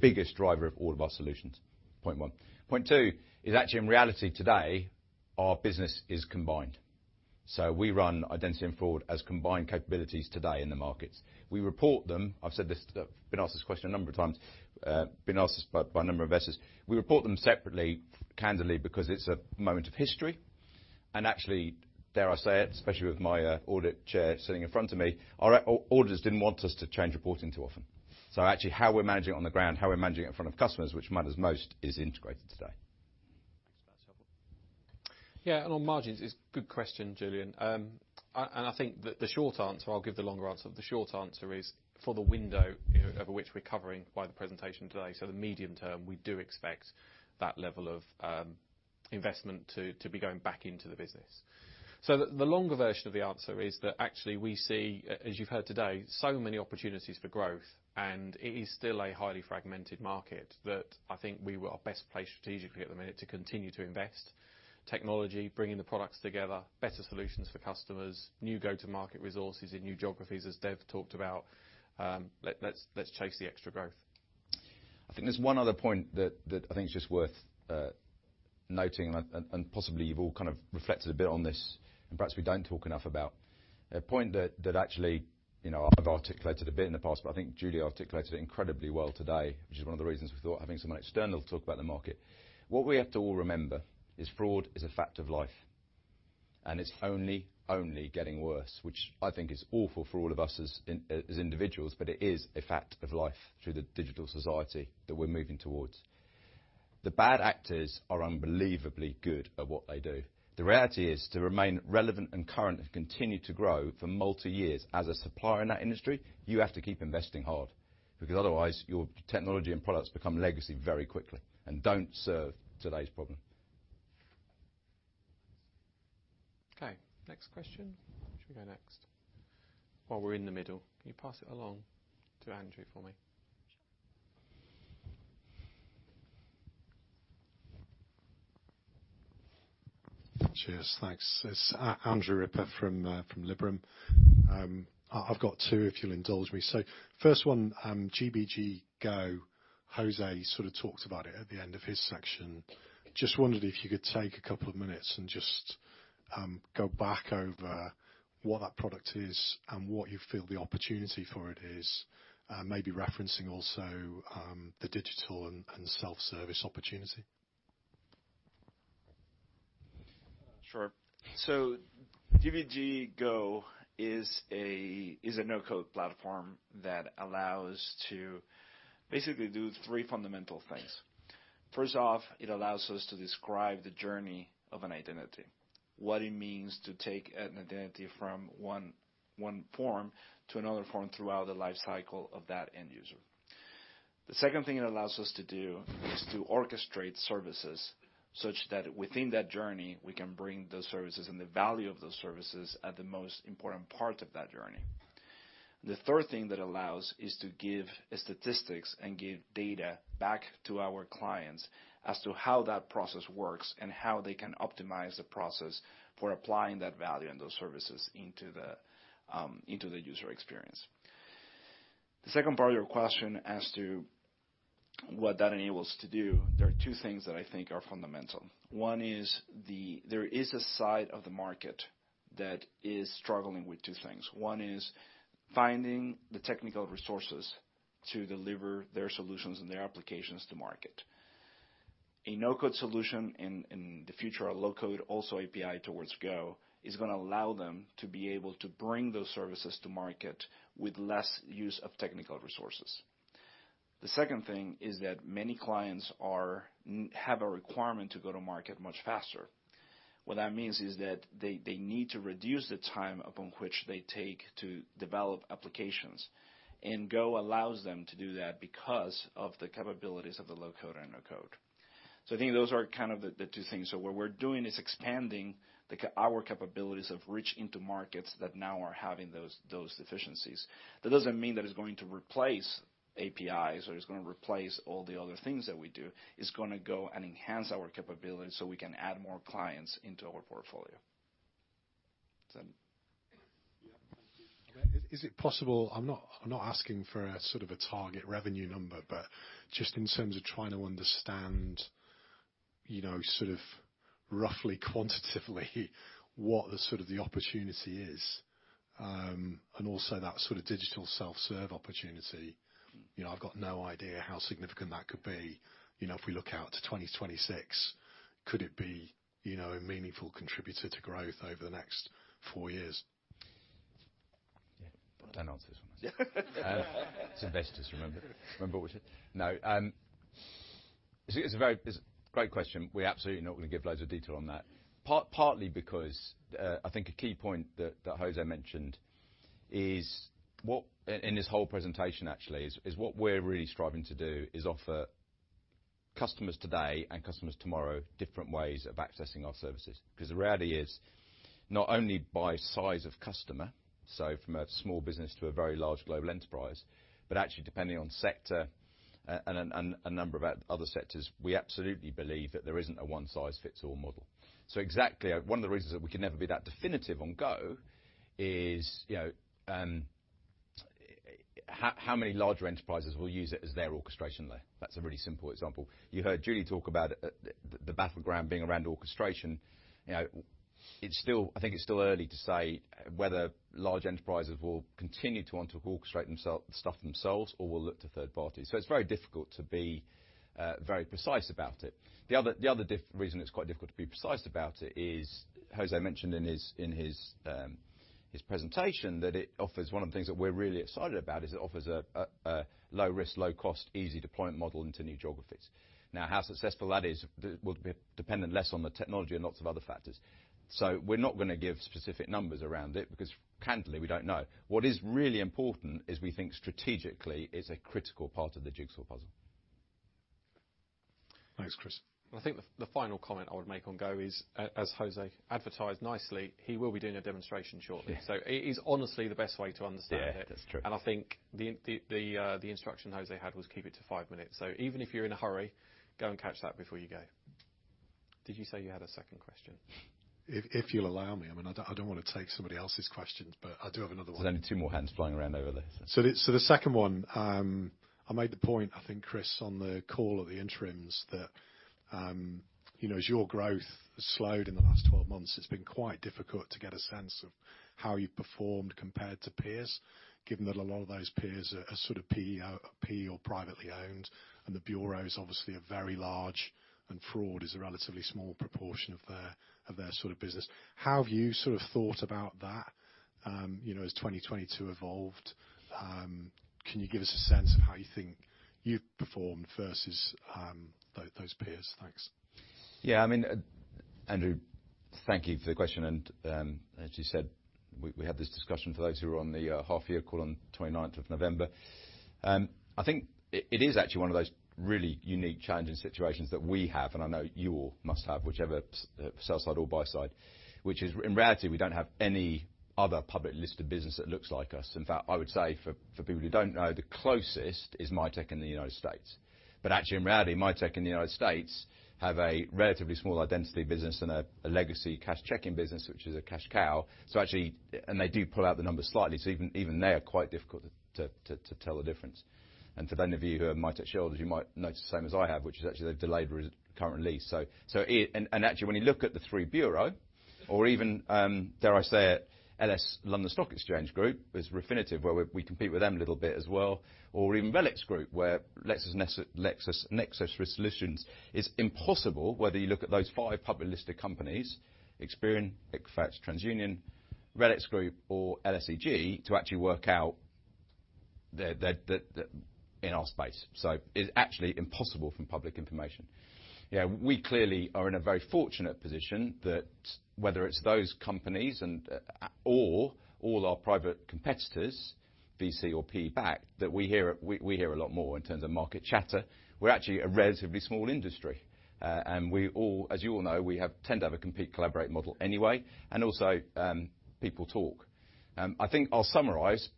biggest driver of all of our solutions, point 1. Point 2 is actually in reality today, our business is combined. We run identity and fraud as combined capabilities today in the markets. We report them. I've said this, been asked this question a number of times, been asked this by a number of investors. We report them separately, candidly because it's a moment of history. Actually, dare I say it, especially with my audit chair sitting in front of me, our auditors didn't want us to change reporting too often. Actually, how we're managing it on the ground, how we're managing it in front of customers, which matters most, is integrated today. Thanks. That's helpful. Yeah, on margins, it's good question, Julian. I think the short answer, I'll give the longer answer. The short answer is for the window, you know, over which we're covering by the presentation today. The medium term, we do expect that level of investment to be going back into the business. The longer version of the answer is that actually we see as you've heard today, so many opportunities for growth, and it is still a highly fragmented market that I think we are best placed strategically at the minute to continue to invest technology, bringing the products together, better solutions for customers, new go-to-market resources in new geographies as Dev talked about. Let's chase the extra growth. I think there's one other point that I think is just worth noting and possibly you've all kind of reflected a bit on this and perhaps we don't talk enough about. A point that actually, you know, I've articulated a bit in the past, but I think Julie articulated it incredibly well today, which is one of the reasons we thought having someone external to talk about the market. What we have to all remember is fraud is a fact of life, and it's only getting worse, which I think is awful for all of us as individuals, but it is a fact of life through the digital society that we're moving towards. The bad actors are unbelievably good at what they do. The reality is to remain relevant and current and continue to grow for multi years as a supplier in that industry, you have to keep investing hard because otherwise your technology and products become legacy very quickly and don't serve today's problem. Okay, next question. Should we go next? While we're in the middle, can you pass it along to Andrew for me? Sure. Cheers. Thanks. It's Andrew Ripper from Liberum. I've got two if you'll indulge me. First one, GBG Go, José sort of talked about it at the end of his section. Just wondered if you could take a couple of minutes and just go back over what that product is and what you feel the opportunity for it is, maybe referencing also the digital and self-service opportunity. Sure. GBG Go is a no-code platform that allows to basically do three fundamental things. First off, it allows us to describe the journey of an identity. What it means to take an identity from one form to another form throughout the life cycle of that end user. The second thing it allows us to do is to orchestrate services such that within that journey we can bring those services and the value of those services at the most important part of that journey. The third thing that allows is to give statistics and give data back to our clients as to how that process works and how they can optimize the process for applying that value and those services into the, into the user experience. The second part of your question as to what that enables to do, there are two things that I think are fundamental. One is there is a side of the market that is struggling with two things. One is finding the technical resources to deliver their solutions and their applications to market. A no-code solution in the future, a low-code also API towards Go is gonna allow them to be able to bring those services to market with less use of technical resources. The second thing is that many clients have a requirement to go to market much faster. What that means is that they need to reduce the time upon which they take to develop applications, and Go allows them to do that because of the capabilities of the low code/no code. I think those are kind of the two things. What we're doing is expanding our capabilities of reach into markets that now are having those deficiencies. That doesn't mean that it's going to replace APIs or it's gonna replace all the other things that we do. It's gonna go and enhance our capabilities, so we can add more clients into our portfolio. That's it. Yeah. Is it possible? I'm not asking for a sort of a target revenue number, but just in terms of trying to understand, you know, sort of roughly quantitatively what the sort of the opportunity is. Also that sort of digital self-serve opportunity. You know, I've got no idea how significant that could be. You know, if we look out to 2026, could it be, you know, a meaningful contributor to growth over the next four years? Yeah. Don't answer this one. Yeah. It's investors, remember. Remember we said. No. See, it's a great question. We're absolutely not gonna give loads of detail on that. Partly because, I think a key point that José mentioned is what and in this whole presentation actually, is what we're really striving to do is offer customers today and customers tomorrow different ways of accessing our services. The reality is, not only by size of customer, so from a small business to a very large global enterprise, but actually depending on sector, and a number of other sectors, we absolutely believe that there isn't a one-size-fits-all model. Exactly, one of the reasons that we can never be that definitive on Go is, you know, how many larger enterprises will use it as their orchestration layer? That's a really simple example. You heard Julie talk about the battleground being around orchestration. You know, I think it's still early to say whether large enterprises will continue to want to orchestrate stuff themselves or will look to third parties. It's very difficult to be very precise about it. The other reason it's quite difficult to be precise about it is, José mentioned in his, in his presentation that one of the things that we're really excited about is it offers a low-risk, low-cost, easy deployment model into new geographies. How successful that is, will be dependent less on the technology and lots of other factors. We're not gonna give specific numbers around it because frankly, we don't know. What is really important is we think strategically is a critical part of the jigsaw puzzle. Thanks, Chris. I think the final comment I would make on GBG Go is, as José advertised nicely, he will be doing a demonstration shortly. Yeah. It is honestly the best way to understand it. Yeah, that's true. I think the instruction José had was keep it to 5 minutes. Even if you're in a hurry, go and catch that before you go. Did you say you had a second question? If you'll allow me. I mean, I don't wanna take somebody else's questions, but I do have another one. There's only two more hands flying around over there. The second one, I made the point, I think, Chris, on the call of the interims that, you know, as your growth has slowed in the last 12 months, it's been quite difficult to get a sense of how you've performed compared to peers, given that a lot of those peers are sort of P or privately owned, and the bureau's obviously a very large, and fraud is a relatively small proportion of their sort of business. How have you sort about that, you know, as 2022 evolved? Can you give us a sense of how you think you've performed versus those peers? Thanks. Yeah. I mean, Andrew, thank you for the question. As you said, we had this discussion for those who were on the half year call on 29th of November. I think it is actually one of those really unique challenging situations that we have, and I know you all must have, whichever sell side or buy side, which is in reality, we don't have any other public listed business that looks like us. In fact, I would say for people who don't know, the closest is Mitek in the United States. Actually in reality, Mitek in the United States have a relatively small identity business and a legacy cash checking business, which is a cash cow. They do pull out the numbers slightly, so even they are quite difficult to tell the difference. For those of you who are Mitek shareholders, you might notice the same as I have, which is actually they've delayed current lease. When you look at the three bureau or even, dare I say it, London Stock Exchange Group with Refinitiv, where we compete with them a little bit as well, or even RELX Group, where LexisNexis Risk Solutions, it's impossible, whether you look at those five public listed companies, Experian, Equifax, TransUnion, RELX Group or LSEG, to actually work out in our space. It's actually impossible from public information. You know, we clearly are in a very fortunate position that whether it's those companies and all our private competitors, VC or PE-backed, that we hear a lot more in terms of market chatter. We're actually a relatively small industry. We all, as you all know, we tend to have a compete collaborate model anyway, people talk. I think I'll summarize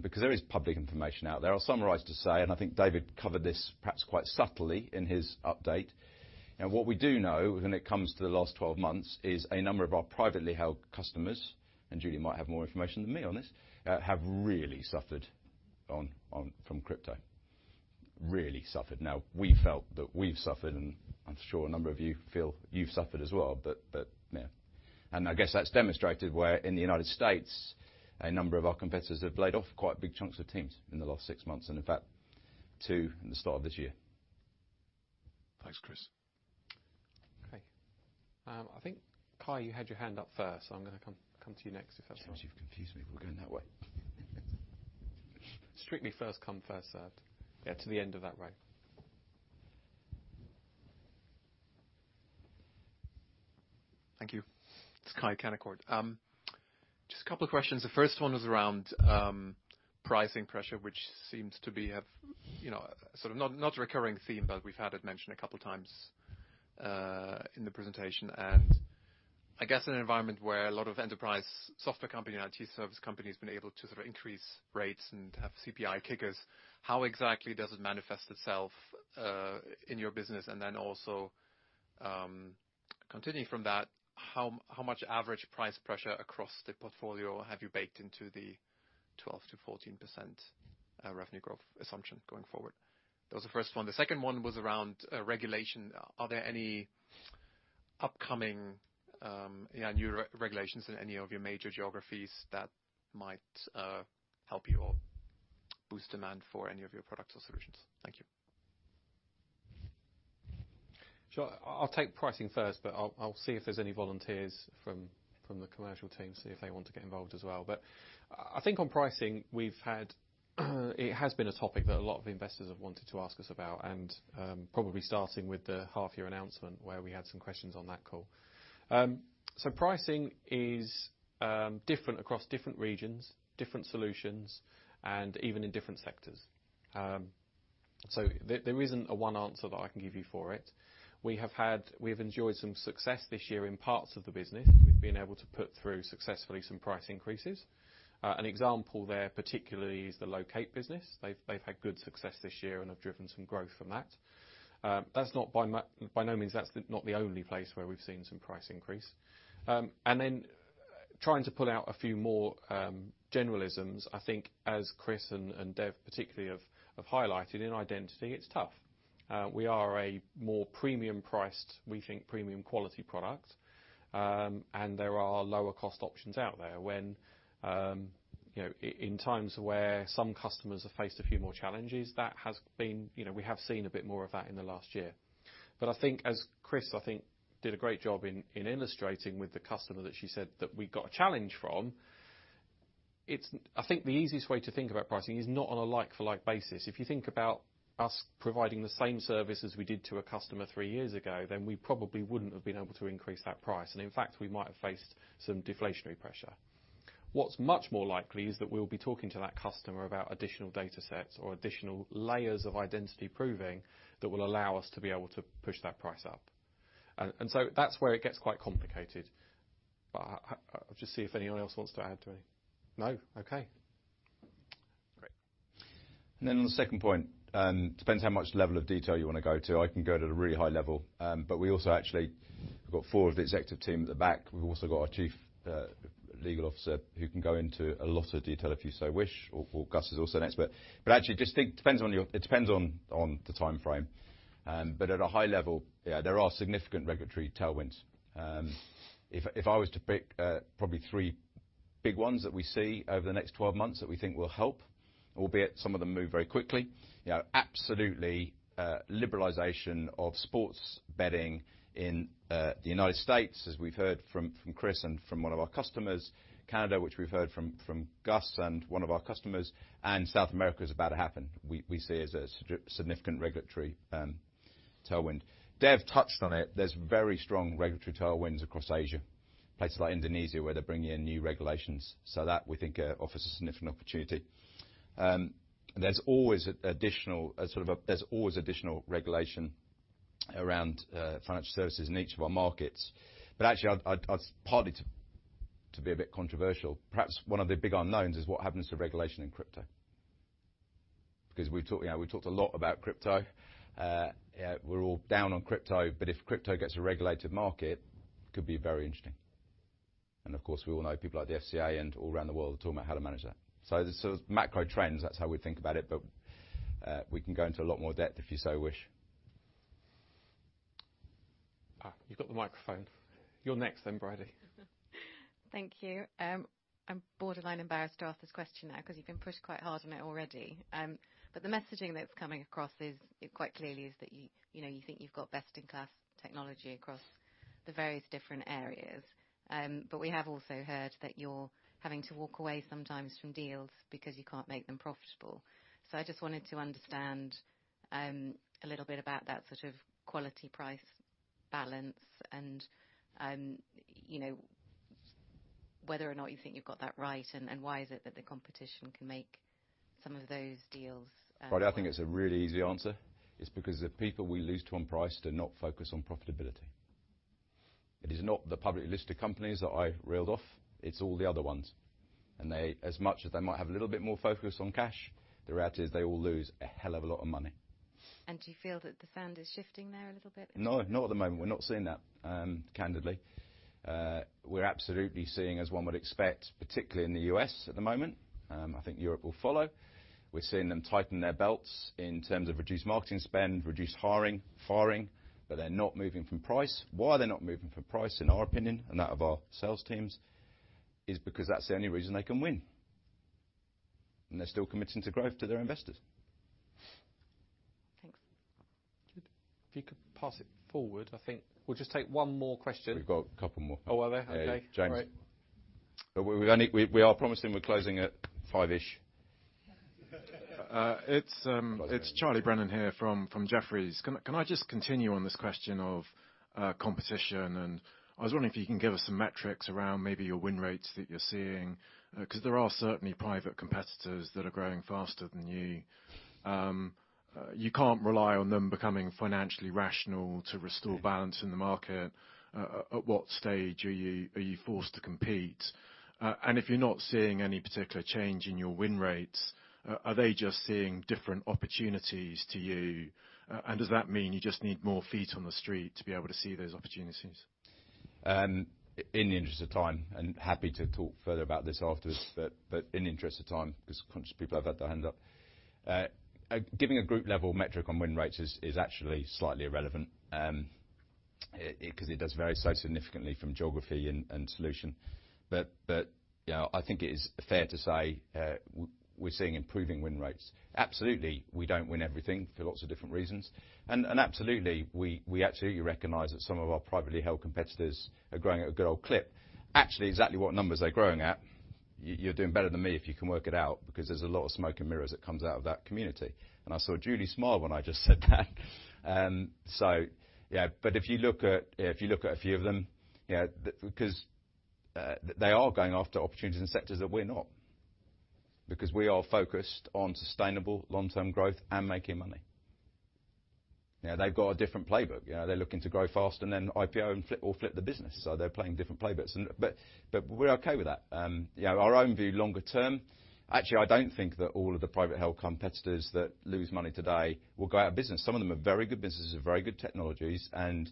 because there is public information out there. I'll summarize to say, I think David covered this perhaps quite subtly in his update, you know, what we do know when it comes to the last 12 months is a number of our privately held customers, Julie might have more information than me on this, have really suffered from crypto. Really suffered. We felt that we've suffered, I'm sure a number of you feel you've suffered as well, yeah. I guess that's demonstrated where in the United States, a number of our competitors have laid off quite big chunks of teams in the last six months, and in fact, two in the start of this year. Thanks, Chris. I think Kai, you had your hand up first. I'm gonna come to you next, if that's all right. James, you've confused me. We're going that way. Strictly first come, first served. Yeah, to the end of that row. Thank you. It's Kai, Canaccord. Just a couple of questions. The first one was around pricing pressure, which seems to be of, you know, sort of not a recurring theme, but we've had it mentioned a couple of times in the presentation. I guess in an environment where a lot of enterprise software company and IT service companies been able to sort of increase rates and have CPI kickers, how exactly does it manifest itself in your business? Also, continuing from that, how much average price pressure across the portfolio have you baked into the 12%-14% revenue growth assumption going forward? That was the first one. The second one was around regulation. Are there any upcoming, yeah, new re-regulations in any of your major geographies that might help you or boost demand for any of your products or solutions? Thank you. Sure. I'll take pricing first, but I'll see if there's any volunteers from the commercial team, see if they want to get involved as well. I think on pricing. It has been a topic that a lot of investors have wanted to ask us about and probably starting with the half-year announcement where we had some questions on that call. Pricing is different across different regions, different solutions, and even in different sectors. There isn't a one answer that I can give you for it. We have enjoyed some success this year in parts of the business. We've been able to put through successfully some price increases. An example there particularly is the Loqate business. They've had good success this year and have driven some growth from that. That's not by no means that's the, not the only place where we've seen some price increase. Then trying to pull out a few more generalisms, I think as Chris and Dev particularly have highlighted, in identity, it's tough. We are a more premium-priced, we think, premium-quality product. There are lower cost options out there when, you know, in times where some customers have faced a few more challenges, that has been, you know, we have seen a bit more of that in the last year. I think as Chris, I think did a great job in illustrating with the customer that she said that we got a challenge from, I think the easiest way to think about pricing is not on a like for like basis. If you think about us providing the same service as we did to a customer three years ago, then we probably wouldn't have been able to increase that price, and in fact, we might have faced some deflationary pressure. What's much more likely is that we'll be talking to that customer about additional data sets or additional layers of identity proving that will allow us to be able to push that price up. That's where it gets quite complicated. I'll just see if anyone else wants to add to any... No? Okay. Great. On the second point, depends how much level of detail you want to go to. I can go to the really high level, but we also actually have got four of the executive team at the back. We've also got our Chief Legal Officer who can go into a lot of detail if you so wish or Gus is also an expert. Actually, just think it depends on the timeframe. At a high level, yeah, there are significant regulatory tailwinds. If I was to pick probably three big ones that we see over the next 12 months that we think will help, albeit some of them move very quickly. You know, absolutely, liberalization of sports betting in the United States, as we've heard from Chris and from one of our customers. Canada, which we've heard from Gus and one of our customers, South America is about to happen. We see it as a significant regulatory tailwind. Dev touched on it. There's very strong regulatory tailwinds across Asia. Places like Indonesia, where they're bringing in new regulations. That we think offers a significant opportunity. There's always additional regulation around financial services in each of our markets. Actually, I'd partly to be a bit controversial, perhaps one of the big unknowns is what happens to regulation in crypto. We talked, you know, we talked a lot about crypto. We're all down on crypto, if crypto gets a regulated market, could be very interesting. Of course, we all know people like the FCA and all around the world are talking about how to manage that. As macro trends, that's how we think about it, but we can go into a lot more depth if you so wish. You've got the microphone. You're next then, Bridie. Thank you. I'm borderline embarrassed to ask this question now 'cause you've been pushed quite hard on it already. The messaging that's coming across is, quite clearly is that you know, you think you've got best in class technology across the various different areas. We have also heard that you're having to walk away sometimes from deals because you can't make them profitable. I just wanted to understand a little bit about that sort of quality-price balance and, you know, whether or not you think you've got that right and why is it that the competition can make some of those deals? Bridie, I think it's a really easy answer. It's because the people we lose to on price do not focus on profitability. It is not the publicly listed companies that I reeled off, it's all the other ones. They, as much as they might have a little bit more focus on cash, the reality is they all lose a hell of a lot of money. Do you feel that the sand is shifting there a little bit? No, not at the moment. We're not seeing that, candidly. We're absolutely seeing, as one would expect, particularly in the U.S. at the moment, I think Europe will follow. We're seeing them tighten their belts in terms of reduced marketing spend, reduced hiring, firing, but they're not moving from price. Why they're not moving from price, in our opinion and that of our sales teams, is because that's the only reason they can win. They're still committing to growth to their investors. If you could pass it forward, I think we'll just take one more question. We've got a couple more. Oh, are there? Okay. Yeah. James. All right. We are promising we're closing at five-ish. It's Charles Brennan here from Jefferies. Can I just continue on this question of competition? I was wondering if you can give us some metrics around maybe your win rates that you're seeing? Because there are certainly private competitors that are growing faster than you. You can't rely on them becoming financially rational to restore balance in the market. At what stage are you forced to compete? If you're not seeing any particular change in your win rates, are they just seeing different opportunities to you? Does that mean you just need more feet on the street to be able to see those opportunities? In the interest of time, happy to talk further about this afterwards, but in the interest of time, 'cause conscious people have had their hand up. Giving a group level metric on win rates is actually slightly irrelevant, 'cause it does vary so significantly from geography and solution. You know, I think it is fair to say, we're seeing improving win rates. Absolutely, we don't win everything for lots of different reasons. Absolutely, we absolutely recognize that some of our privately held competitors are growing at a good old clip. Actually, exactly what numbers they're growing at, you're doing better than me if you can work it out, because there's a lot of smoke and mirrors that comes out of that community. I saw Julie smile when I just said that. Yeah. If you look at, if you look at a few of them, you know, because they are going after opportunities in sectors that we're not. We are focused on sustainable long-term growth and making money. You know, they've got a different playbook. You know, they're looking to grow fast and then IPO and flip or flip the business. They're playing different playbooks. But we're okay with that. You know, our own view longer term, actually, I don't think that all of the private health competitors that lose money today will go out of business. Some of them are very good businesses with very good technologies, and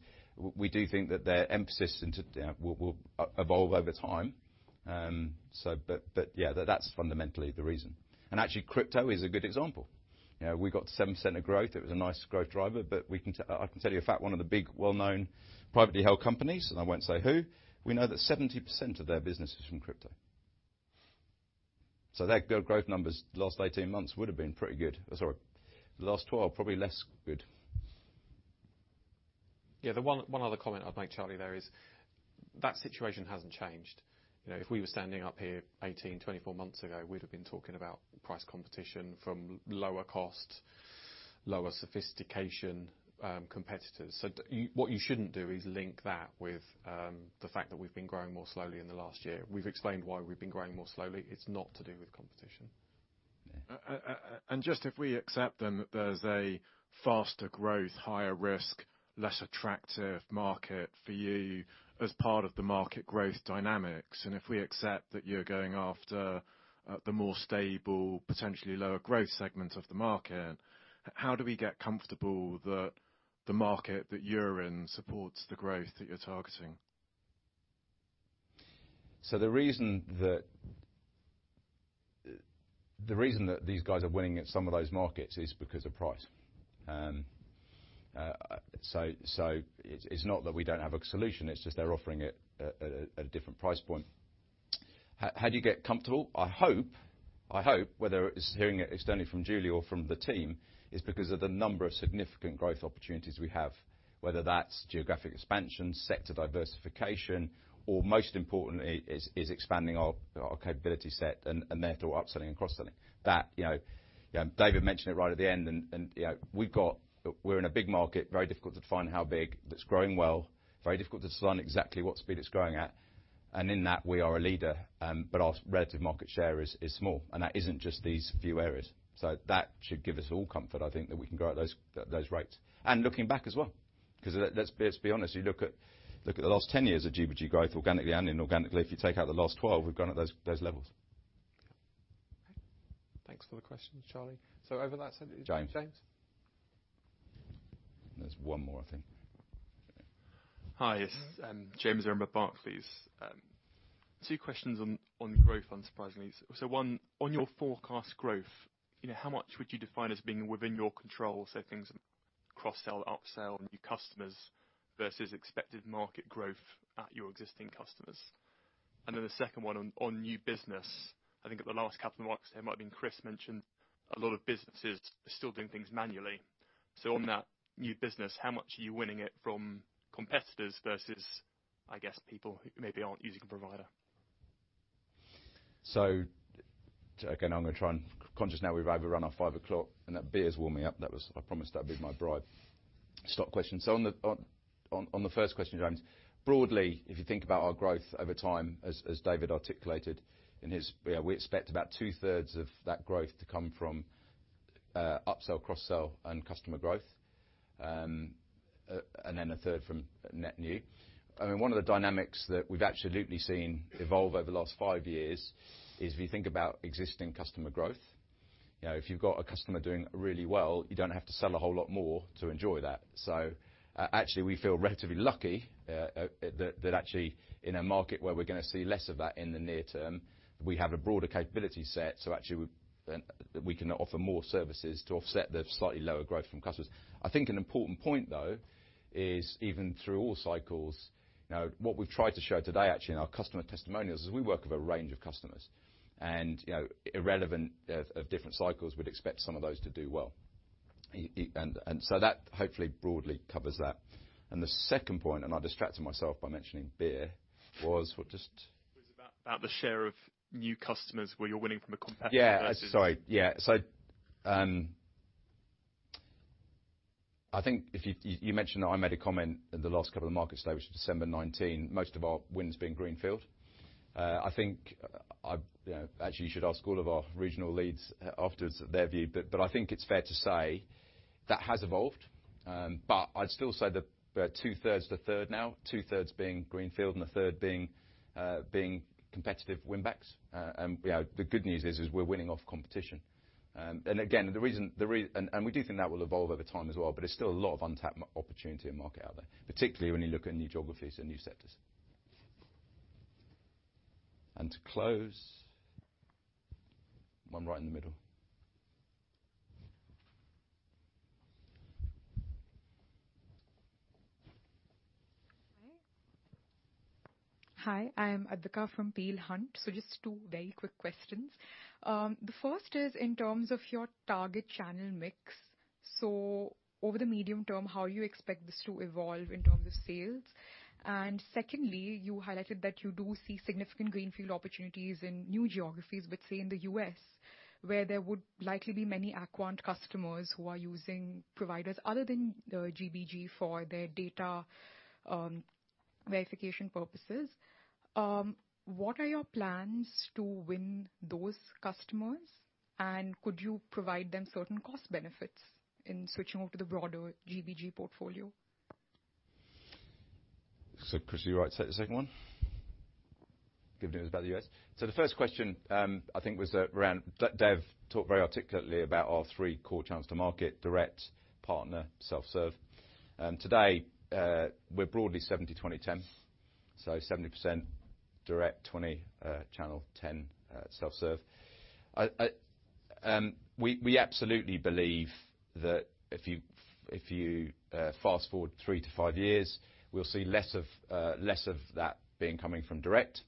we do think that their emphasis into, you know, will evolve over time. But yeah, that's fundamentally the reason. Actually, crypto is a good example. You know, we got 7% growth. It was a nice growth driver. We can tell you of fact, one of the big well-known privately held companies, and I won't say who, we know that 70% of their business is from crypto. Their growth numbers the last 18 months would've been pretty good. Sorry, the last 12, probably less good. Yeah. The one other comment I'd make, Charlie, there is that situation hasn't changed. You know, if we were standing up here 18, 24 months ago, we'd have been talking about price competition from lower cost, lower sophistication, competitors. What you shouldn't do is link that with the fact that we've been growing more slowly in the last year. We've explained why we've been growing more slowly. It's not to do with competition. Yeah. Just if we accept then that there's a faster growth, higher risk, less attractive market for you as part of the market growth dynamics, and if we accept that you're going after the more stable, potentially lower growth segment of the market, how do we get comfortable that the market that you're in supports the growth that you're targeting? The reason that these guys are winning at some of those markets is because of price. It's not that we don't have a solution, it's just they're offering it at a different price point. How do you get comfortable? I hope whether it's hearing it externally from Julie or from the team, is because of the number of significant growth opportunities we have, whether that's geographic expansion, sector diversification, or most importantly is expanding our capability set and therefore upselling and cross-selling. You know, David mentioned it right at the end, and you know, we're in a big market, very difficult to define how big, but it's growing well. Very difficult to define exactly what speed it's growing at. In that, we are a leader. Our relative market share is small, and that isn't just these few areas. That should give us all comfort, I think, that we can grow at those rates. Looking back as well. 'Cause let's be honest, you look at the last 10 years of GBG growth organically and inorganically, if you take out the last 12, we've grown at those levels. Okay. Thanks for the question, Charlie. Over that side. James. James. There's one more I think. Hi. It's James Rimmer at Barclays. Two questions on growth, unsurprisingly. One, on your forecast growth, you know, how much would you define as being within your control? Things cross-sell, upsell, new customers versus expected market growth at your existing customers. The second one on new business. I think at the last capital markets, it might've been Chris mentioned a lot of businesses are still doing things manually. On that new business, how much are you winning it from competitors versus, I guess, people who maybe aren't using a provider? Again, I'm gonna try and... Conscious now we've overran our 5:00 P.M., and that beer is warming up. I promised that would be my bribe. Stop question. On the first question, James, broadly, if you think about our growth over time as David articulated in his... You know, we expect about two-thirds of that growth to come from upsell, cross-sell, and customer growth. A third from net new. I mean, one of the dynamics that we've absolutely seen evolve over the last five years is if you think about existing customer growth, you know, if you've got a customer doing really well, you don't have to sell a whole lot more to enjoy that. actually, we feel relatively lucky, that actually in a market where we're gonna see less of that in the near term, we have a broader capability set, so actually we're, we can offer more services to offset the slightly lower growth from customers. I think an important point, though, is even through all cycles, you know, what we've tried to show today actually in our customer testimonials is we work with a range of customers. You know, irrelevant of different cycles, we'd expect some of those to do well. That hopefully broadly covers that. The second point, and I distracted myself by mentioning beer, It was about the share of new customers where you're winning from a competitive. Yeah, sorry. Yeah. I think if you mentioned that I made a comment in the last couple of markets, which December 19, most of our wins being greenfield. I think you know, actually you should ask all of our regional leads afterwards their view, but I think it's fair to say that has evolved. I'd still say that about two-thirds to a third now, two-thirds being greenfield and a third being competitive win backs. You know, the good news is we're winning off competition. Again, the reason and we do think that will evolve over time as well, but there's still a lot of untapped opportunity and market out there, particularly when you look at new geographies and new sectors. To close, one right in the middle. Hi. Hi, I am Advika from Peel Hunt. Just two very quick questions. The first is in terms of your target channel mix. Over the medium term, how you expect this to evolve in terms of sales? Secondly, you highlighted that you do see significant greenfield opportunities in new geographies, but say in the U.S., where there would likely be many Acuant customers who are using providers other than the GBG for their data, verification purposes, what are your plans to win those customers? Could you provide them certain cost benefits in switching over to the broader GBG portfolio? Chris, you all right to take the second one? Good news about the U.S. The first question, I think was around Dev talked very articulately about our three core channels to market, direct, partner, self-serve. Today, we're broadly 70/20/10, so 70% direct, 20 channel, 10 self-serve. We absolutely believe that if you fast-forward three to five years, we'll see less of that being coming from direct.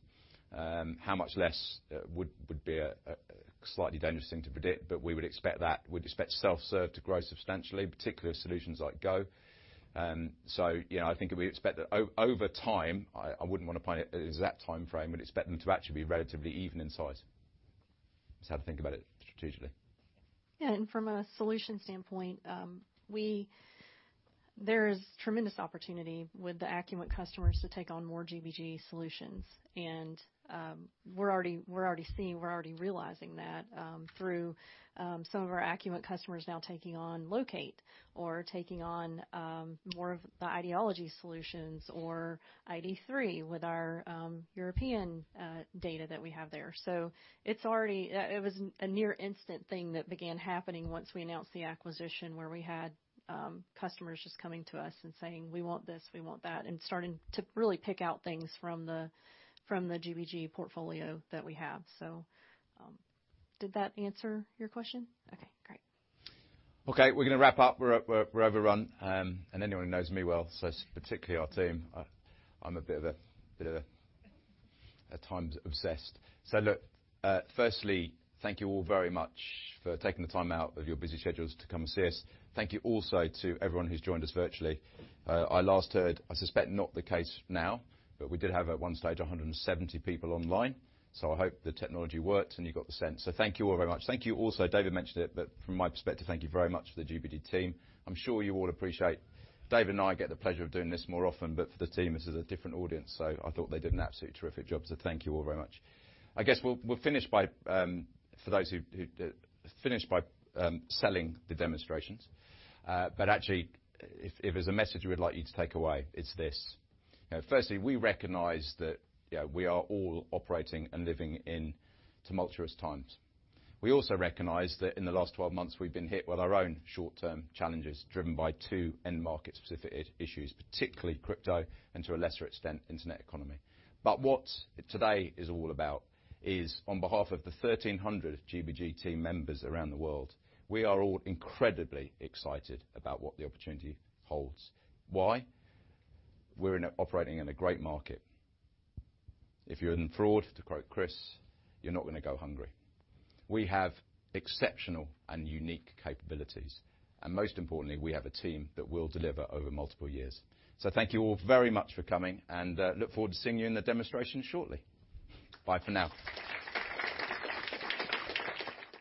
How much less would be a slightly dangerous thing to predict, but we would expect that. We'd expect self-serve to grow substantially, particularly with solutions like Go. You know, I think we expect that over time, I wouldn't wanna pin it as that timeframe, but expect them to actually be relatively even in size. That's how to think about it strategically. Yeah. From a solution standpoint, there's tremendous opportunity with the Acuant customers to take on more GBG solutions. We're already realizing that through some of our Acuant customers now taking on Loqate or taking on more of the IDology solutions or ID3 with our European data that we have there. It's already... It was a near instant thing that began happening once we announced the acquisition, where we had customers just coming to us and saying, "We want this, we want that," and starting to really pick out things from the GBG portfolio that we have. Did that answer your question? Okay, great. Okay, we're gonna wrap up. We're overrun. Anyone who knows me well, particularly our team, I'm a bit of a, at times obsessed. Firstly, thank you all very much for taking the time out of your busy schedules to come and see us. Thank you also to everyone who's joined us virtually. I last heard, I suspect not the case now, but we did have at one stage 170 people online. I hope the technology worked and you got the sense. Thank you all very much. Thank you also, David mentioned it, but from my perspective, thank you very much for the GBG team. I'm sure you all appreciate David and I get the pleasure of doing this more often, but for the team, this is a different audience, so I thought they did an absolutely terrific job, so thank you all very much. I guess we'll finish by selling the demonstrations. Actually, if there's a message we'd like you to take away, it's this. Firstly, we recognize that, you know, we are all operating and living in tumultuous times. We also recognize that in the last 12 months, we've been hit with our own short-term challenges, driven by two end market specific issues, particularly crypto and to a lesser extent, internet economy. What today is all about is on behalf of the 1,300 GBG team members around the world, we are all incredibly excited about what the opportunity holds. Why? We're operating in a great market. If you're in fraud, to quote Chris, you're not gonna go hungry. We have exceptional and unique capabilities, and most importantly, we have a team that will deliver over multiple years. Thank you all very much for coming, and look forward to seeing you in the demonstration shortly. Bye for now.